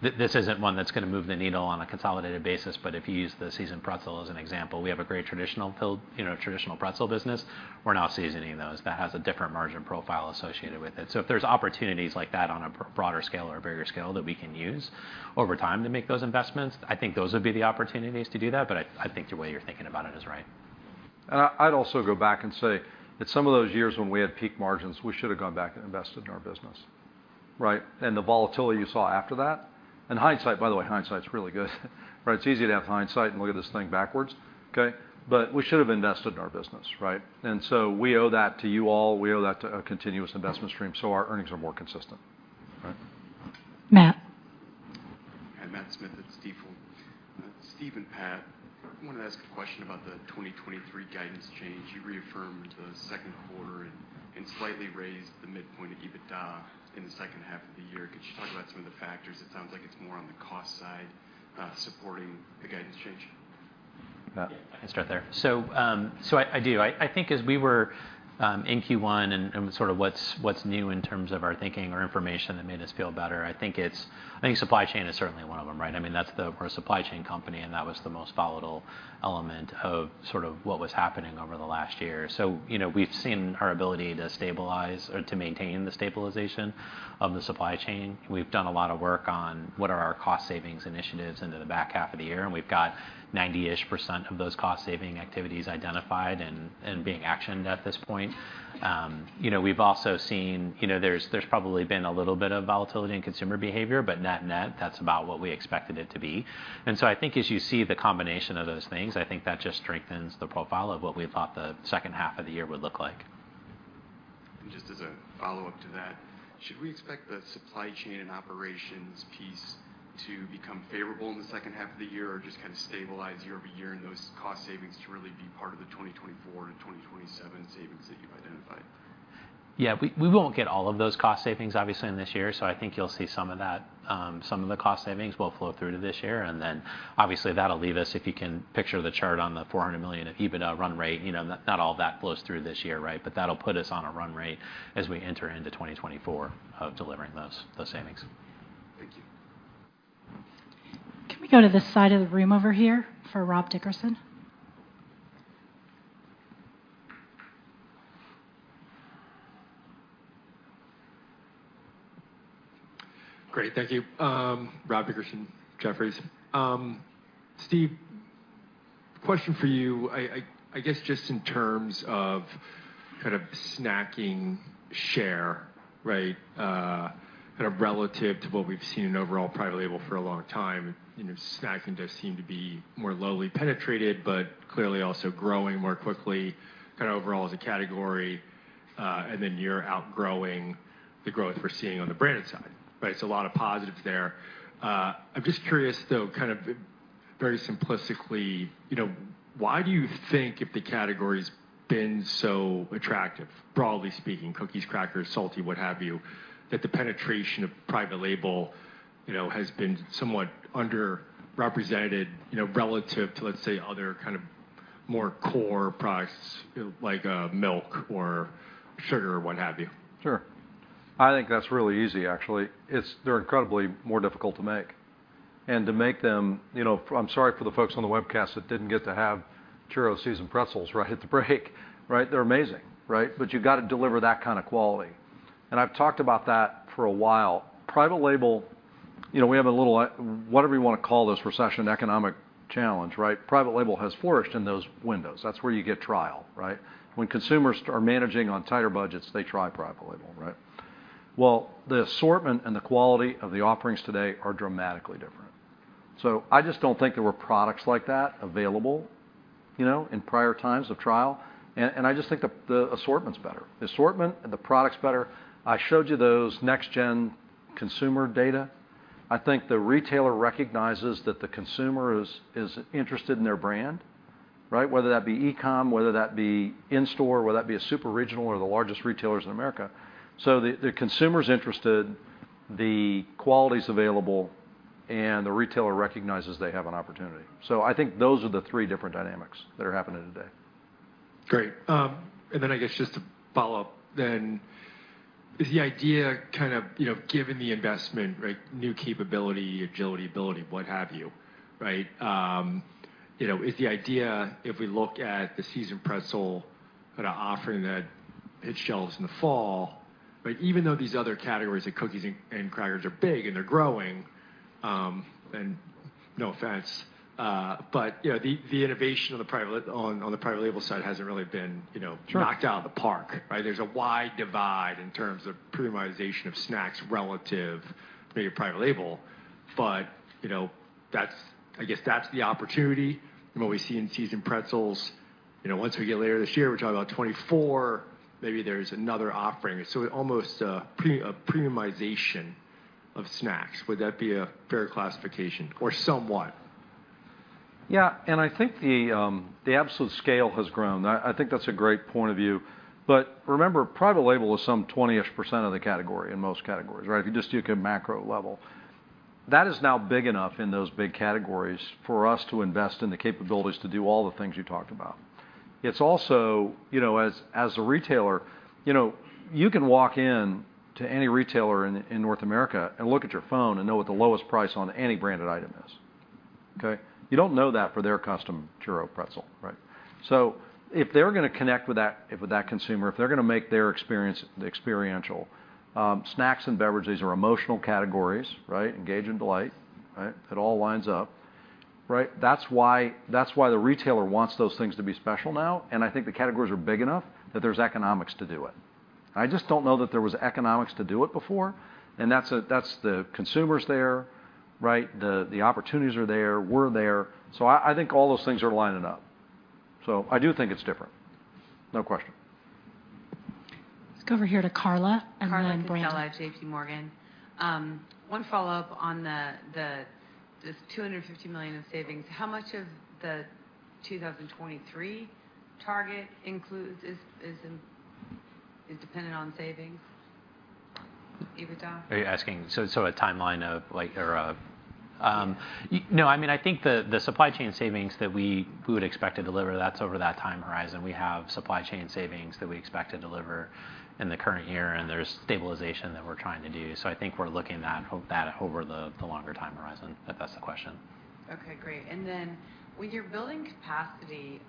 This isn't one that's gonna move the needle on a consolidated basis, but if you use the Seasoned Pretzel as an example, we have a great traditional pilled, you know, traditional pretzel business. We're now seasoning those. That has a different margin profile associated with it. If there's opportunities like that on a broader scale or a bigger scale that we can use over time to make those investments, I think those would be the opportunities to do that, but I think the way you're thinking about it is right. I'd also go back and say that some of those years when we had peak margins, we should have gone back and invested in our business, right? The volatility you saw after that. In hindsight, by the way, hindsight's really good. It's easy to have hindsight and look at this thing backwards, okay? We should have invested in our business, right? We owe that to you all, we owe that to a continuous investment stream, so our earnings are more consistent. Right? Matt? Hi, Matthew Smith at Stifel. Steve and Pat, I wanted to ask a question about the 2023 guidance change. You reaffirmed the second quarter and slightly raised the midpoint of EBITDA in the second half of the year. Could you talk about some of the factors? It sounds like it's more on the cost side, supporting the guidance change. I can start there. I do. I think as we were in Q1 and sort of what's new in terms of our thinking or information that made us feel better, I think supply chain is certainly one of them, right? I mean, that's we're a supply chain company, and that was the most volatile element of sort of what was happening over the last year. You know, we've seen our ability to stabilize or to maintain the stabilization of the supply chain. We've done a lot of work on what are our cost savings initiatives into the back half of the year, and we've got 90-ish% of those cost-saving activities identified and being actioned at this point. You know, there's probably been a little bit of volatility in consumer behavior, but net-net, that's about what we expected it to be. I think as you see the combination of those things, I think that just strengthens the profile of what we thought the second half of the year would look like. Just as a follow-up to that, should we expect the supply chain and operations piece to become favorable in the second half of the year, or just kind of stabilize year-over-year, and those cost savings to really be part of the 2024-2027 savings that you've identified? Yeah, we won't get all of those cost savings, obviously, in this year, so I think you'll see some of that. Some of the cost savings will flow through to this year, and then, obviously, that'll leave us, if you can picture the chart on the $400 million of EBITDA run rate, you know, not all of that flows through this year, right? That'll put us on a run rate as we enter into 2024 of delivering those savings. Thank you. Can we go to this side of the room over here, for Rob Dickerson? Great, thank you. Rob Dickerson, Jefferies. Steve, question for you, I guess, just in terms of kind of snacking share, right? kind of relative to what we've seen in overall private label for a long time, you know, snacking does seem to be more lowly penetrated, but clearly also growing more quickly, kind of overall as a category, and then you're outgrowing the growth we're seeing on the branded side, right? A lot of positives there. I'm just curious, though, very simplistically, you know, why do you think if the category's been so attractive, broadly speaking, cookies, crackers, salty, what have you, that the penetration of private label, you know, has been somewhat underrepresented, you know, relative to, let's say, other kind of more core products, you know, like milk or sugar or what have you? I think that's really easy, actually. They're incredibly more difficult to make. And to make them, you know, I'm sorry for the folks on the webcast that didn't get to have Churro Seasoned Pretzels right at the break. Right? They're amazing, right? You've got to deliver that kind of quality, and I've talked about that for a while. Private label, you know, we have a little, whatever you wanna call this recession, economic challenge, right? Private label has flourished in those windows. That's where you get trial, right? When consumers are managing on tighter budgets, they try private label, right? Well, the assortment and the quality of the offerings today are dramatically different. I just don't think there were products like that available, you know, in prior times of trial. I just think the assortment's better. The assortment and the product's better. I showed you those next-gen consumer data. I think the retailer recognizes that the consumer is interested in their brand, right? Whether that be e-com, whether that be in-store, whether that be a super regional or the largest retailers in America. The consumer's interested, the quality's available, and the retailer recognizes they have an opportunity. I think those are the three different dynamics that are happening today. Great. Then I guess, just to follow up, then, is the idea kind of, you know, given the investment, right, new capability, agility, ability, what have you, right, you know, is the idea, if we look at the Seasoned Pretzels, at an offering that hits shelves in the fall, even though these other categories, like cookies and crackers, are big and they're growing, No offense, you know, the innovation on the private label side hasn't really been, you know. Sure knocked out of the park, right? There's a wide divide in terms of premiumization of snacks relative to your private label. You know, I guess, that's the opportunity from what we see in Seasoned Pretzels. You know, once we get later this year, we're talking about 2024, maybe there's another offering. Almost premiumization of snacks. Would that be a fair classification or somewhat? I think the absolute scale has grown. I think that's a great point of view. Remember, private label is some 20-ish% of the category, in most categories, right? If you just do it at macro level. That is now big enough in those big categories for us to invest in the capabilities to do all the things you talked about. It's also, you know, as a retailer, you know, you can walk in to any retailer in North America and look at your phone and know what the lowest price on any branded item is, okay? You don't know that for their custom Churro Pretzel, right? If they're gonna connect with that consumer, if they're gonna make their experience, the experiential, snacks and beverages are emotional categories, right? Engage and delight, right? It all lines up, right? That's why the retailer wants those things to be special now. I think the categories are big enough that there's economics to do it. I just don't know that there was economics to do it before. That's the consumers there, right? The opportunities are there, we're there. I think all those things are lining up. I do think it's different, no question. Let's go over here to Carla, and then Brandon. Carla from JPMorgan. one follow-up on this $250 million in savings. How much of the 2023 target is dependent on savings, EBITDA? A timeline of, like, or no, I mean, I think the supply chain savings that we would expect to deliver, that's over that time horizon. We have supply chain savings that we expect to deliver in the current year, and there's stabilization that we're trying to do. I think we're looking at that, hope that, over the longer time horizon, if that's the question. Okay, great. When you're building capacity,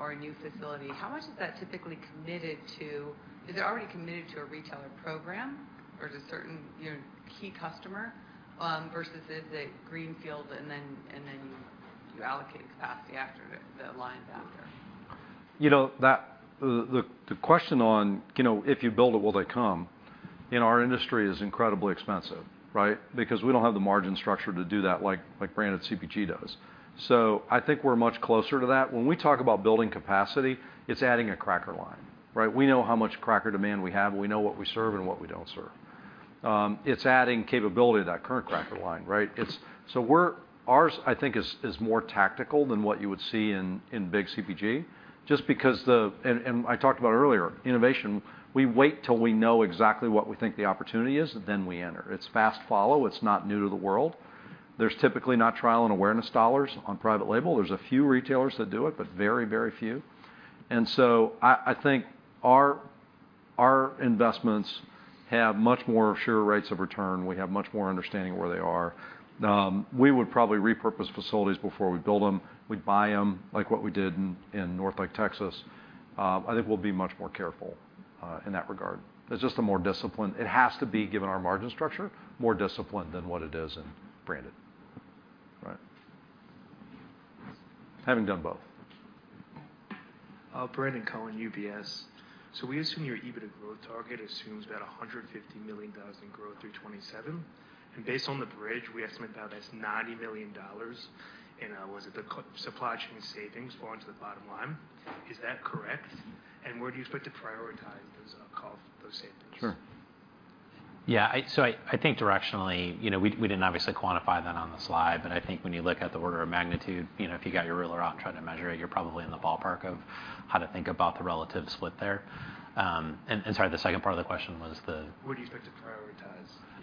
or a new facility, how much is that typically committed to a retailer program, or is a certain key customer, versus is it greenfield, and then you allocate capacity after the line's out there? You know, the question on, you know, if you build it, will they come, in our industry, is incredibly expensive, right? Because we don't have the margin structure to do that like branded CPG does. I think we're much closer to that. When we talk about building capacity, it's adding a cracker line, right? We know how much cracker demand we have, and we know what we serve and what we don't serve. It's adding capability to that current cracker line, right? Ours, I think, is more tactical than what you would see in big CPG, just because. I talked about it earlier, innovation, we wait till we know exactly what we think the opportunity is, and then we enter. It's fast follow. It's not new to the world. There's typically not trial and awareness dollars on private label. There's a few retailers that do it, but very, very few. I think our investments have much more surer rates of return. We have much more understanding of where they are. We would probably repurpose facilities before we build them. We'd buy them, like what we did in Northlake, Texas. I think we'll be much more careful in that regard. It has to be, given our margin structure, more disciplined than what it is in branded. Right. Having done both. Brandon Cohen, UBS. We assume your EBITDA growth target assumes about $150 million in growth through 2027, and based on the bridge, we estimate about that's $90 million in supply chain savings flowing to the bottom line? Is that correct, and where do you expect to prioritize those cost, those savings? Sure. Yeah, I, so I think directionally, you know, we didn't obviously quantify that on the slide, but I think when you look at the order of magnitude, you know, if you got your ruler out and trying to measure it, you're probably in the ballpark of how to think about the relative split there. Sorry, the second part of the question was the? Where do you expect to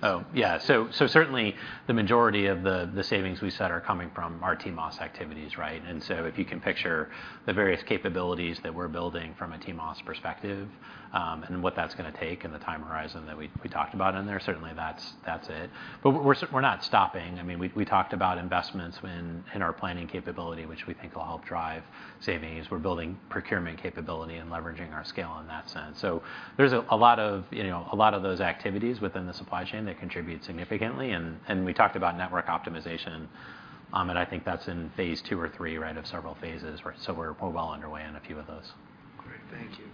prioritize? Yeah. Certainly, the majority of the savings we said are coming from our TMOS activities, right? If you can picture the various capabilities that we're building from a TMOS perspective, and what that's gonna take and the time horizon that we talked about in there, certainly that's it. We're not stopping. I mean, we talked about investments in our planning capability, which we think will help drive savings. We're building procurement capability and leveraging our scale in that sense. There's a lot of, you know, a lot of those activities within the supply chain that contribute significantly, and we talked about network optimization. I think that's in phase II or III right, of several phases, right? We're well underway on a few of those. Great. Thank you.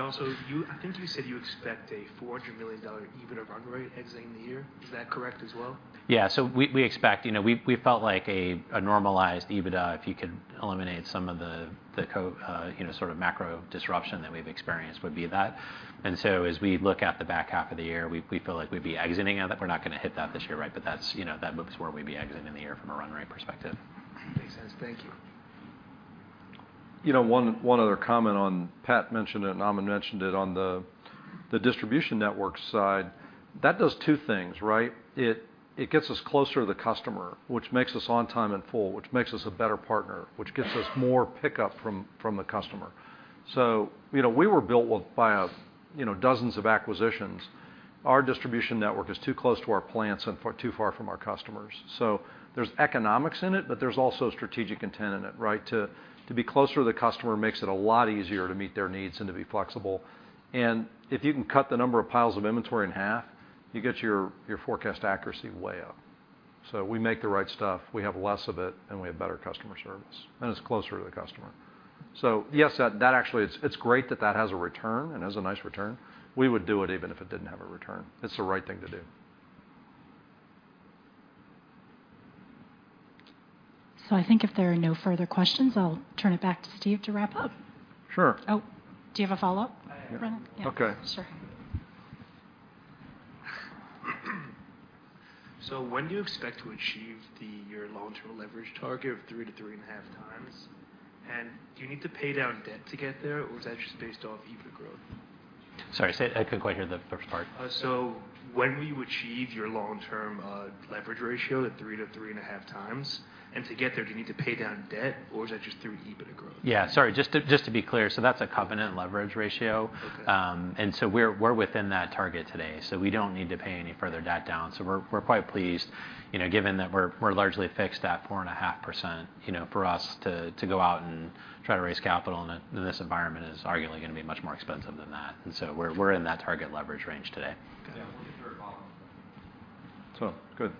Also, I think you said you expect a $400 million EBITDA run rate exiting the year. Is that correct as well? We expect, you know, we've felt like a normalized EBITDA, if you could eliminate some of the, you know, sort of macro disruption that we've experienced, would be that. As we look at the back half of the year, we feel like we'd be exiting out. We're not gonna hit that this year, right? That's, you know, that looks where we'd be exiting the year from a run rate perspective. Makes sense. Thank you. You know, one other comment on, Pat mentioned it, Amit Philip mentioned it, on the distribution network side, that does two things, right? It gets us closer to the customer, which makes us on time and full, which makes us a better partner, which gets us more pickup from the customer. You know, we were built by a, you know, dozens of acquisitions. Our distribution network is too close to our plants and too far from our customers. There's economics in it, but there's also strategic intent in it, right? To be closer to the customer makes it a lot easier to meet their needs and to be flexible. If you can cut the number of piles of inventory in half, you get your forecast accuracy way up. We make the right stuff, we have less of it, and we have better customer service, and it's closer to the customer. Yes, that actually, it's great that that has a return and has a nice return. We would do it even if it didn't have a return. It's the right thing to do. I think if there are no further questions, I'll turn it back to Steve to wrap up. Sure. Oh, do you have a follow-up? I have. Yeah. Okay. Sure. When do you expect to achieve your long-term leverage target of 3x-3.5x? Do you need to pay down debt to get there, or is that just based off EBITDA growth? Sorry, say it again. I couldn't quite hear the first part. When will you achieve your long-term leverage ratio at 3x-3.5x? To get there, do you need to pay down debt, or is that just through EBITDA growth? Yeah, sorry, just to be clear, that's a covenant leverage ratio. Okay. We're, we're within that target today, so we don't need to pay any further debt down. We're, we're quite pleased, you know, given that we're largely fixed at 4.5%. You know, for us to go out and try to raise capital in this environment is arguably gonna be much more expensive than that. We're, we're in that target leverage range today. Yeah, we'll get your follow-up. Good.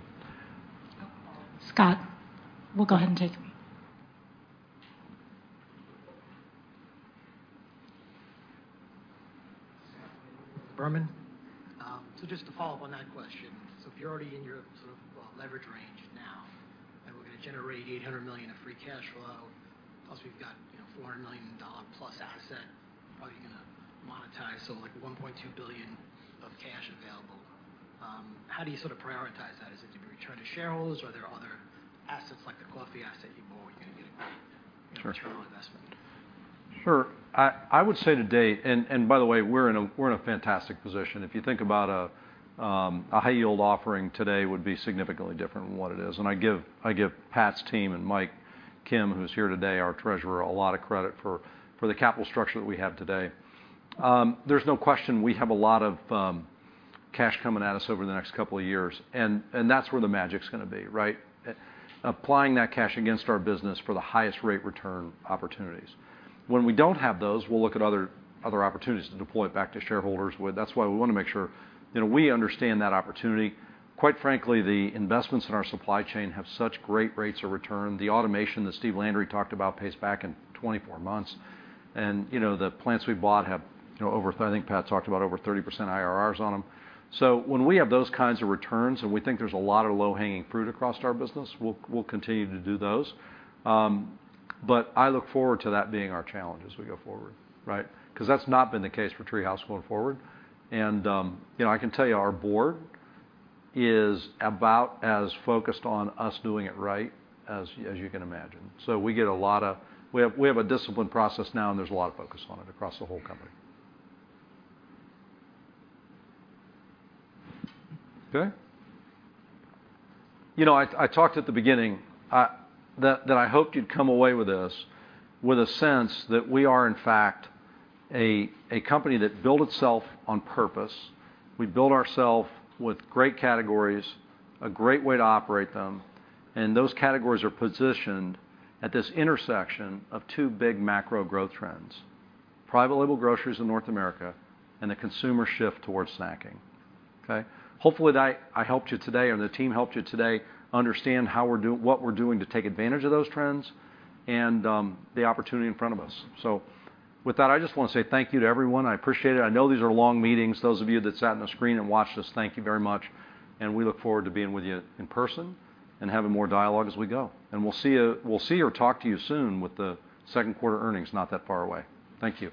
Scott, we'll go ahead and take you. Just to follow up on that question. If you're already in your sort of, well, leverage range now, and we're gonna generate $800 million in free cash flow, plus we've got, you know, $400 million plus asset, how are you gonna monetize? Like, $1.2 billion of cash available. How do you sort of prioritize that? Is it to be returned to shareholders, or are there other assets like the coffee asset you bought, you're gonna get a great- Sure... return on investment? Sure. I would say today. By the way, we're in a fantastic position. If you think about a high yield offering today would be significantly different than what it is. I give Pat's team and Michael Kim, who's here today, our treasurer, a lot of credit for the capital structure that we have today. There's no question we have a lot of cash coming at us over the next couple of years. That's where the magic's gonna be, right? Applying that cash against our business for the highest rate return opportunities. When we don't have those, we'll look at other opportunities to deploy it back to shareholders. That's why we wanna make sure, you know, we understand that opportunity. Quite frankly, the investments in our supply chain have such great rates of return. The automation that Steve Landry talked about pays back in 24 months. You know, the plants we bought have, you know, I think Pat talked about over 30% IRRs on them. When we have those kinds of returns, and we think there's a lot of low-hanging fruit across our business, we'll continue to do those. I look forward to that being our challenge as we go forward, right? 'Cause that's not been the case for TreeHouse going forward. You know, I can tell you, our board is about as focused on us doing it right as you can imagine. We have a disciplined process now, and there's a lot of focus on it across the whole company. Okay? You know, I talked at the beginning that I hoped you'd come away with this, with a sense that we are, in fact, a company that built itself on purpose. We built ourself with great categories, a great way to operate them, and those categories are positioned at this intersection of two big macro growth trends: private label groceries in North America, and the consumer shift towards snacking, okay? Hopefully, I helped you today, or the team helped you today understand how what we're doing to take advantage of those trends and the opportunity in front of us. With that, I just want to say thank you to everyone. I appreciate it. I know these are long meetings. Those of you that sat in the screen and watched us, thank you very much, and we look forward to being with you in person and having more dialogue as we go. We'll see or talk to you soon, with the second quarter earnings not that far away. Thank you.